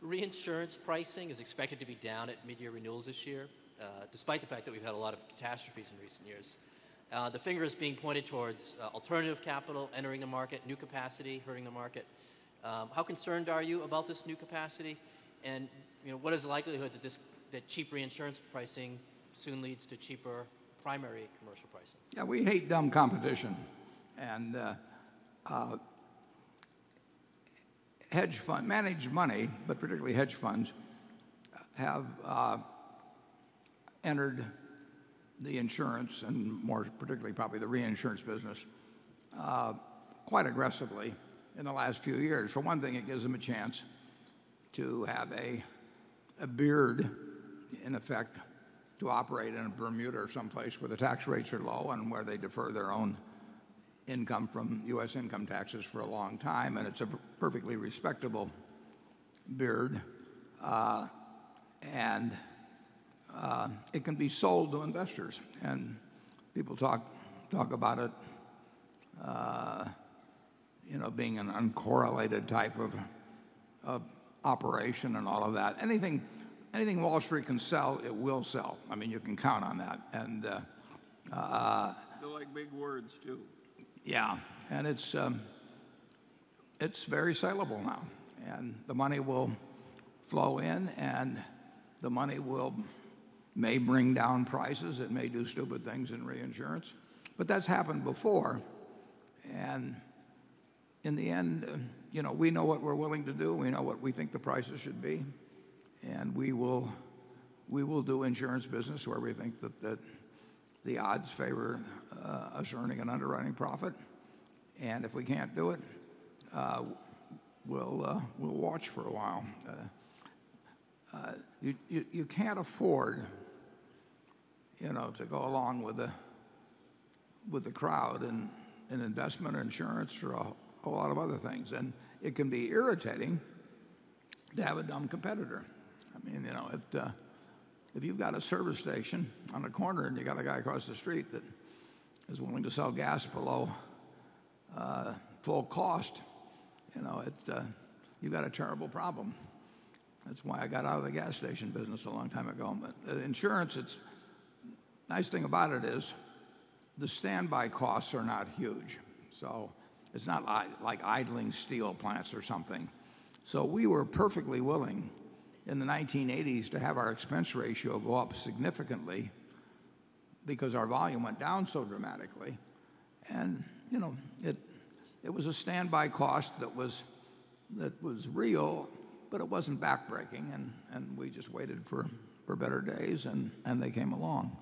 Reinsurance pricing is expected to be down at mid-year renewals this year, despite the fact that we've had a lot of catastrophes in recent years. The finger is being pointed towards alternative capital entering the market, new capacity hurting the market. How concerned are you about this new capacity? What is the likelihood that cheap reinsurance pricing soon leads to cheaper primary commercial pricing? We hate dumb competition. Managed money, but particularly hedge funds, have entered the insurance, and more particularly probably the reinsurance business, quite aggressively in the last few years. For one thing, it gives them a chance to have a beard, in effect, to operate in Bermuda or someplace where the tax rates are low and where they defer their own income from U.S. income taxes for a long time, and it's a perfectly respectable beard. It can be sold to investors, and people talk about it being an uncorrelated type of operation and all of that. Anything Wall Street can sell, it will sell. You can count on that. They like big words, too. Yeah. It's very sellable now, the money will flow in, the money may bring down prices. It may do stupid things in reinsurance, but that's happened before. In the end, we know what we're willing to do. We know what we think the prices should be. We will do insurance business where we think that the odds favor us earning an underwriting profit. If we can't do it, we'll watch for a while. You can't afford to go along with the crowd in investment or insurance or a whole lot of other things, and it can be irritating to have a dumb competitor. If you've got a service station on a corner, and you got a guy across the street that is willing to sell gas below full cost, you got a terrible problem. That's why I got out of the gas station business a long time ago. Insurance, nice thing about it is the standby costs are not huge, so it's not like idling steel plants or something. We were perfectly willing in the 1980s to have our expense ratio go up significantly because our volume went down so dramatically, and it was a standby cost that was real, but it wasn't backbreaking. We just waited for better days, and they came along.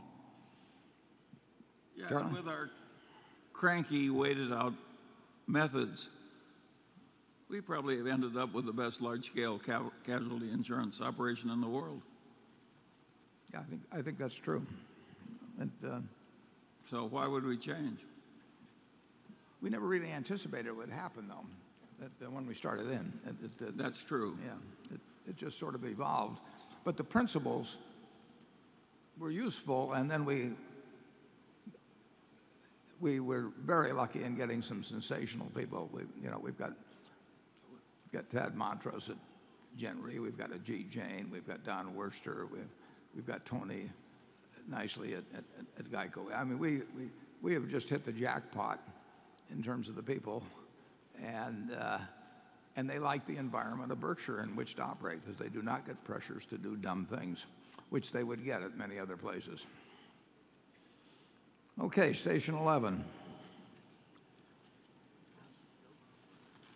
Charlie? Yeah, with our cranky, waited out methods, we probably have ended up with the best large-scale casualty insurance operation in the world. Yeah, I think that's true. Why would we change? We never really anticipated it would happen, though, when we started in. That's true. Yeah. It just sort of evolved. The principles were useful, we were very lucky in getting some sensational people. We've got Tad Montross at Gen Re. We've got Ajit Jain. We've got Don Wurster. We've got Tony Nicely at GEICO. We have just hit the jackpot in terms of the people, and they like the environment of Berkshire in which to operate because they do not get pressures to do dumb things, which they would get at many other places. Okay, station 11.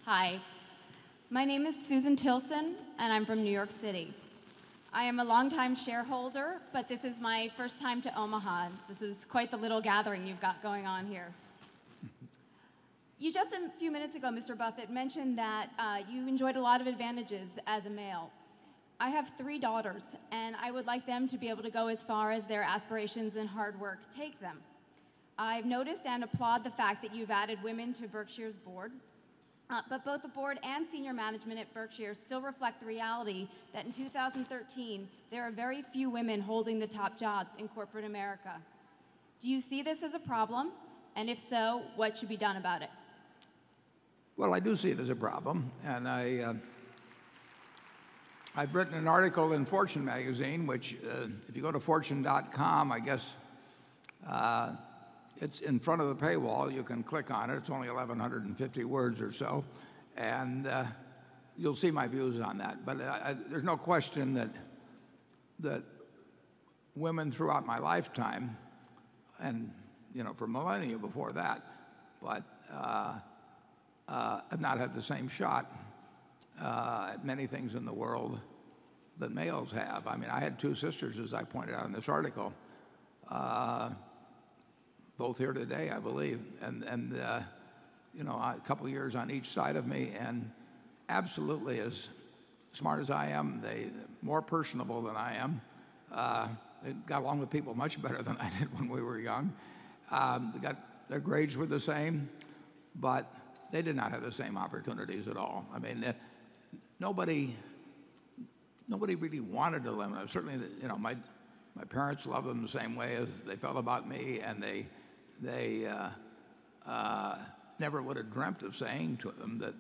Hi. My name is Susan Tilson, and I'm from New York City. I am a longtime shareholder, but this is my first time to Omaha. This is quite the little gathering you've got going on here. You just a few minutes ago, Mr. Buffett, mentioned that you enjoyed a lot of advantages as a male. I have three daughters, and I would like them to be able to go as far as their aspirations and hard work take them. I've noticed and applaud the fact that you've added women to Berkshire's board. Both the board and senior management at Berkshire still reflect the reality that in 2013, there are very few women holding the top jobs in corporate America. Do you see this as a problem? If so, what should be done about it? Well, I do see it as a problem. I have written an article in Fortune magazine, which if you go to fortune.com, I guess it's in front of the paywall. You can click on it. It's only 1,150 words or so, and you'll see my views on that. There's no question that women throughout my lifetime and for millennia before that, have not had the same shot at many things in the world that males have. I had two sisters, as I pointed out in this article. Both here today, I believe, and a couple of years on each side of me, and absolutely as smart as I am. More personable than I am. They got along with people much better than I did when we were young. Their grades were the same, but they did not have the same opportunities at all. Nobody really wanted to limit. Certainly, my parents loved them the same way as they felt about me, and they never would have dreamt of saying to them that,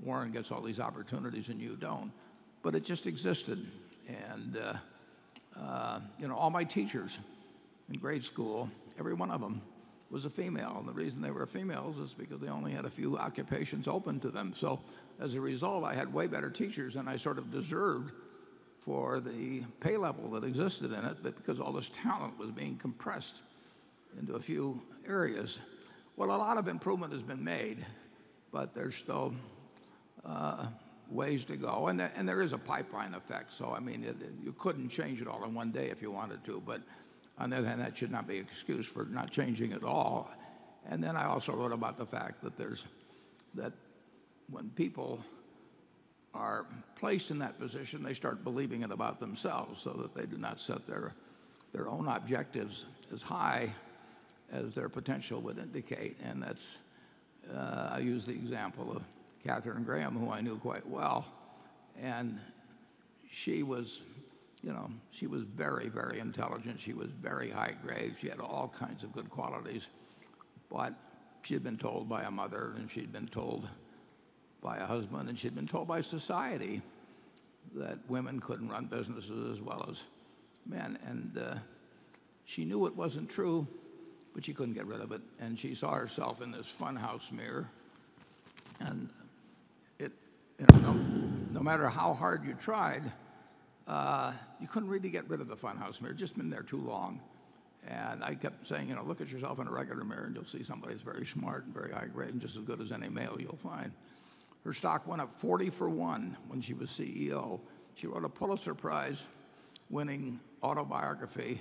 "Warren gets all these opportunities and you don't." It just existed. All my teachers in grade school, every one of them was a female. The reason they were females is because they only had a few occupations open to them. As a result, I had way better teachers than I sort of deserved for the pay level that existed in it because all this talent was being compressed into a few areas. Well, a lot of improvement has been made, but there's still ways to go. There is a pipeline effect. You couldn't change it all in one day if you wanted to. On the other hand, that should not be excuse for not changing at all. I also wrote about the fact that when people are placed in that position, they start believing it about themselves, so that they do not set their own objectives as high as their potential would indicate. I use the example of Katharine Graham, who I knew quite well. She was very, very intelligent. She was very high grade. She had all kinds of good qualities. She had been told by a mother, and she'd been told by a husband, and she'd been told by society that women couldn't run businesses as well as men. She knew it wasn't true, but she couldn't get rid of it. She saw herself in this fun house mirror, no matter how hard you tried, you couldn't really get rid of the fun house mirror. Just been there too long. I kept saying, "Look at yourself in a regular mirror and you'll see somebody who's very smart and very high grade and just as good as any male you'll find." Her stock went up 40 for one when she was CEO. She wrote a Pulitzer Prize winning autobiography.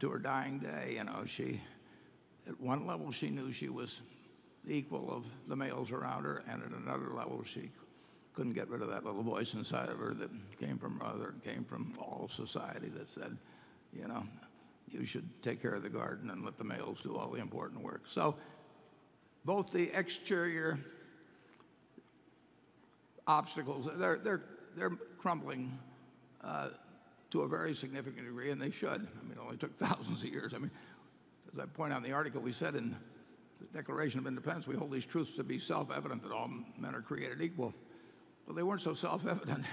To her dying day, at one level, she knew she was the equal of the males around her, at another level, she couldn't get rid of that little voice inside of her that came from her mother and came from all of society that said, "You should take care of the garden and let the males do all the important work." Both the exterior obstacles, they're crumbling to a very significant degree, they should. It only took thousands of years. As I point out in the article, we said in the Declaration of Independence, we hold these truths to be self-evident that all men are created equal. They weren't so self-evident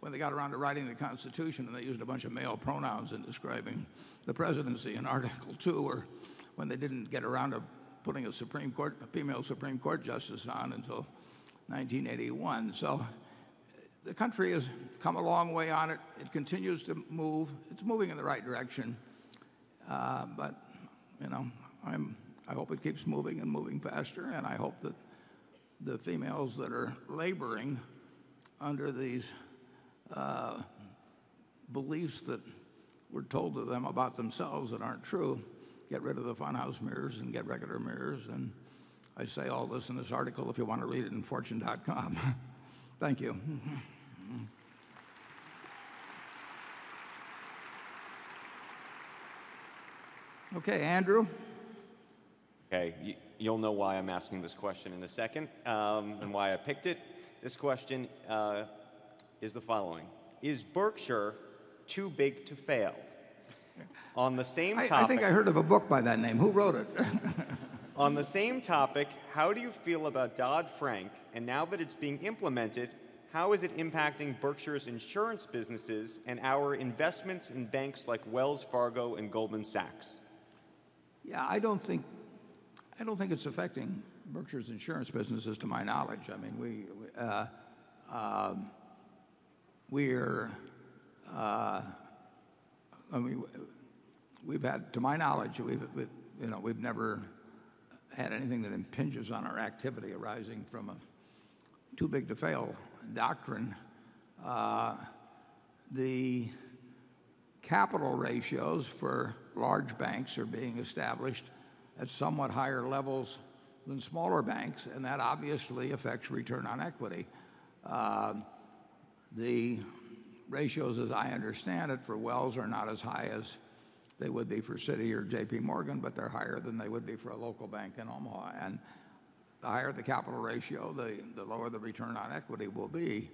when they got around to writing the Constitution, they used a bunch of male pronouns in describing the presidency in Article Two, when they didn't get around to putting a female Supreme Court justice on until 1981. The country has come a long way on it. It continues to move. It's moving in the right direction. I hope it keeps moving and moving faster, I hope that the females that are laboring under these beliefs that were told to them about themselves that aren't true, get rid of the fun house mirrors and get regular mirrors. I say all this in this article, if you want to read it in fortune.com. Thank you. Okay, Andrew. Okay. You'll know why I'm asking this question in a second, why I picked it. This question is the following: Is Berkshire too big to fail? On the same topic- I think I heard of a book by that name. Who wrote it? On the same topic, how do you feel about Dodd-Frank? Now that it's being implemented, how is it impacting Berkshire's insurance businesses and our investments in banks like Wells Fargo and Goldman Sachs? Yeah, I don't think it's affecting Berkshire's insurance businesses, to my knowledge. To my knowledge, we've never had anything that impinges on our activity arising from a too big to fail doctrine. The capital ratios for large banks are being established at somewhat higher levels than smaller banks, and that obviously affects return on equity. The ratios, as I understand it, for Wells are not as high as they would be for Citi or J.P. Morgan, but they're higher than they would be for a local bank in Omaha. The higher the capital ratio, the lower the return on equity will be.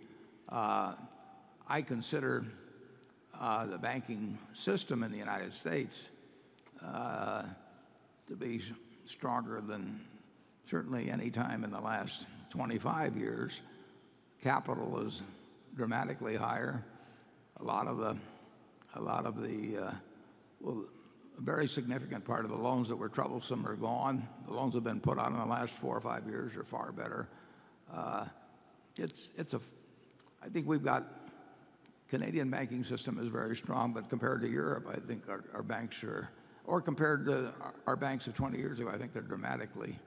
I consider the banking system in the United States to be stronger than certainly any time in the last 25 years. Capital is dramatically higher. A very significant part of the loans that were troublesome are gone. The loans that have been put out in the last four or five years are far better. Canadian banking system is very strong, but compared to Europe, I think our banks are Or compared to our banks of 20 years ago, I think they're dramatically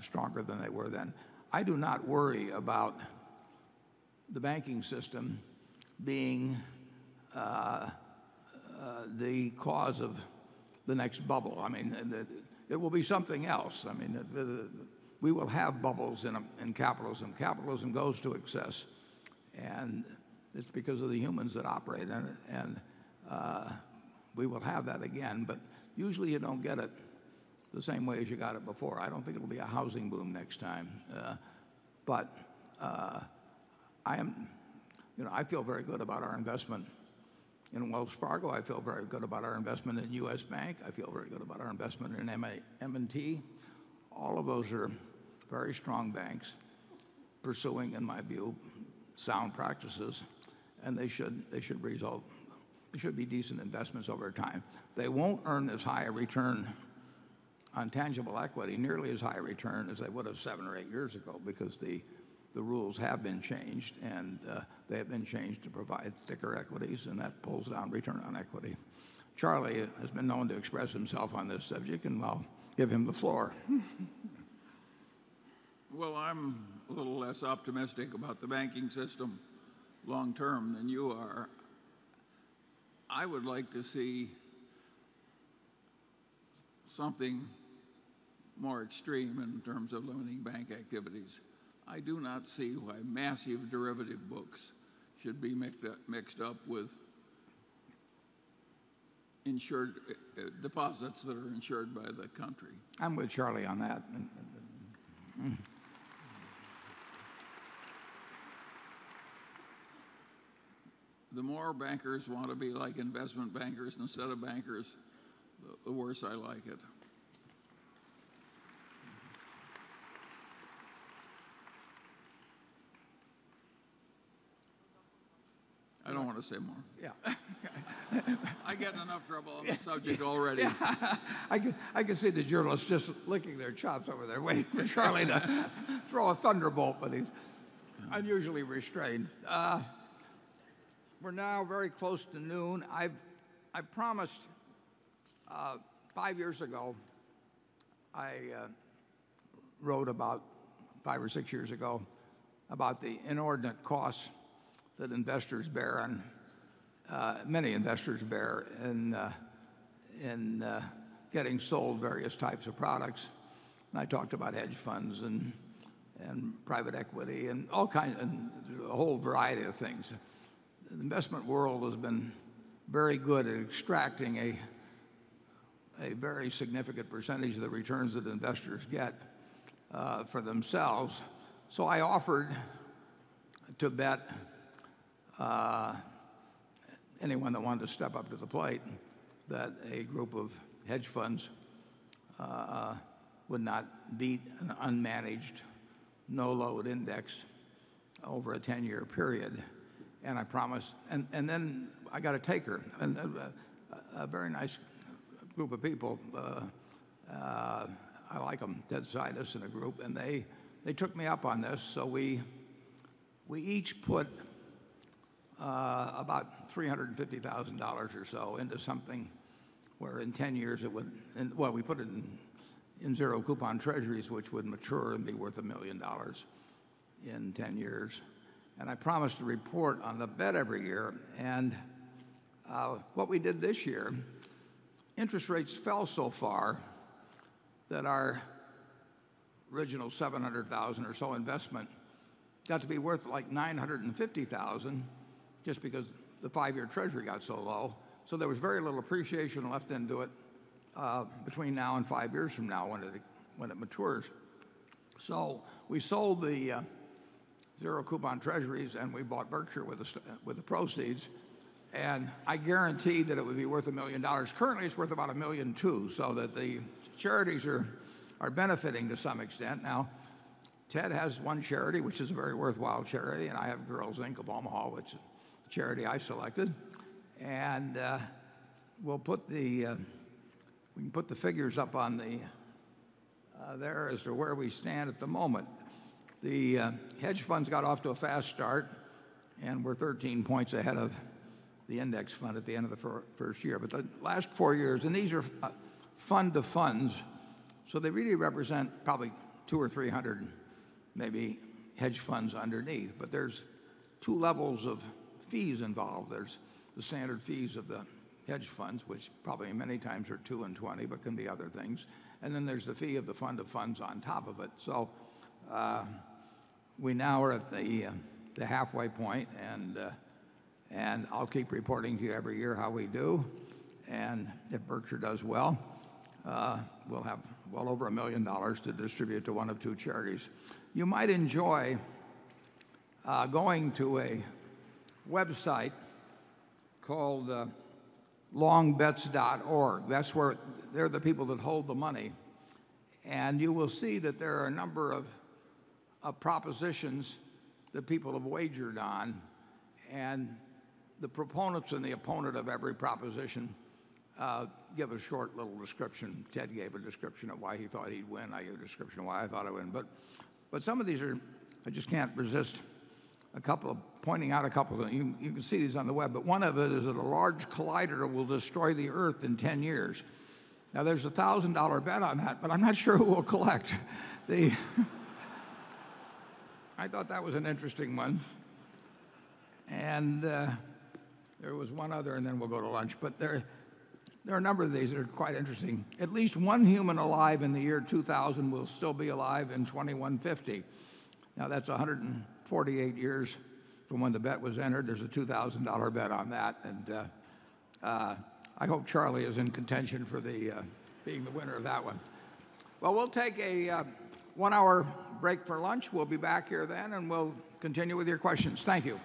stronger than they were then. I do not worry about the banking system being the cause of the next bubble. It will be something else. We will have bubbles in capitalism. Capitalism goes to excess. It's because of the humans that operate in it, and we will have that again, but usually you don't get it the same way as you got it before. I don't think it'll be a housing boom next time. I feel very good about our investment in Wells Fargo. I feel very good about our investment in U.S. Bank. I feel very good about our investment in M&T. All of those are very strong banks pursuing, in my view, sound practices, and they should be decent investments over time. They won't earn as high a return on tangible equity, nearly as high a return as they would have seven or eight years ago because the rules have been changed, and they have been changed to provide thicker equities, and that pulls down return on equity. Charlie has been known to express himself on this subject, and I'll give him the floor. Well, I'm a little less optimistic about the banking system long term than you are. I would like to see something more extreme in terms of limiting bank activities. I do not see why massive derivative books should be mixed up with deposits that are insured by the country. I'm with Charlie on that. The more bankers want to be like investment bankers instead of bankers, the worse I like it. I don't want to say more. Yeah. I get in enough trouble on the subject already. I can see the journalists just licking their chops over there waiting for Charlie to throw a thunderbolt, but he's unusually restrained. We're now very close to noon. Five or six years ago, I wrote about the inordinate costs that many investors bear in getting sold various types of products, and I talked about hedge funds and private equity and a whole variety of things. The investment world has been very good at extracting a very significant percentage of the returns that investors get for themselves. I offered to bet anyone that wanted to step up to the plate that a group of hedge funds would not beat an unmanaged, no load index over a 10 year period, and I promised. I got a taker, a very nice group of people. I like them. Ted Seides in the group, and they took me up on this. We each put about $350,000 or so into something where in 10 years it would Well, we put it in zero coupon treasuries, which would mature and be worth $1 million in 10 years. I promised to report on the bet every year. What we did this year, interest rates fell so far that our original $700,000 or so investment got to be worth like $950,000 just because the five year treasury got so low. There was very little appreciation left into it between now and five years from now when it matures. We sold the zero coupon treasuries, and we bought Berkshire with the proceeds, and I guaranteed that it would be worth $1 million. Currently, it's worth about $1.2 million, the charities are benefiting to some extent. Ted has one charity, which is a very worthwhile charity, and I have Girls Inc. of Omaha, which is a charity I selected. We can put the figures up on there as to where we stand at the moment. The hedge funds got off to a fast start and were 13 points ahead of the index fund at the end of the first year. The last four years, and these are fund of funds, they really represent probably 200 or 300 maybe hedge funds underneath, but there's two levels of fees involved. There's the standard fees of the hedge funds, which probably many times are two and 20, but can be other things. There's the fee of the fund of funds on top of it. We now are at the halfway point, and I'll keep reporting to you every year how we do. If Berkshire does well, we'll have well over $1 million to distribute to one of two charities. You might enjoy going to a website called longbets.org. They're the people that hold the money, and you will see that there are a number of propositions that people have wagered on, and the proponents and the opponent of every proposition give a short little description. Ted gave a description of why he thought he'd win. I gave a description of why I thought I'd win. Some of these are. I just can't resist pointing out a couple of them. You can see these on the web, but one of it is that a large collider will destroy the Earth in 10 years. There's a $1,000 bet on that, but I'm not sure who will collect. I thought that was an interesting one. There was one other, and then we'll go to lunch. There are a number of these that are quite interesting. At least one human alive in the year 2000 will still be alive in 2150. That's 148 years from when the bet was entered. There's a $2,000 bet on that, and I hope Charlie is in contention for being the winner of that one. We'll take a one hour break for lunch. We'll be back here then, and we'll continue with your questions. Thank you.